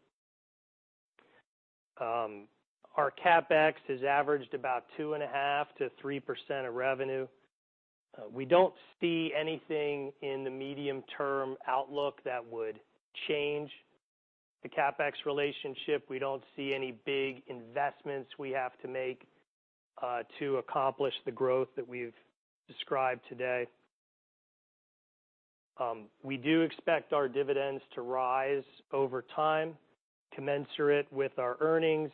Our CapEx has averaged about 2.5%-3% of revenue. We don't see anything in the medium-term outlook that would change the CapEx relationship. We don't see any big investments we have to make to accomplish the growth that we've described today. We do expect our dividends to rise over time commensurate with our earnings.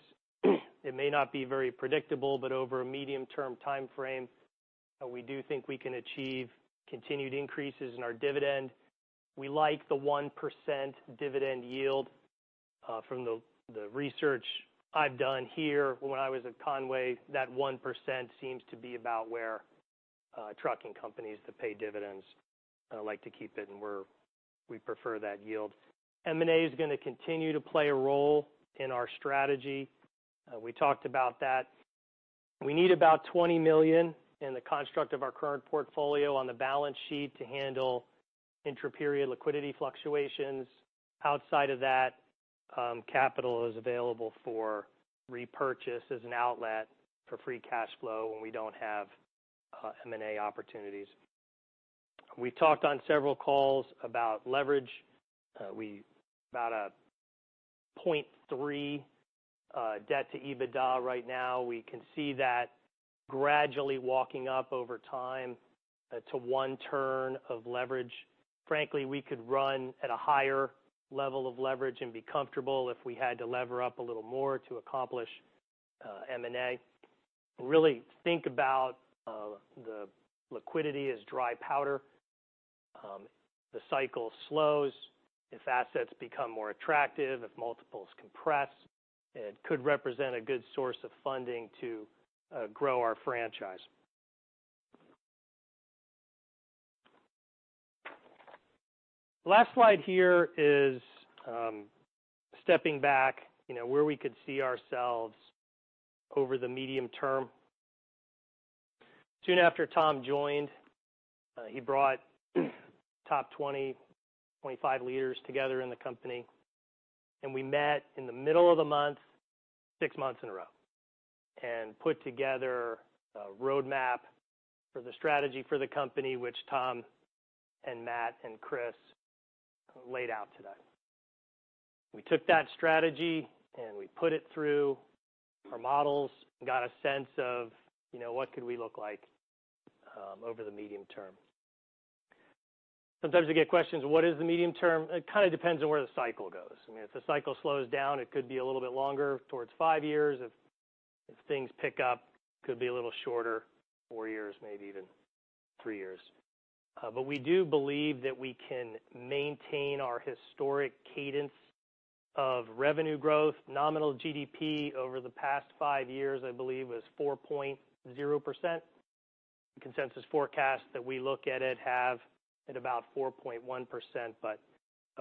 It may not be very predictable, but over a medium-term timeframe, we do think we can achieve continued increases in our dividend. We like the 1% dividend yield. From the research I've done here when I was at Con-way, that 1% seems to be about where trucking companies that pay dividends like to keep it, and we prefer that yield. M&A is going to continue to play a role in our strategy. We talked about that. We need about $20 million in the construct of our current portfolio on the balance sheet to handle intra-period liquidity fluctuations. Outside of that, capital is available for repurchase as an outlet for free cash flow when we don't have M&A opportunities. We talked on several calls about leverage. We about a 0.3 debt to EBITDA right now. We can see that gradually walking up over time to one turn of leverage. Frankly, we could run at a higher level of leverage and be comfortable if we had to lever up a little more to accomplish M&A. Really think about the liquidity as dry powder. The cycle slows if assets become more attractive, if multiples compress. It could represent a good source of funding to grow our franchise. Last slide here is stepping back, where we could see ourselves over the medium term. Soon after Tom joined, he brought top 20, 25 leaders together in the company, we met in the middle of the month, 6 months in a row, and put together a roadmap for the strategy for the company, which Tom and Matt and Chris laid out today. We took that strategy, we put it through our models and got a sense of what could we look like over the medium term. Sometimes we get questions, what is the medium term? It kind of depends on where the cycle goes. If the cycle slows down, it could be a little bit longer, towards 5 years. If things pick up, it could be a little shorter, 4 years, maybe even 3 years. We do believe that we can maintain our historic cadence of revenue growth. Nominal GDP over the past 5 years, I believe, was 4.0%. Consensus forecast that we look at it have at about 4.1%,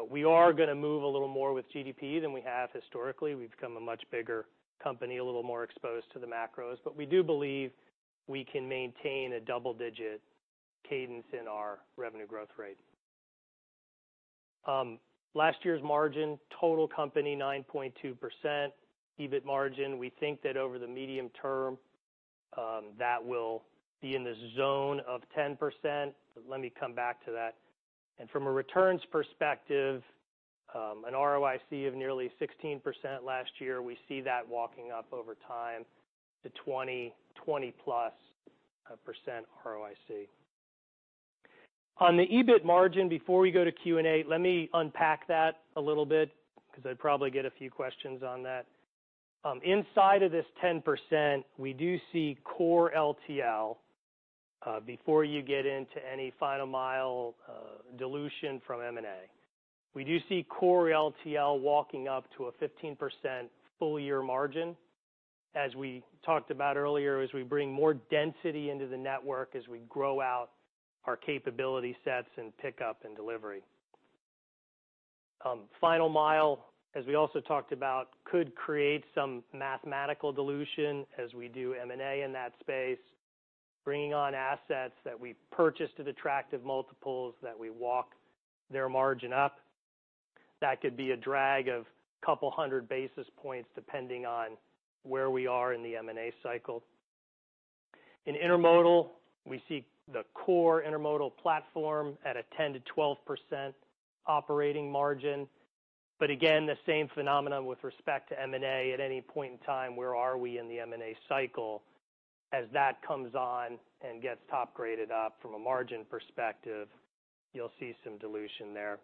we are going to move a little more with GDP than we have historically. We've become a much bigger company, a little more exposed to the macros, we do believe we can maintain a double-digit cadence in our revenue growth rate. Last year's margin, total company, 9.2%. EBIT margin, we think that over the medium term, that will be in the zone of 10%, let me come back to that. From a returns perspective, an ROIC of nearly 16% last year. We see that walking up over time to 20%, 20-plus % ROIC. On the EBIT margin, before we go to Q&A, let me unpack that a little bit because I'd probably get a few questions on that. Inside of this 10%, we do see core LTL, before you get into any final mile dilution from M&A. We do see core LTL walking up to a 15% full-year margin. As we talked about earlier, as we bring more density into the network, as we grow out our capability sets in pickup and delivery. Final mile, as we also talked about, could create some mathematical dilution as we do M&A in that space, bringing on assets that we purchased at attractive multiples, that we walk their margin up. That could be a drag of a couple of hundred basis points, depending on where we are in the M&A cycle. In intermodal, we see the core intermodal platform at a 10%-12% operating margin. Again, the same phenomenon with respect to M&A. At any point in time, where are we in the M&A cycle? As that comes on and gets top-graded up from a margin perspective, you'll see some dilution there.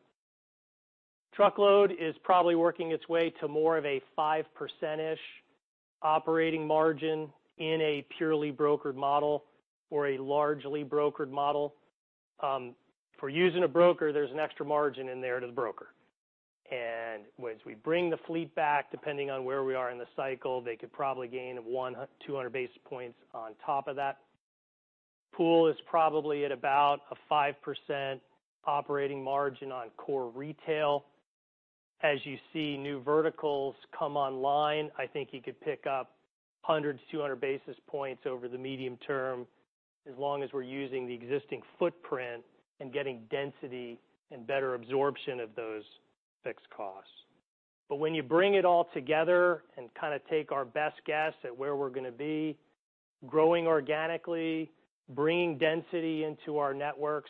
Truckload is probably working its way to more of a 5% operating margin in a purely brokered model or a largely brokered model. For using a broker, there's an extra margin in there to the broker. As we bring the fleet back, depending on where we are in the cycle, they could probably gain 100-200 basis points on top of that. Pool is probably at about a 5% operating margin on core retail. As you see new verticals come online, I think you could pick up 100-200 basis points over the medium term, as long as we're using the existing footprint and getting density and better absorption of those fixed costs. When you bring it all together and take our best guess at where we're going to be, growing organically, bringing density into our networks,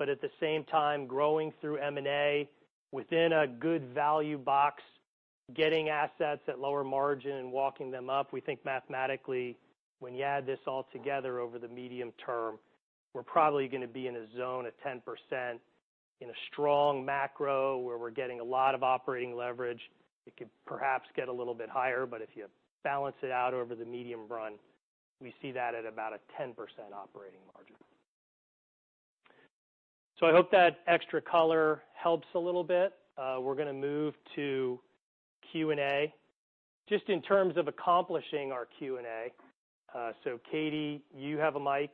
but at the same time, growing through M&A within a good value box, getting assets at lower margin and walking them up. We think mathematically, when you add this all together over the medium term, we're probably going to be in a zone of 10%. In a strong macro where we're getting a lot of operating leverage, it could perhaps get a little bit higher, but if you balance it out over the medium run, we see that at about a 10% operating margin. I hope that extra color helps a little bit. We're going to move to Q&A. Just in terms of accomplishing our Q&A, Katie, you have a mic.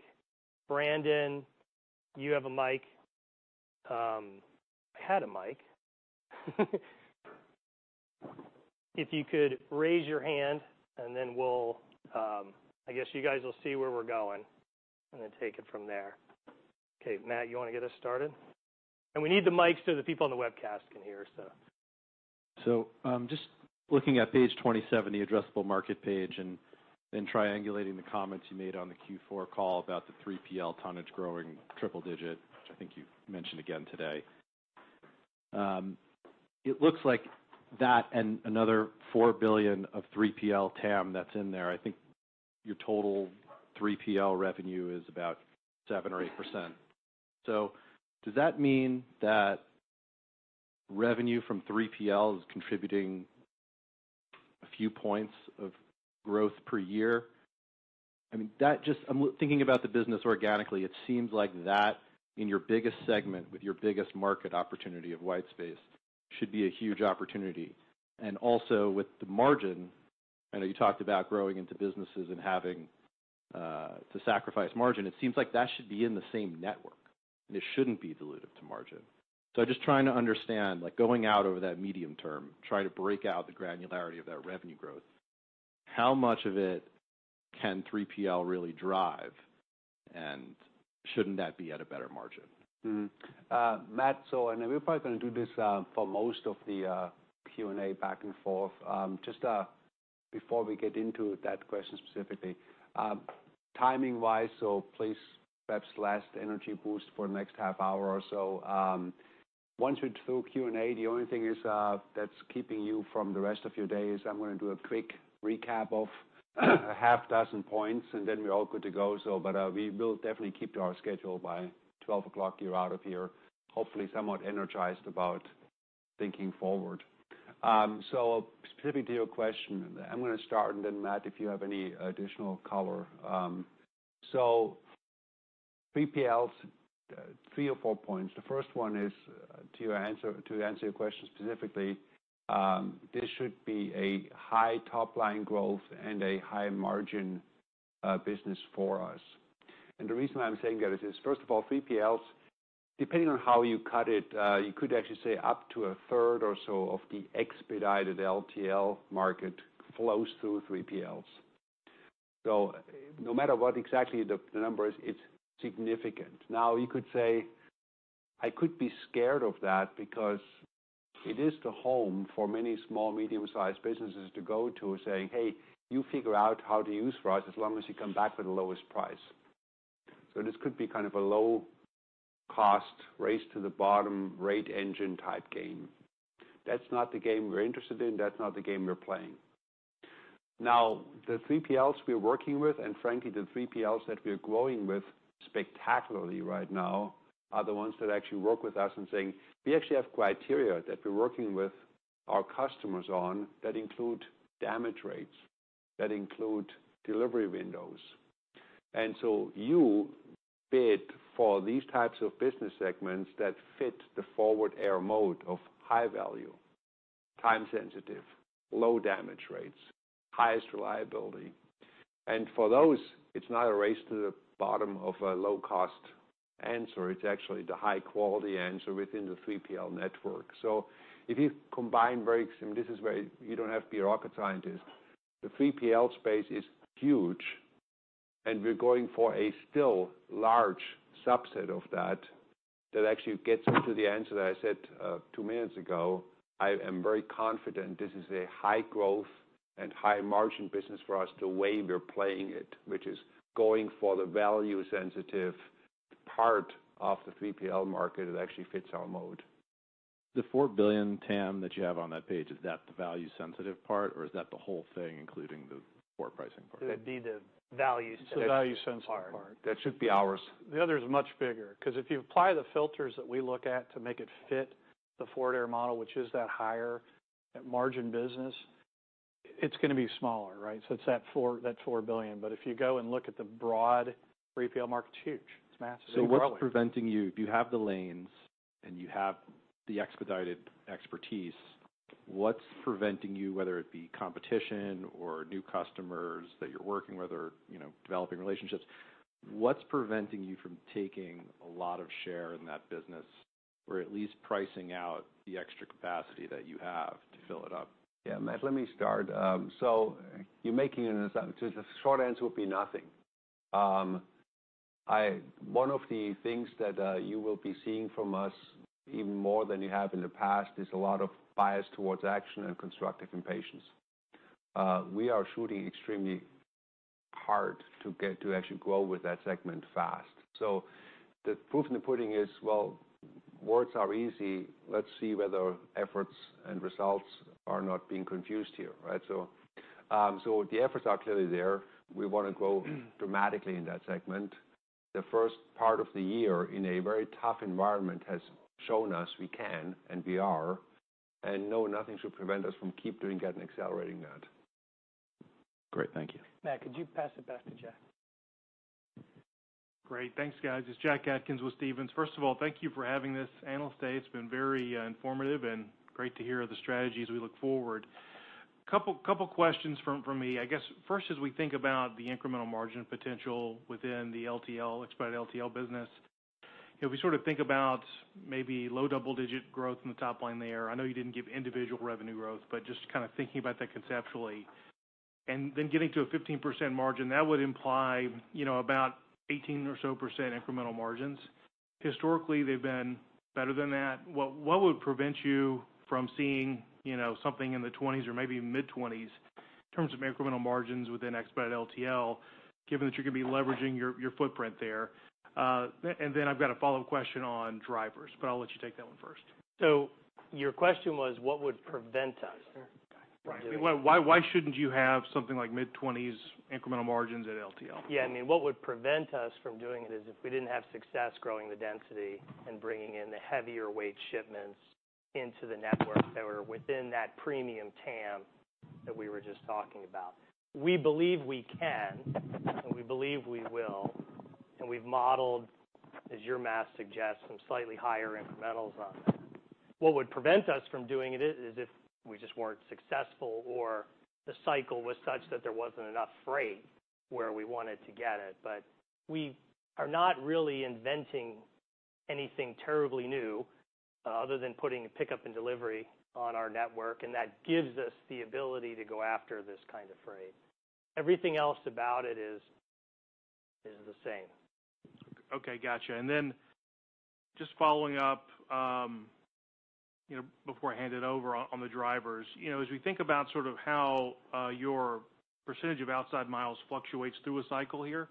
Brandon, you have a mic. I had a mic. If you could raise your hand, and then I guess you guys will see where we're going, and then take it from there. Matt, you want to get us started? We need the mic so the people on the webcast can hear. Just looking at page 27, the addressable market page, and then triangulating the comments you made on the Q4 call about the 3PL tonnage growing triple digit, which I think you mentioned again today. It looks like that and another $4 billion of 3PL TAM that's in there. I think your total 3PL revenue is about 7% or 8%. Does that mean Revenue from 3PL is contributing a few points of growth per year. I'm thinking about the business organically. It seems like that in your biggest segment, with your biggest market opportunity of white space, should be a huge opportunity. Also with the margin, I know you talked about growing into businesses and having to sacrifice margin. It seems like that should be in the same network, and it shouldn't be dilutive to margin. I'm just trying to understand, going out over that medium term, try to break out the granularity of that revenue growth. How much of it can 3PL really drive? Shouldn't that be at a better margin? Matt, We are probably going to do this for most of the Q&A back and forth. Just before we get into that question specifically. Timing-wise, please perhaps last energy boost for the next half hour or so. Once we are through Q&A, the only thing that is keeping you from the rest of your day is I am going to do a quick recap of a half dozen points, and then we are all good to go. We will definitely keep to our schedule. By 12 o'clock, you are out of here, hopefully somewhat energized about thinking forward. Specifically to your question, I am going to start, and then Matt, if you have any additional color. 3PL, three or four points. The first one is, to answer your question specifically, this should be a high top-line growth and a high margin business for us. The reason I am saying that is first of all, 3PLs, depending on how you cut it, you could actually say up to a third or so of the expedited LTL market flows through 3PLs. No matter what exactly the number is, it is significant. Now you could say, I could be scared of that because it is the home for many small, medium-sized businesses to go to saying, "Hey, you figure out how to use for us as long as you come back with the lowest price." This could be kind of a low-cost race to the bottom rate engine type game. That is not the game we are interested in. That is not the game we are playing. Now, the 3PLs we are working with, and frankly, the 3PLs that we are growing with spectacularly right now are the ones that actually work with us and saying, "We actually have criteria that we are working with our customers on that include damage rates, that include delivery windows." You bid for these types of business segments that fit the Forward Air mode of high value, time sensitive, low damage rates, highest reliability. For those, it is not a race to the bottom of a low-cost answer. It is actually the high-quality answer within the 3PL network. If you combine very extreme, this is where you do not have to be a rocket scientist. The 3PL space is huge, and we are going for a still large subset of that. That actually gets me to the answer that I said two minutes ago. I am very confident this is a high growth and high margin business for us the way we are playing it, which is going for the value sensitive part of the 3PL market that actually fits our mode. The $4 billion, TAM, that you have on that page, is that the value sensitive part, or is that the whole thing, including the poor pricing part? It would be the value sensitive part. The value sensitive part. That should be ours. The other is much bigger because if you apply the filters that we look at to make it fit the Forward Air model, which is that higher margin business, it's going to be smaller, right? It's that $4 billion. If you go and look at the broad, 3PL market is huge. It's massive and growing. What's preventing you? If you have the lanes and you have the expedited expertise, what's preventing you, whether it be competition or new customers that you are working with or developing relationships, what's preventing you from taking a lot of share in that business, or at least pricing out the extra capacity that you have to fill it up? Yeah, Matt, let me start. You're making an assumption. The short answer would be nothing. One of the things that you will be seeing from us even more than you have in the past is a lot of bias towards action and constructive impatience. We are shooting extremely hard to get to actually grow with that segment fast. The proof in the pudding is, well, words are easy. Let's see whether efforts and results are not being confused here, right? The efforts are clearly there. We want to grow dramatically in that segment. The first part of the year in a very tough environment has shown us we can, and we are, and no, nothing should prevent us from keep doing that and accelerating that. Great. Thank you. Matt, could you pass it back to Jack? Great. Thanks, guys. It's Jack Atkins with Stephens. First of all, thank you for having this Analyst Day. It's been very informative and great to hear the strategies we look forward. Couple questions from me. First, as we think about the incremental margin potential within the expedited LTL business. If we sort of think about maybe low double-digit growth in the top line there. I know you didn't give individual revenue growth, but just kind of thinking about that conceptually. Getting to a 15% margin, that would imply about 18% or so incremental margins. Historically, they've been better than that. What would prevent you from seeing something in the 20s or maybe mid-20s in terms of incremental margins within expedited LTL, given that you're going to be leveraging your footprint there? I've got a follow-up question on drivers, but I'll let you take that one first. Your question was, what would prevent us? Right. Why shouldn't you have something like mid-20s incremental margins at LTL? What would prevent us from doing it is if we didn't have success growing the density and bringing in the heavier weight shipments into the network that were within that premium TAM that we were just talking about. We believe we can, and we believe we will, and we've modeled, as your math suggests, some slightly higher incrementals on that. What would prevent us from doing it is if we just weren't successful or the cycle was such that there wasn't enough freight where we wanted to get it. We are not really inventing anything terribly new other than putting pickup and delivery on our network, and that gives us the ability to go after this kind of freight. Everything else about it is the same. Okay, got you. Just following up, before I hand it over on the drivers. As we think about how your percentage of outside miles fluctuates through a cycle here,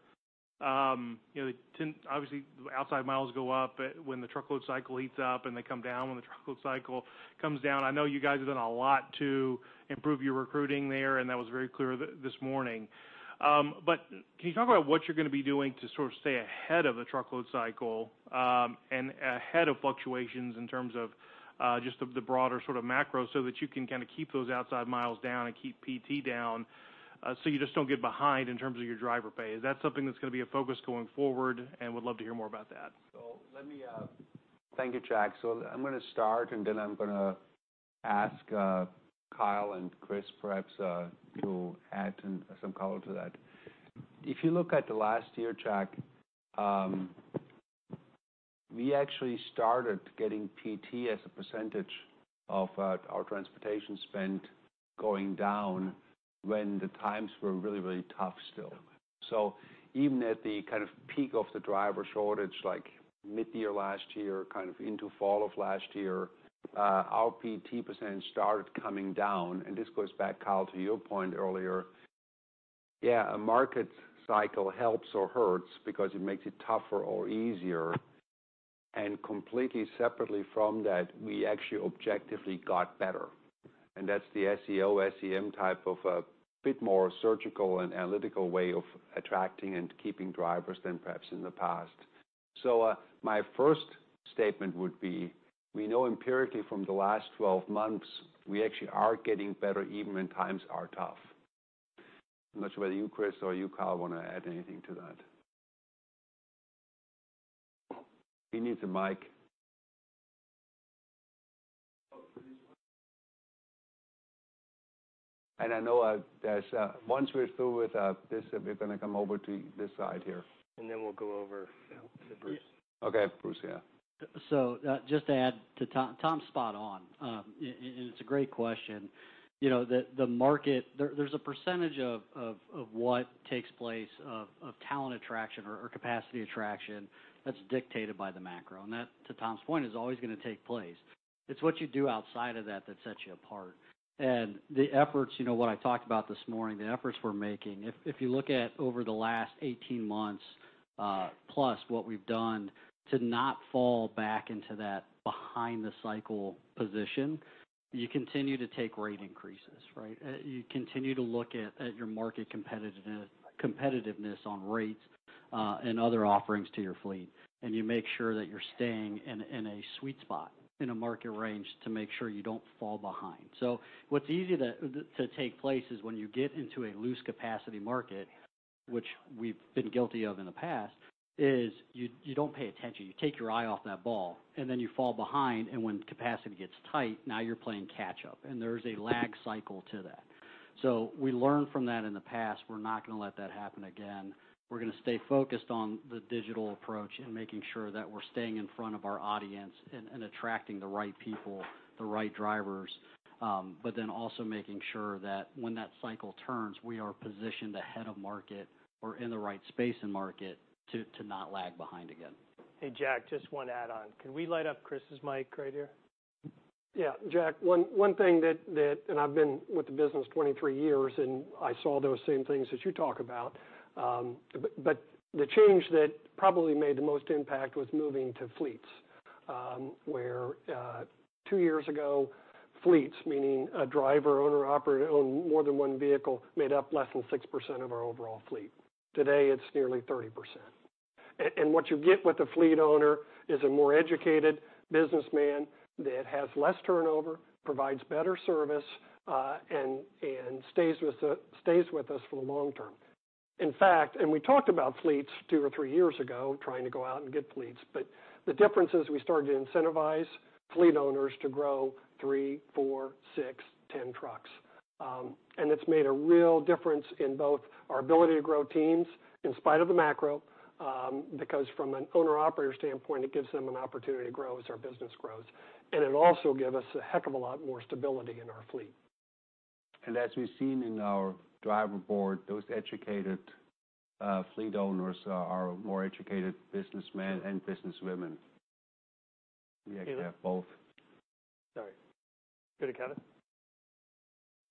obviously, outside miles go up when the truckload cycle heats up, and they come down when the truckload cycle comes down. I know you guys have done a lot to improve your recruiting there, and that was very clear this morning. Can you talk about what you're going to be doing to sort of stay ahead of the truckload cycle, and ahead of fluctuations in terms of just the broader sort of macro so that you can keep those outside miles down and keep PT down, so you just don't get behind in terms of your driver pay? Is that something that's going to be a focus going forward? Would love to hear more about that. Thank you, Jack. I'm going to start, and then I'm going to ask Kyle and Chris perhaps to add some color to that. If you look at the last year, Jack, we actually started getting PT as a percentage of our transportation spend going down when the times were really tough still. Even at the kind of peak of the driver shortage, like mid-year last year into fall of last year, our PT percentage started coming down. And this goes back, Kyle, to your point earlier. Yeah, a market cycle helps or hurts because it makes it tougher or easier. Completely separately from that, we actually objectively got better. That's the SEO, SEM type of a bit more surgical and analytical way of attracting and keeping drivers than perhaps in the past. My first statement would be, we know empirically from the last 12 months, we actually are getting better even when times are tough. I'm not sure whether you, Chris, or you, Kyle, want to add anything to that. He needs a mic. I know that once we're through with this, we're going to come over to this side here. Then we'll go over to Bruce. Okay. Bruce, yeah. Just to add to Tom. Tom's spot on. It's a great question. There's a percentage of what takes place of talent attraction or capacity attraction that's dictated by the macro. That, to Tom's point, is always going to take place. It's what you do outside of that sets you apart. What I talked about this morning, the efforts we're making. If you look at over the last 18 months, plus what we've done to not fall back into that behind the cycle position, you continue to take rate increases, right? You continue to look at your market competitiveness on rates, and other offerings to your fleet. You make sure that you're staying in a sweet spot in a market range to make sure you don't fall behind. What's easy to take place is when you get into a loose capacity market, which we've been guilty of in the past, is you don't pay attention. You take your eye off that ball, then you fall behind, when capacity gets tight, now you're playing catch up. There is a lag cycle to that. We learned from that in the past. We're not going to let that happen again. We're going to stay focused on the digital approach and making sure that we're staying in front of our audience and attracting the right people, the right drivers. Also making sure that when that cycle turns, we are positioned ahead of market or in the right space and market to not lag behind again. Jack, just one add on. Can we light up Chris's mic right here? Jack, one thing that, I've been with the business 23 years, I saw those same things that you talk about. The change that probably made the most impact was moving to fleets, where 2 years ago, fleets, meaning a driver, owner operator owned more than one vehicle, made up less than 6% of our overall fleet. Today it's nearly 30%. What you get with a fleet owner is a more educated businessman that has less turnover, provides better service, stays with us for the long term. In fact, we talked about fleets 2 or 3 years ago, trying to go out and get fleets, the difference is we started to incentivize fleet owners to grow 3, 4, 6, 10 trucks. It's made a real difference in both our ability to grow teams in spite of the macro, because from an owner operator standpoint, it gives them an opportunity to grow as our business grows. It also gave us a heck of a lot more stability in our fleet. As we've seen in our driver board, those educated fleet owners are more educated businessmen and business women. We actually have both. Sorry. Go to Kevin?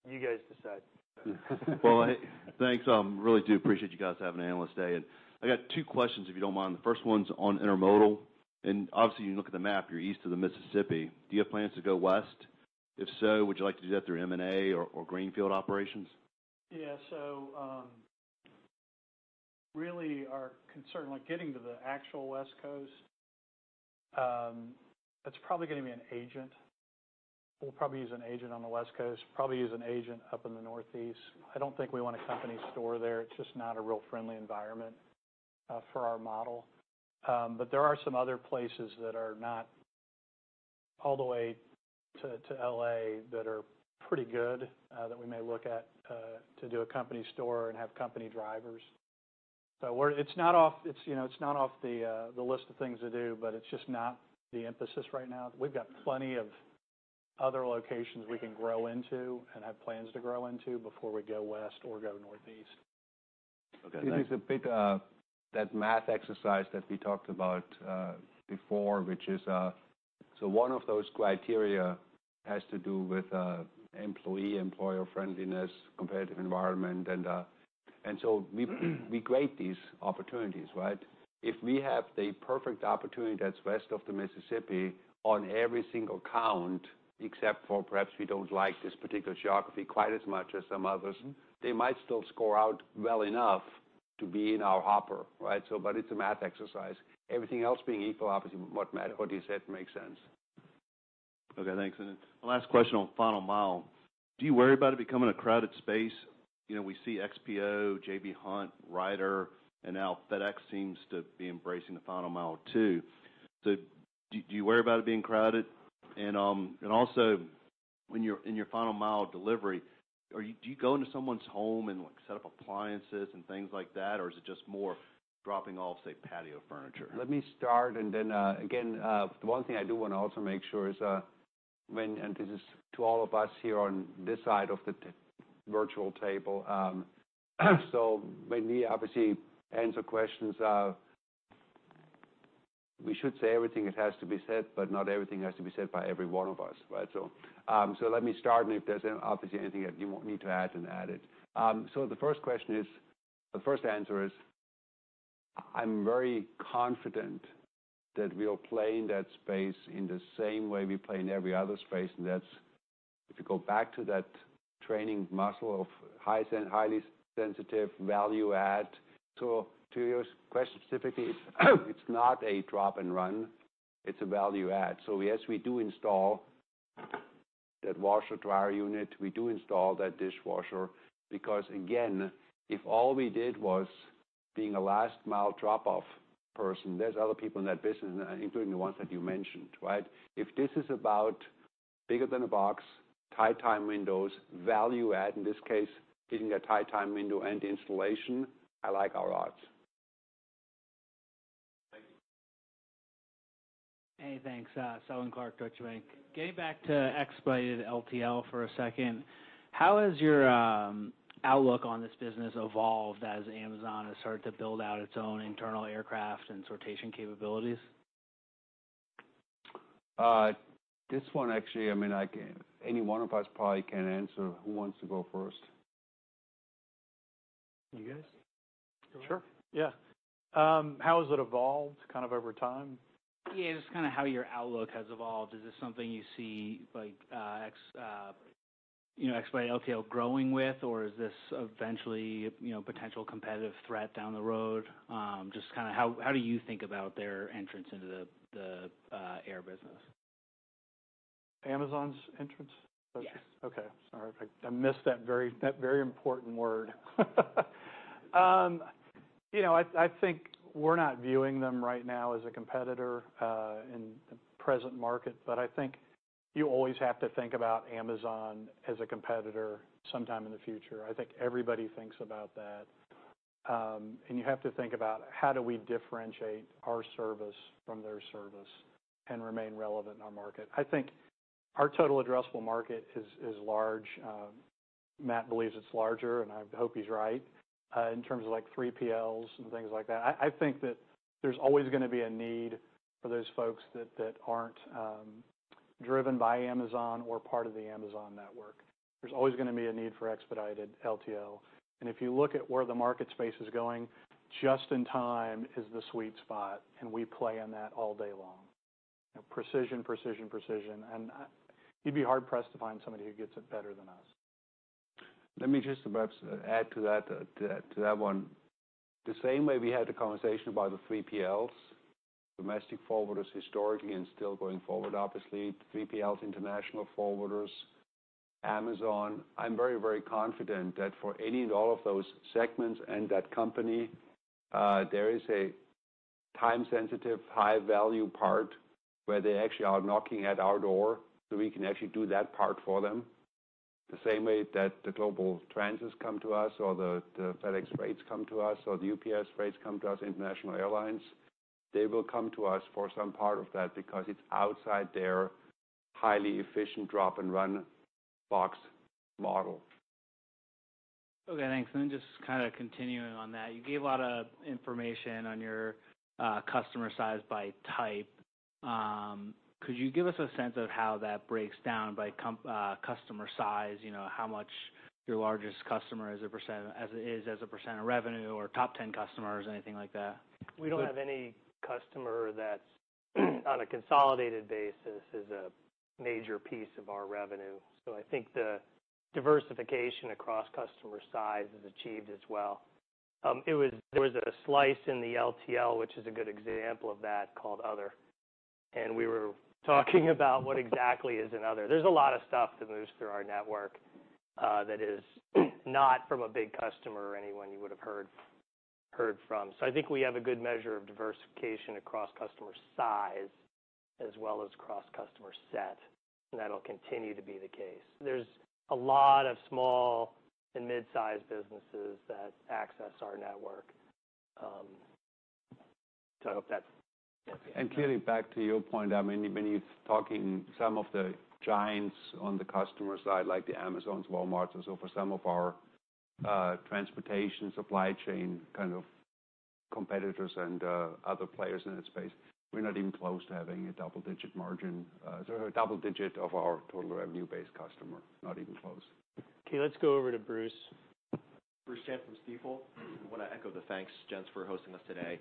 You guys decide. Well, thanks. Really do appreciate you guys having an analyst day. I got two questions, if you don't mind. The first one's on intermodal. Obviously, you look at the map, you're east of the Mississippi. Do you have plans to go west? If so, would you like to do that through M&A or greenfield operations? Yeah. Really, our concern with getting to the actual West Coast, it's probably going to be an agent. We'll probably use an agent on the West Coast, probably use an agent up in the Northeast. I don't think we want a company store there. It's just not a real friendly environment for our model. There are some other places that are not all the way to L.A. that are pretty good that we may look at to do a company store and have company drivers. It's not off the list of things to do, but it's just not the emphasis right now. We've got plenty of other locations we can grow into and have plans to grow into before we go west or go northeast. Okay, thanks. That math exercise that we talked about before, one of those criteria has to do with employee-employer friendliness, competitive environment, we grade these opportunities, right? If we have the perfect opportunity that's west of the Mississippi on every single count, except for perhaps we don't like this particular geography quite as much as some others, they might still score out well enough to be in our hopper, right? It's a math exercise. Everything else being equal, obviously, what Matt and Cody said makes sense. Okay, thanks. My last question on final mile, do you worry about it becoming a crowded space? We see XPO, J.B. Hunt, Ryder, and now FedEx seems to be embracing the final mile, too. Do you worry about it being crowded? Also, in your final mile delivery, do you go into someone's home and set up appliances and things like that, or is it just more dropping off, say, patio furniture? Let me start, again, the one thing I do want to also make sure is when, and this is to all of us here on this side of the virtual table, when we obviously answer questions, we should say everything that has to be said, but not everything has to be said by every one of us, right? Let me start, if there's obviously anything that you want me to add it. The first answer is, I'm very confident that we'll play in that space in the same way we play in every other space. That's, if you go back to that training muscle of highly sensitive value add. To your question specifically, it's not a drop-and-run, it's a value add. Yes, we do install that washer and dryer unit. We do install that dishwasher because, again, if all we did was being a last-mile drop-off person, there's other people in that business, including the ones that you mentioned, right? If this is about bigger than a box, tight time windows, value add, in this case, getting that tight time window and installation, I like our odds. Thank you. Hey, thanks. Selwyn Clarke, Deutsche Bank. Getting back to expedited LTL for a second, how has your outlook on this business evolved as Amazon has started to build out its own internal aircraft and sortation capabilities? This one, actually, any one of us probably can answer. Who wants to go first? You guys? Sure. Yeah. How has it evolved kind of over time? Yeah, just kind of how your outlook has evolved. Is this something you see expedited LTL growing with, or is this eventually a potential competitive threat down the road? Just how do you think about their entrance into the air business? Amazon's entrance? Yes. Okay. Sorry, I missed that very important word. I think we're not viewing them right now as a competitor in the present market, but you always have to think about Amazon as a competitor sometime in the future. Everybody thinks about that. You have to think about how do we differentiate our service from their service and remain relevant in our market. Our total addressable market is large. Matt believes it's larger, and I hope he's right, in terms of 3PLs and things like that. There's always going to be a need for those folks that aren't driven by Amazon or part of the Amazon network. There's always going to be a need for expedited LTL. If you look at where the market space is going, just in time is the sweet spot, and we play in that all day long. Precision, precision. You'd be hard-pressed to find somebody who gets it better than us. Let me just perhaps add to that one. The same way we had the conversation about the 3PLs, domestic forwarders historically and still going forward, obviously, 3PLs, international forwarders, Amazon. I'm very, very confident that for any and all of those segments and that company, there is a time-sensitive, high-value part where they actually are knocking at our door, so we can actually do that part for them. The same way that the GlobalTranz come to us or the FedEx Freight come to us or the UPS Freight come to us, international airlines, they will come to us for some part of that because it's outside their highly efficient drop-and-run box model. Okay, thanks. Just kind of continuing on that, you gave a lot of information on your customer size by type. Could you give us a sense of how that breaks down by customer size? How much your largest customer is as a % of revenue or top 10 customers, anything like that? We don't have any customer that on a consolidated basis is a major piece of our revenue. I think the diversification across customer size is achieved as well. There was a slice in the LTL, which is a good example of that, called other, and we were talking about what exactly is an other. There's a lot of stuff that moves through our network that is not from a big customer or anyone you would've heard from. I think we have a good measure of diversification across customer size as well as across customer set, and that'll continue to be the case. There's a lot of small and mid-size businesses that access our network. I hope that's. Clearly, back to your point, when you're talking some of the giants on the customer side, like the Amazons, Walmarts, and for some of our transportation supply chain kind of competitors and other players in that space, we're not even close to having a double-digit margin. Sorry, a double-digit of our total revenue base customer, not even close. Okay, let's go over to Bruce. Bruce Chan from Stifel. I want to echo the thanks, gents, for hosting us today.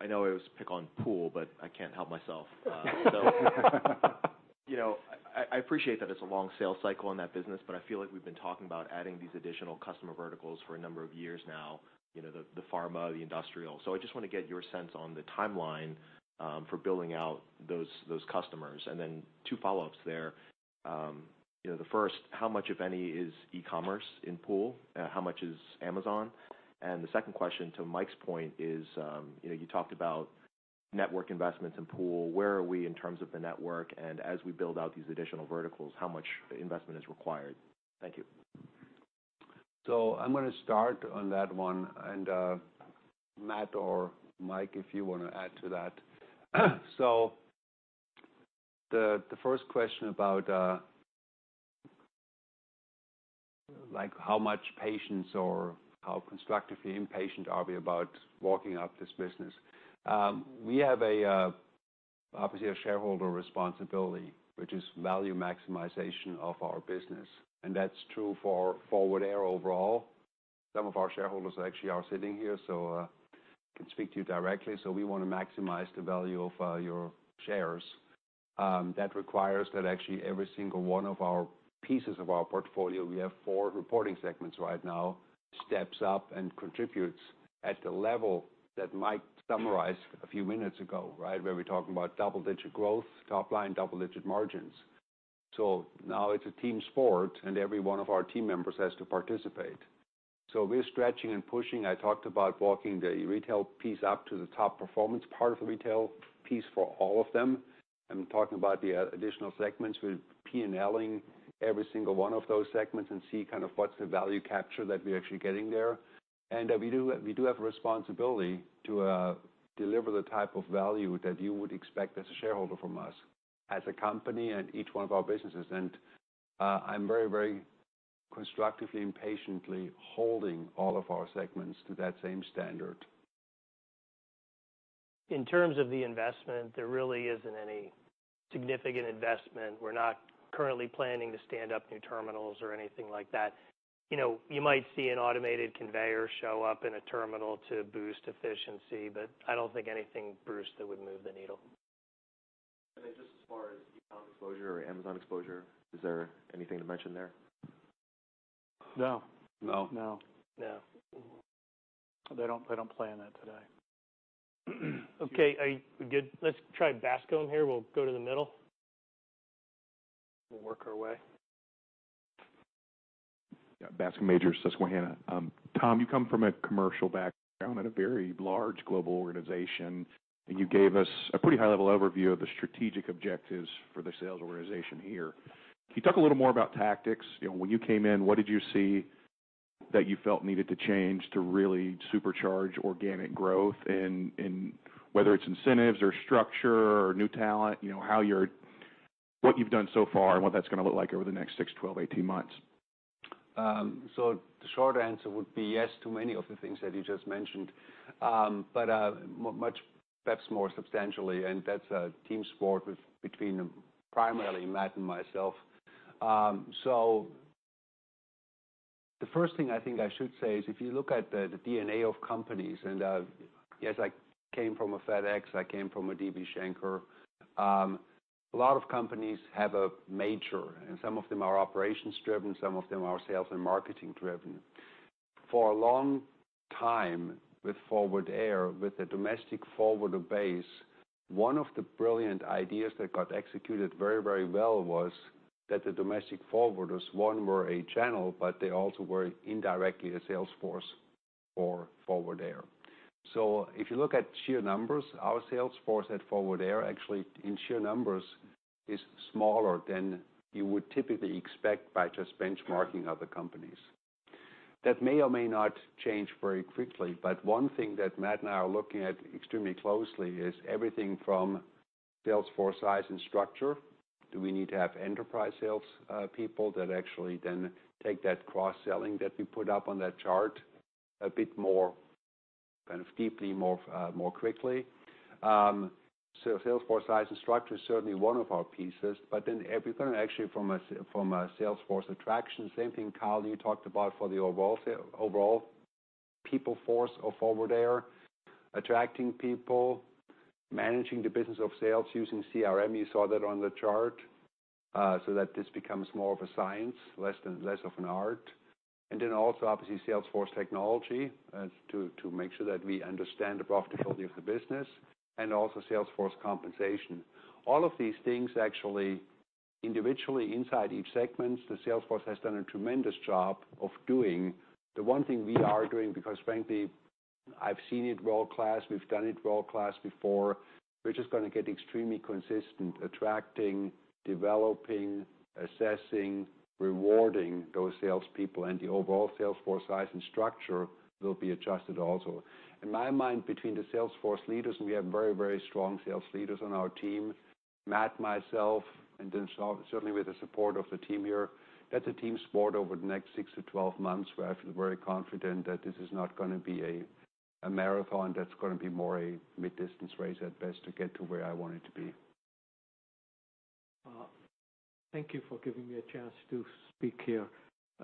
I know it was pick on Pool, but I can't help myself. I appreciate that it's a long sales cycle in that business, but I feel like we've been talking about adding these additional customer verticals for a number of years now, the pharma, the industrial. I just want to get your sense on the timeline for building out those customers. Two follow-ups there. The first, how much, if any, is e-commerce in Pool? How much is Amazon? The second question, to Mike's point is, you talked about network investments in Pool. Where are we in terms of the network, and as we build out these additional verticals, how much investment is required? Thank you. I'm going to start on that one, and Matt or Mike, if you want to add to that. The first question about how much patience or how constructively impatient are we about walking up this business? We have obviously a shareholder responsibility, which is value maximization of our business, and that's true for Forward Air overall. Some of our shareholders actually are sitting here, so can speak to you directly. We want to maximize the value of your shares. That requires that actually every single one of our pieces of our portfolio, we have four reporting segments right now, steps up and contributes at the level that Mike summarized a few minutes ago, right? Where we're talking about double-digit growth, top line, double-digit margins. Now it's a team sport, and every one of our team members has to participate. We are stretching and pushing. I talked about walking the retail piece up to the top performance part of the retail piece for all of them. I'm talking about the additional segments. We're P&L-ing every single one of those segments and see what's the value capture that we are actually getting there. We do have a responsibility to deliver the type of value that you would expect as a shareholder from us, as a company and each one of our businesses. I'm very, very constructively and patiently holding all of our segments to that same standard. In terms of the investment, there really isn't any significant investment. We're not currently planning to stand up new terminals or anything like that. You might see an automated conveyor show up in a terminal to boost efficiency, but I don't think anything, Bruce, that would move the needle. Just as far as e-com exposure or Amazon exposure, is there anything to mention there? No. No. No. They don't play on that today. Okay. Are we good? Let's try Bascome in here. We'll go to the middle. We'll work our way. Bascome Majors, Susquehanna. Tom, you come from a commercial background at a very large global organization. You gave us a pretty high-level overview of the strategic objectives for the sales organization here. Can you talk a little more about tactics? When you came in, what did you see that you felt needed to change to really supercharge organic growth in, whether it's incentives or structure or new talent, what you've done so far and what that's going to look like over the next six, 12, 18 months? The short answer would be yes to many of the things that you just mentioned. Much, perhaps more substantially, and that's a team sport between primarily Matt and myself. The first thing I think I should say is if you look at the DNA of companies, and yes, I came from a FedEx, I came from a DB Schenker. A lot of companies have a major, and some of them are operations-driven, some of them are sales and marketing-driven. For a long time, with Forward Air, with the domestic forwarder base, one of the brilliant ideas that got executed very, very well was that the domestic forwarders, one, were a channel, but they also were indirectly a sales force for Forward Air. If you look at sheer numbers, our sales force at Forward Air actually in sheer numbers is smaller than you would typically expect by just benchmarking other companies. That may or may not change very quickly, but one thing that Matt and I are looking at extremely closely is everything from sales force size and structure. Do we need to have enterprise sales people that actually then take that cross-selling that we put up on that chart. A bit more kind of deeply, more quickly. Sales force size and structure is certainly one of our pieces, but then everything actually from a sales force attraction, same thing, Kyle, you talked about for the overall people force of Forward Air, attracting people, managing the business of sales using CRM, you saw that on the chart, so that this becomes more of a science, less of an art. Also, obviously, sales force technology to make sure that we understand the profitability of the business, and also sales force compensation. All of these things actually individually inside each segment, the sales force has done a tremendous job of doing. The one thing we are doing, because frankly, I've seen it world-class, we've done it world-class before, we're just going to get extremely consistent, attracting, developing, assessing, rewarding those salespeople, and the overall sales force size and structure will be adjusted also. In my mind, between the sales force leaders, and we have very, very strong sales leaders on our team, Matt, myself, and then certainly with the support of the team here, that the team sport over the next 6 to 12 months, where I feel very confident that this is not going to be a marathon, that's going to be more a mid-distance race at best to get to where I want it to be. Thank you for giving me a chance to speak here.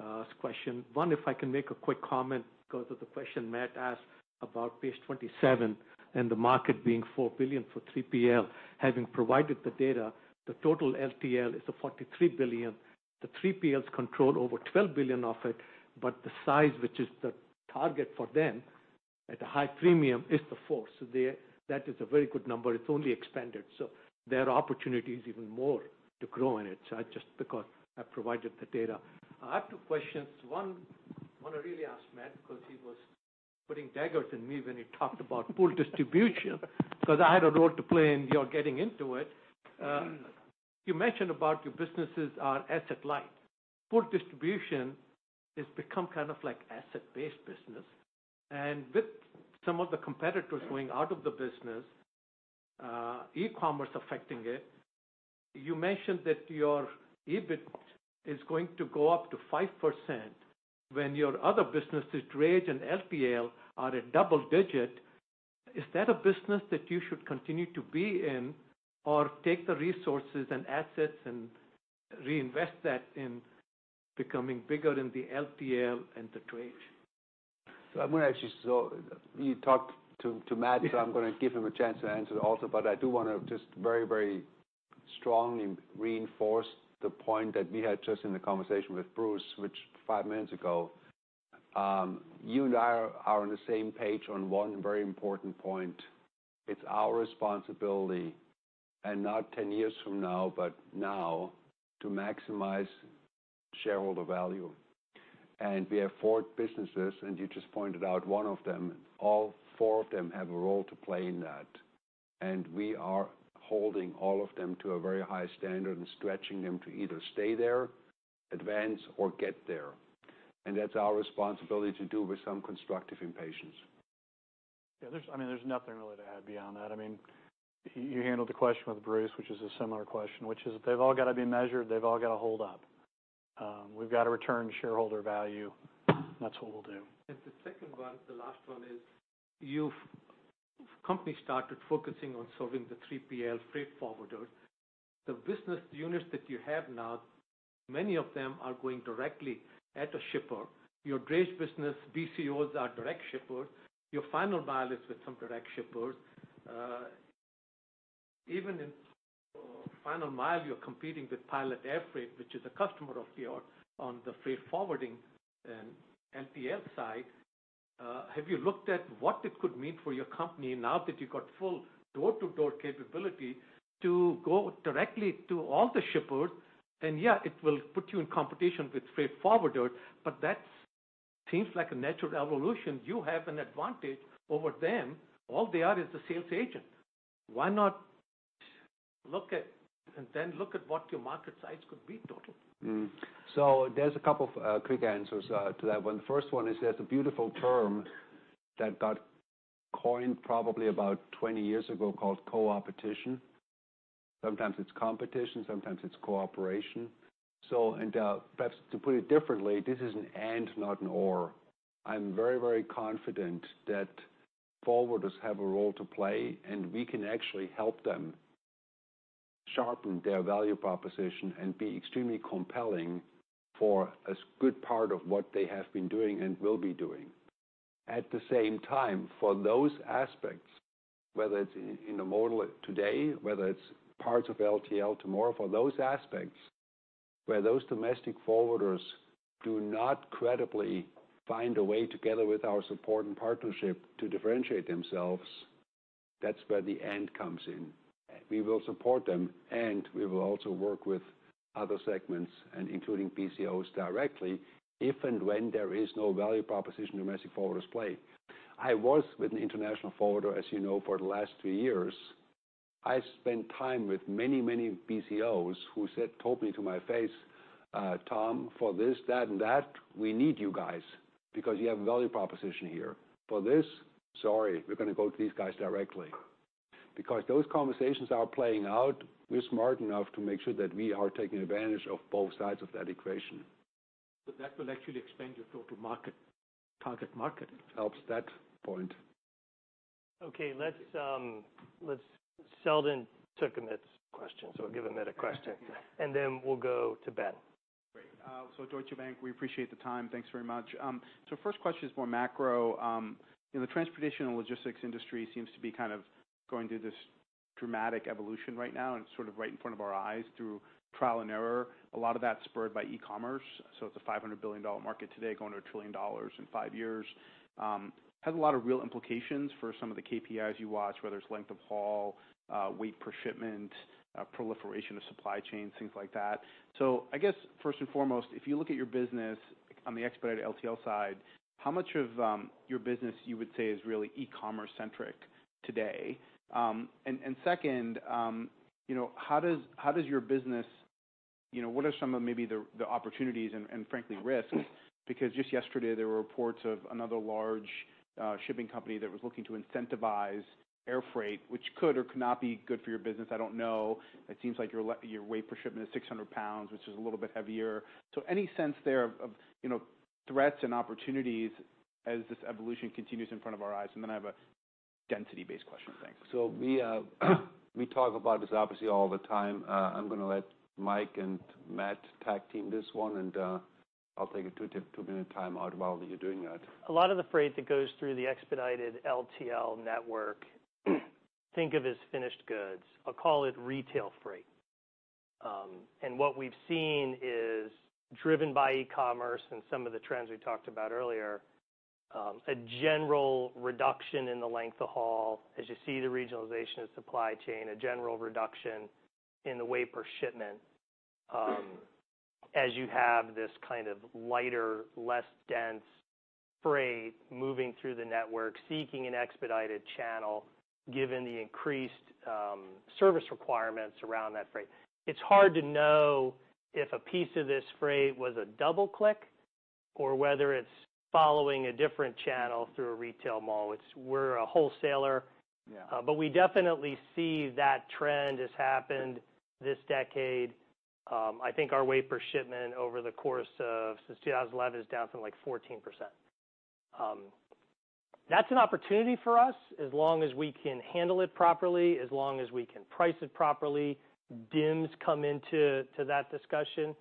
Ask question. One, if I can make a quick comment because of the question Matt asked about page 27 and the market being $4 billion for 3PL. Having provided the data, the total LTL is a $43 billion. The 3PLs control over $12 billion of it, but the size, which is the target for them at a high premium, is the fourth. That is a very good number. It's only expanded. There are opportunities even more to grow in it. Just because I provided the data. I have two questions. One I really ask Matt because he was putting daggers in me when he talked about pool distribution because I had a role to play in your getting into it. You mentioned about your businesses are asset light. Pool distribution has become kind of like asset-based business, and with some of the competitors going out of the business, e-commerce affecting it, you mentioned that your EBIT is going to go up to 5% when your other businesses, drayage and LTL, are at double digit. Is that a business that you should continue to be in or take the resources and assets and reinvest that in becoming bigger in the LTL and the drayage? You talked to Matt, so I'm going to give him a chance to answer also, but I do want to just very, very strongly reinforce the point that we had just in the conversation with Bruce, which five minutes ago. You and I are on the same page on one very important point. It's our responsibility and not 10 years from now, but now to maximize shareholder value. We have four businesses, and you just pointed out one of them. All four of them have a role to play in that. We are holding all of them to a very high standard and stretching them to either stay there, advance or get there. That's our responsibility to do with some constructive impatience. Yeah, there's nothing really to add beyond that. You handled the question with Bruce, which is a similar question, which is they've all got to be measured. They've all got to hold up. We've got to return shareholder value. That's what we'll do. The second one, the last one is, your company started focusing on serving the 3PL freight forwarders. The business units that you have now, many of them are going directly at a shipper. Your drayage business, BCOs are direct shippers. Your final mile is with some direct shippers. Even in final mile, you're competing with Pilot Freight Services, which is a customer of yours on the freight forwarding and LTL side. Have you looked at what it could mean for your company now that you got full door-to-door capability to go directly to all the shippers? Yeah, it will put you in competition with freight forwarders, but that seems like a natural evolution. You have an advantage over them. All they are is the sales agent. Why not look at what your market size could be total? There's a couple of quick answers to that one. First one is there's a beautiful term that got coined probably about 20 years ago called coopetition. Sometimes it's competition, sometimes it's cooperation. Perhaps to put it differently, this is an and, not an or. I'm very, very confident that forwarders have a role to play, and we can actually help them sharpen their value proposition and be extremely compelling for a good part of what they have been doing and will be doing. At the same time, for those aspects, whether it's in the model today, whether it's parts of LTL tomorrow, for those aspects where those domestic forwarders do not credibly find a way together with our support and partnership to differentiate themselves, that's where the and comes in. We will support them, and we will also work with other segments and including BCOs directly if and when there is no value proposition domestic forwarders play. I was with an international forwarder, as you know, for the last three years. I spent time with many, many BCOs who said openly to my face, "Tom, for this, that, and that, we need you guys because you have value proposition here. For this, sorry, we're going to go to these guys directly." Those conversations are playing out, we're smart enough to make sure that we are taking advantage of both sides of that equation. That will actually expand your total market, target market. Helps that point. Okay. Selwyn took Amit's question, we'll give Amit a question, and then we'll go to Ben. Great. Deutsche Bank, we appreciate the time. Thanks very much. First question is more macro. The transportation and logistics industry seems to be going through this dramatic evolution right now, and it's right in front of our eyes through trial and error. A lot of that's spurred by e-commerce. It's a $500 billion market today, going to $1 trillion in 5 years. Has a lot of real implications for some of the KPIs you watch, whether it's length of haul, weight per shipment, proliferation of supply chain, things like that. I guess, first and foremost, if you look at your business on the expedited LTL side, how much of your business you would say is really e-commerce centric today? And second, what are some of maybe the opportunities and frankly, risks? Because just yesterday, there were reports of another large shipping company that was looking to incentivize air freight, which could or could not be good for your business, I don't know. It seems like your weight per shipment is 600 pounds, which is a little bit heavier. Any sense there of threats and opportunities as this evolution continues in front of our eyes? And then I have a density-based question. Thanks. We talk about this, obviously, all the time. I'm going to let Mike and Matt tag-team this one, and I'll take a two-minute time out while you're doing that. A lot of the freight that goes through the expedited LTL network, think of as finished goods. I'll call it retail freight. What we've seen is driven by e-commerce and some of the trends we talked about earlier, a general reduction in the length of haul. As you see the regionalization of supply chain, a general reduction in the weight per shipment as you have this kind of lighter, less dense freight moving through the network, seeking an expedited channel, given the increased service requirements around that freight. It's hard to know if a piece of this freight was a double-click or whether it's following a different channel through a retail mall. We're a wholesaler. Yeah. We definitely see that trend has happened this decade. I think our weight per shipment over the course of since 2011 is down to, like, 14%. That's an opportunity for us, as long as we can handle it properly, as long as we can price it properly. DIMs come into that discussion.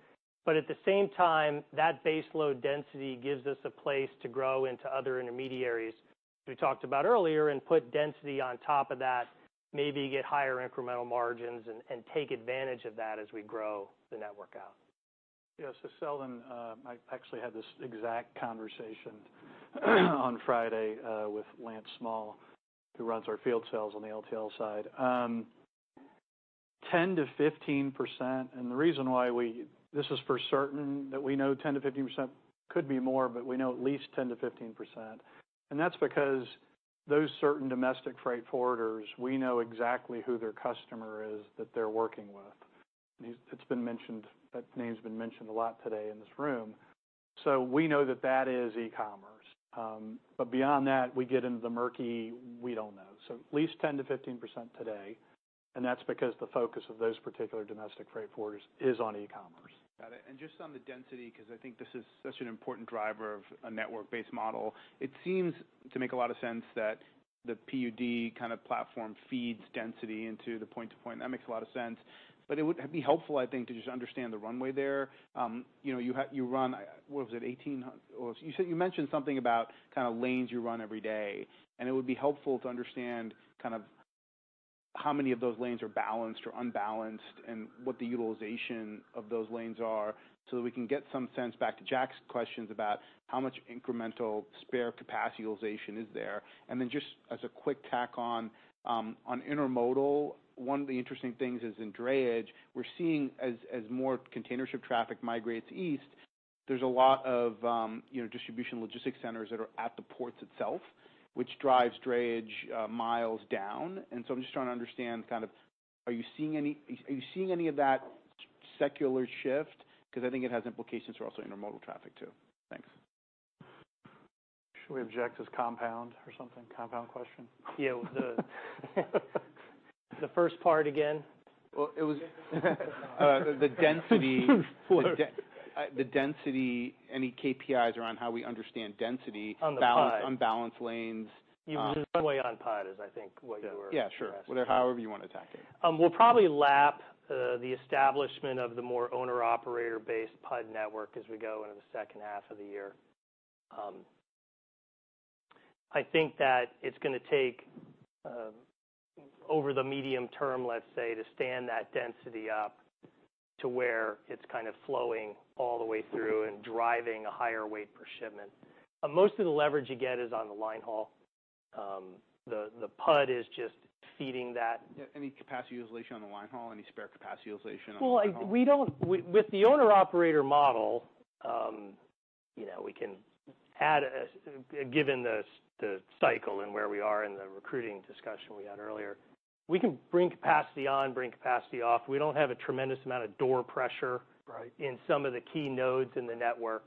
At the same time, that base load density gives us a place to grow into other intermediaries we talked about earlier and put density on top of that, maybe get higher incremental margins, and take advantage of that as we grow the network out. Yeah. Selwyn, I actually had this exact conversation on Friday with Lance Small, who runs our field sales on the LTL side. 10%-15%, the reason why this is for certain, that we know 10%-15%, could be more, but we know at least 10%-15%. That's because those certain domestic freight forwarders, we know exactly who their customer is that they're working with. That name's been mentioned a lot today in this room. We know that that is e-commerce. Beyond that, we get into the murky we don't know. At least 10%-15% today, that's because the focus of those particular domestic freight forwarders is on e-commerce. Got it. Just on the density, because I think this is such an important driver of a network-based model. It seems to make a lot of sense that the PUD kind of platform feeds density into the point to point. That makes a lot of sense. It would be helpful, I think, to just understand the runway there. You mentioned something about lanes you run every day, and it would be helpful to understand how many of those lanes are balanced or unbalanced and what the utilization of those lanes are so that we can get some sense back to Jack's questions about how much incremental spare capacity utilization is there. Then just as a quick tack on intermodal, one of the interesting things is in drayage, we're seeing as more container ship traffic migrates east, there's a lot of distribution logistics centers that are at the ports itself, which drives drayage miles down. So I'm just trying to understand, are you seeing any of that secular shift? Because I think it has implications for also intermodal traffic, too. Thanks. Should we object as compound or something? Compound question? Yeah. The first part again? Well, The density. Any KPIs around how we understand density? On the PUD. On balanced lanes. You mean the weight on PUD, is I think what you were asking. Yeah, sure. However you want to attack it. We'll probably lap the establishment of the more owner/operator-based PUD network as we go into the second half of the year. I think that it's going to take over the medium term, let's say, to stand that density up to where it's flowing all the way through and driving a higher weight per shipment. Most of the leverage you get is on the line haul. The PUD is just feeding that. Yeah. Any capacity utilization on the line haul? Any spare capacity utilization on the line haul? With the owner/operator model, given the cycle and where we are in the recruiting discussion we had earlier, we can bring capacity on, bring capacity off. We don't have a tremendous amount of door pressure. Right in some of the key nodes in the network.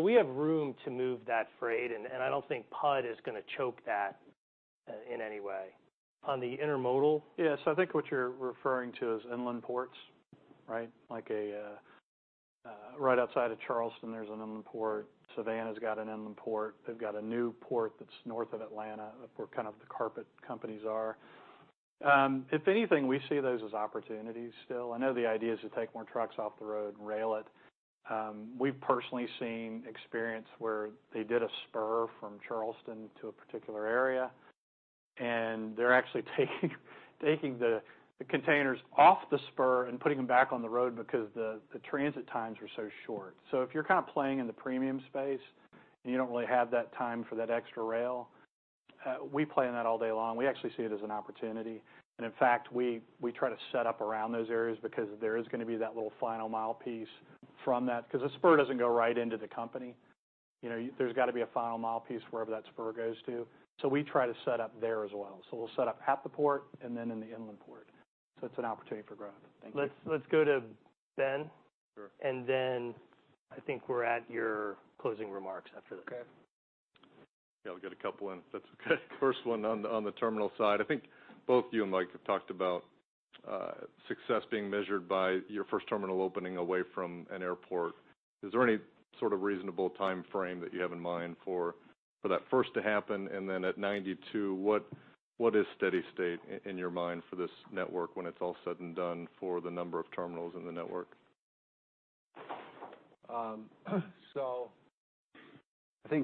We have room to move that freight, and I don't think PUD is going to choke that in any way. Yes, I think what you're referring to is inland ports, right? Right outside of Charleston, there's an inland port. Savannah's got an inland port. They've got a new port that's north of Atlanta, where the carpet companies are. If anything, we see those as opportunities still. I know the idea is to take more trucks off the road and rail it. We've personally seen experience where they did a spur from Charleston to a particular area, and they're actually taking the containers off the spur and putting them back on the road because the transit times are so short. If you're playing in the premium space, and you don't really have that time for that extra rail, we play in that all day long. We actually see it as an opportunity. In fact, we try to set up around those areas because there is going to be that little final mile piece from that, because a spur doesn't go right into the company. There's got to be a final mile piece wherever that spur goes to. We try to set up there as well. We'll set up at the port and then in the inland port. It's an opportunity for growth. Thank you. Let's go to Ben. Sure. I think we're at your closing remarks after this. Okay. Yeah, I'll get a couple in if that's okay. First one on the terminal side, I think both you and Mike have talked about success being measured by your first terminal opening away from an airport. Is there any sort of reasonable timeframe that you have in mind for that first to happen? At 92, what is steady state in your mind for this network when it's all said and done for the number of terminals in the network? I think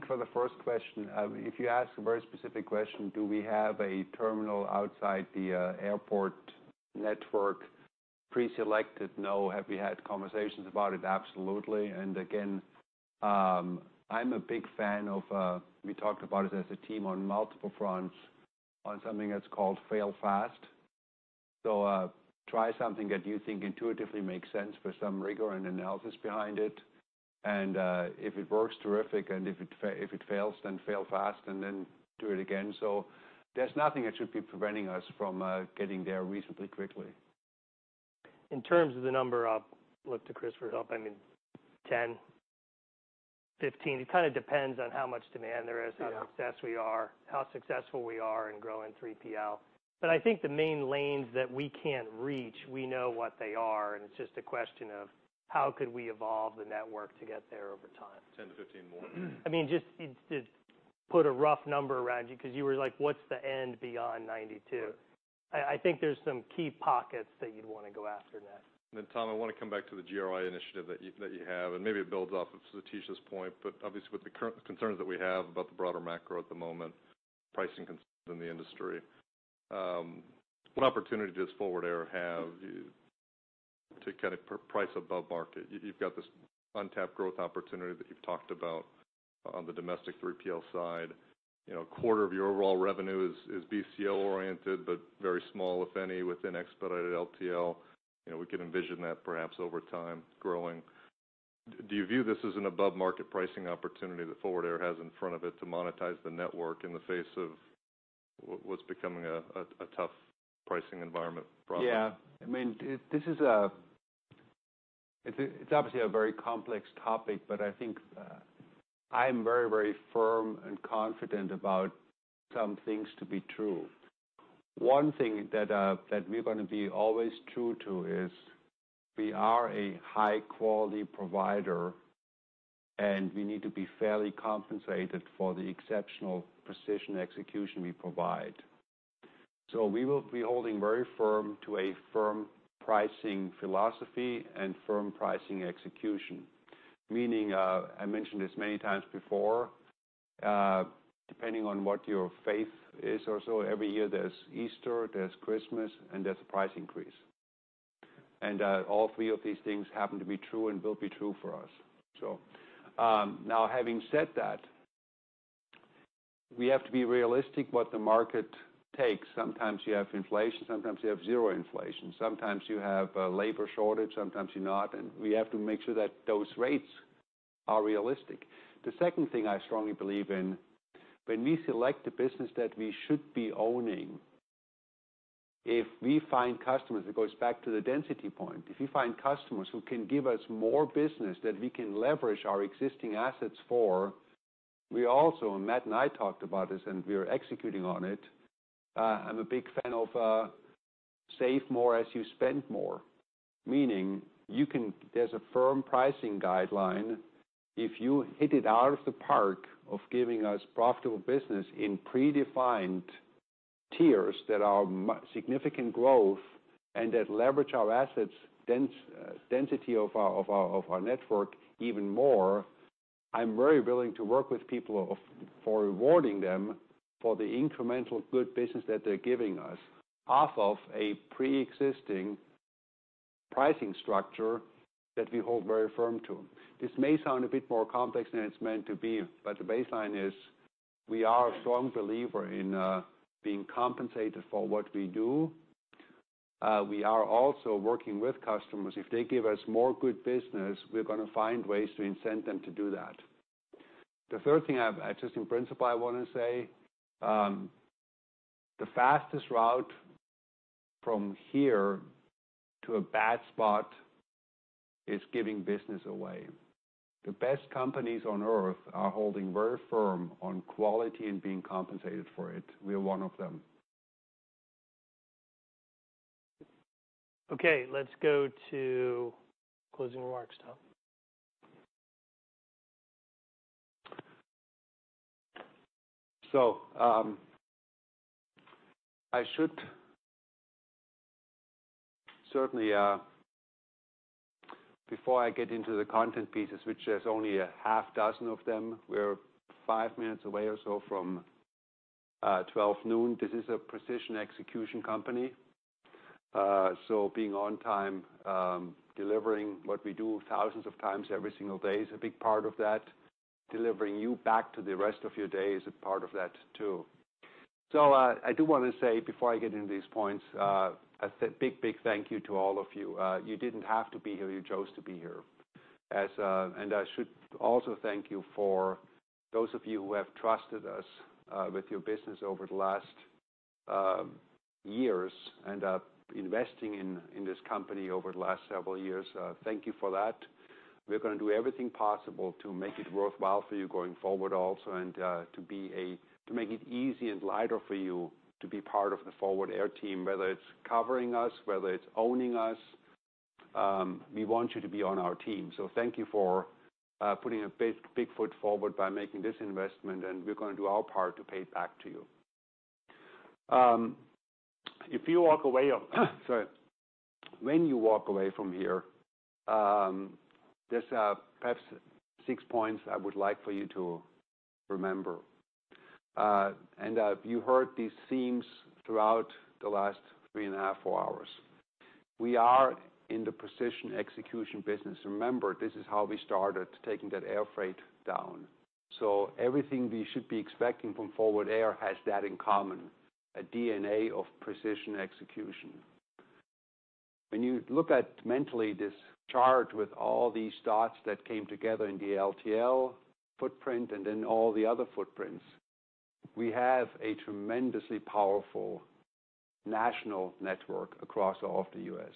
for the first question, if you ask a very specific question, do we have a terminal outside the airport network preselected? No. Have we had conversations about it? Absolutely. Again, I'm a big fan of, we talked about it as a team on multiple fronts, on something that's called fail fast. Try something that you think intuitively makes sense. Put some rigor and analysis behind it, and if it works, terrific, and if it fails, then fail fast and then do it again. There's nothing that should be preventing us from getting there reasonably quickly. In terms of the number, I'll look to Chris for help. I mean, 10, 15. It kind of depends on how much demand there is. Yeah how successful we are in growing 3PL. I think the main lanes that we can't reach, we know what they are, and it's just a question of how could we evolve the network to get there over time. 10 to 15 more. I mean, just put a rough number around you, because you were like, "What's the end beyond 92? Right. I think there's some key pockets that you'd want to go after next. Tom, I want to come back to the GRI initiative that you have, maybe it builds off of Satish's point, but obviously with the current concerns that we have about the broader macro at the moment, pricing concerns in the industry, what opportunity does Forward Air have to price above market? You've got this untapped growth opportunity that you've talked about on the domestic 3PL side. A quarter of your overall revenue is BCO oriented, but very small, if any, within expedited LTL. We could envision that perhaps over time growing. Do you view this as an above-market pricing opportunity that Forward Air has in front of it to monetize the network in the face of what's becoming a tough pricing environment broadly? Yeah. I mean, it's obviously a very complex topic, but I think I am very firm and confident about some things to be true. One thing that we're going to be always true to is we are a high-quality provider, and we need to be fairly compensated for the exceptional precision execution we provide. We will be holding very firm to a firm pricing philosophy and firm pricing execution. Meaning, I mentioned this many times before, depending on what your faith is or so, every year there's Easter, there's Christmas, and there's a price increase. All three of these things happen to be true and will be true for us. Now having said that, we have to be realistic what the market takes. Sometimes you have inflation, sometimes you have zero inflation. Sometimes you have a labor shortage, sometimes you not, we have to make sure that those rates are realistic. The second thing I strongly believe in, when we select the business that we should be owning, if we find customers, it goes back to the density point. If we find customers who can give us more business that we can leverage our existing assets for, we also, Matt and I talked about this, we are executing on it, I'm a big fan of save more as you spend more, meaning there's a firm pricing guideline. If you hit it out of the park of giving us profitable business in predefined tiers that are significant growth that leverage our assets, density of our network even more, I'm very willing to work with people for rewarding them for the incremental good business that they're giving us off of a preexisting pricing structure that we hold very firm to. This may sound a bit more complex than it's meant to be, the baseline is we are a strong believer in being compensated for what we do. We are also working with customers. If they give us more good business, we're going to find ways to incent them to do that. The third thing, just in principle I want to say, the fastest route from here to a bad spot is giving business away. The best companies on earth are holding very firm on quality and being compensated for it. We are one of them. Let's go to closing remarks, Tom. I should certainly, before I get into the content pieces, which there's only a half dozen of them, we're 5 minutes away or so from 12:00 P.M. This is a precision execution company. Being on time, delivering what we do thousands of times every single day is a big part of that. Delivering you back to the rest of your day is a part of that, too. I do want to say, before I get into these points, a big thank you to all of you. You didn't have to be here. You chose to be here. I should also thank you for those of you who have trusted us with your business over the last years and investing in this company over the last several years. Thank you for that. We're going to do everything possible to make it worthwhile for you going forward also, and to make it easy and lighter for you to be part of the Forward Air team, whether it's covering us, whether it's owning us, we want you to be on our team. Thank you for putting a big foot forward by making this investment, and we're going to do our part to pay it back to you. If you walk away, sorry, when you walk away from here, there's perhaps six points I would like for you to remember. You heard these themes throughout the last three and a half, four hours. We are in the precision execution business. Remember, this is how we started taking that air freight down. Everything we should be expecting from Forward Air has that in common, a DNA of precision execution. When you look at mentally this chart with all these dots that came together in the LTL footprint and in all the other footprints, we have a tremendously powerful national network across all of the U.S.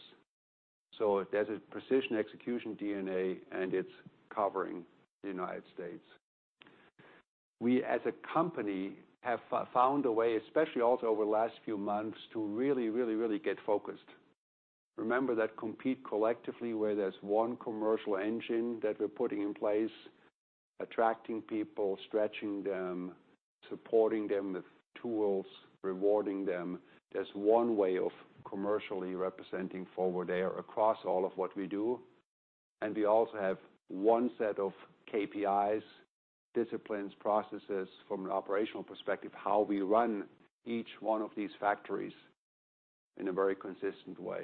There's a precision execution DNA, and it's covering the United States. We, as a company, have found a way, especially also over the last few months, to really get focused. Remember that compete collectively where there's one commercial engine that we're putting in place, attracting people, stretching them, supporting them with tools, rewarding them. There's one way of commercially representing Forward Air across all of what we do, and we also have one set of KPIs, disciplines, processes from an operational perspective, how we run each one of these factories in a very consistent way.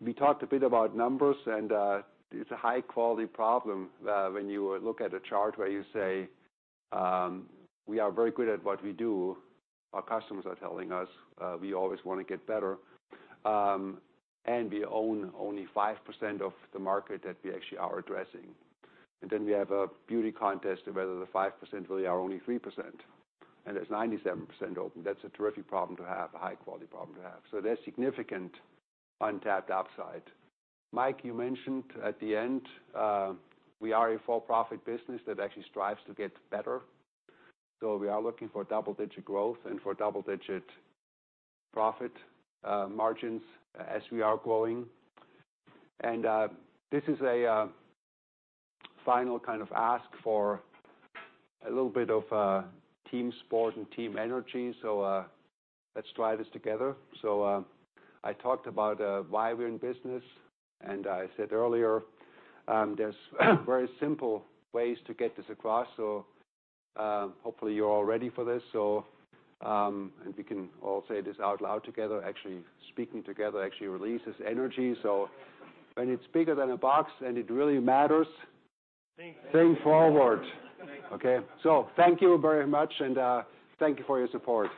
We talked a bit about numbers, and it's a high-quality problem when you look at a chart where you say we are very good at what we do. Our customers are telling us we always want to get better. We own only 5% of the market that we actually are addressing. Then we have a beauty contest of whether the 5% really are only 3%, and there's 97% open. That's a terrific problem to have, a high-quality problem to have. There's significant untapped upside. Mike, you mentioned at the end, we are a for-profit business that actually strives to get better. We are looking for double-digit growth and for double-digit profit margins as we are growing. This is a final kind of ask for a little bit of team sport and team energy. Let's try this together. I talked about why we're in business, and I said earlier there's very simple ways to get this across. Hopefully you're all ready for this. We can all say this out loud together, actually speaking together actually releases energy. When it's bigger than a box and it really matters- Think forward. Think forward. Okay. Thank you very much, and thank you for your support.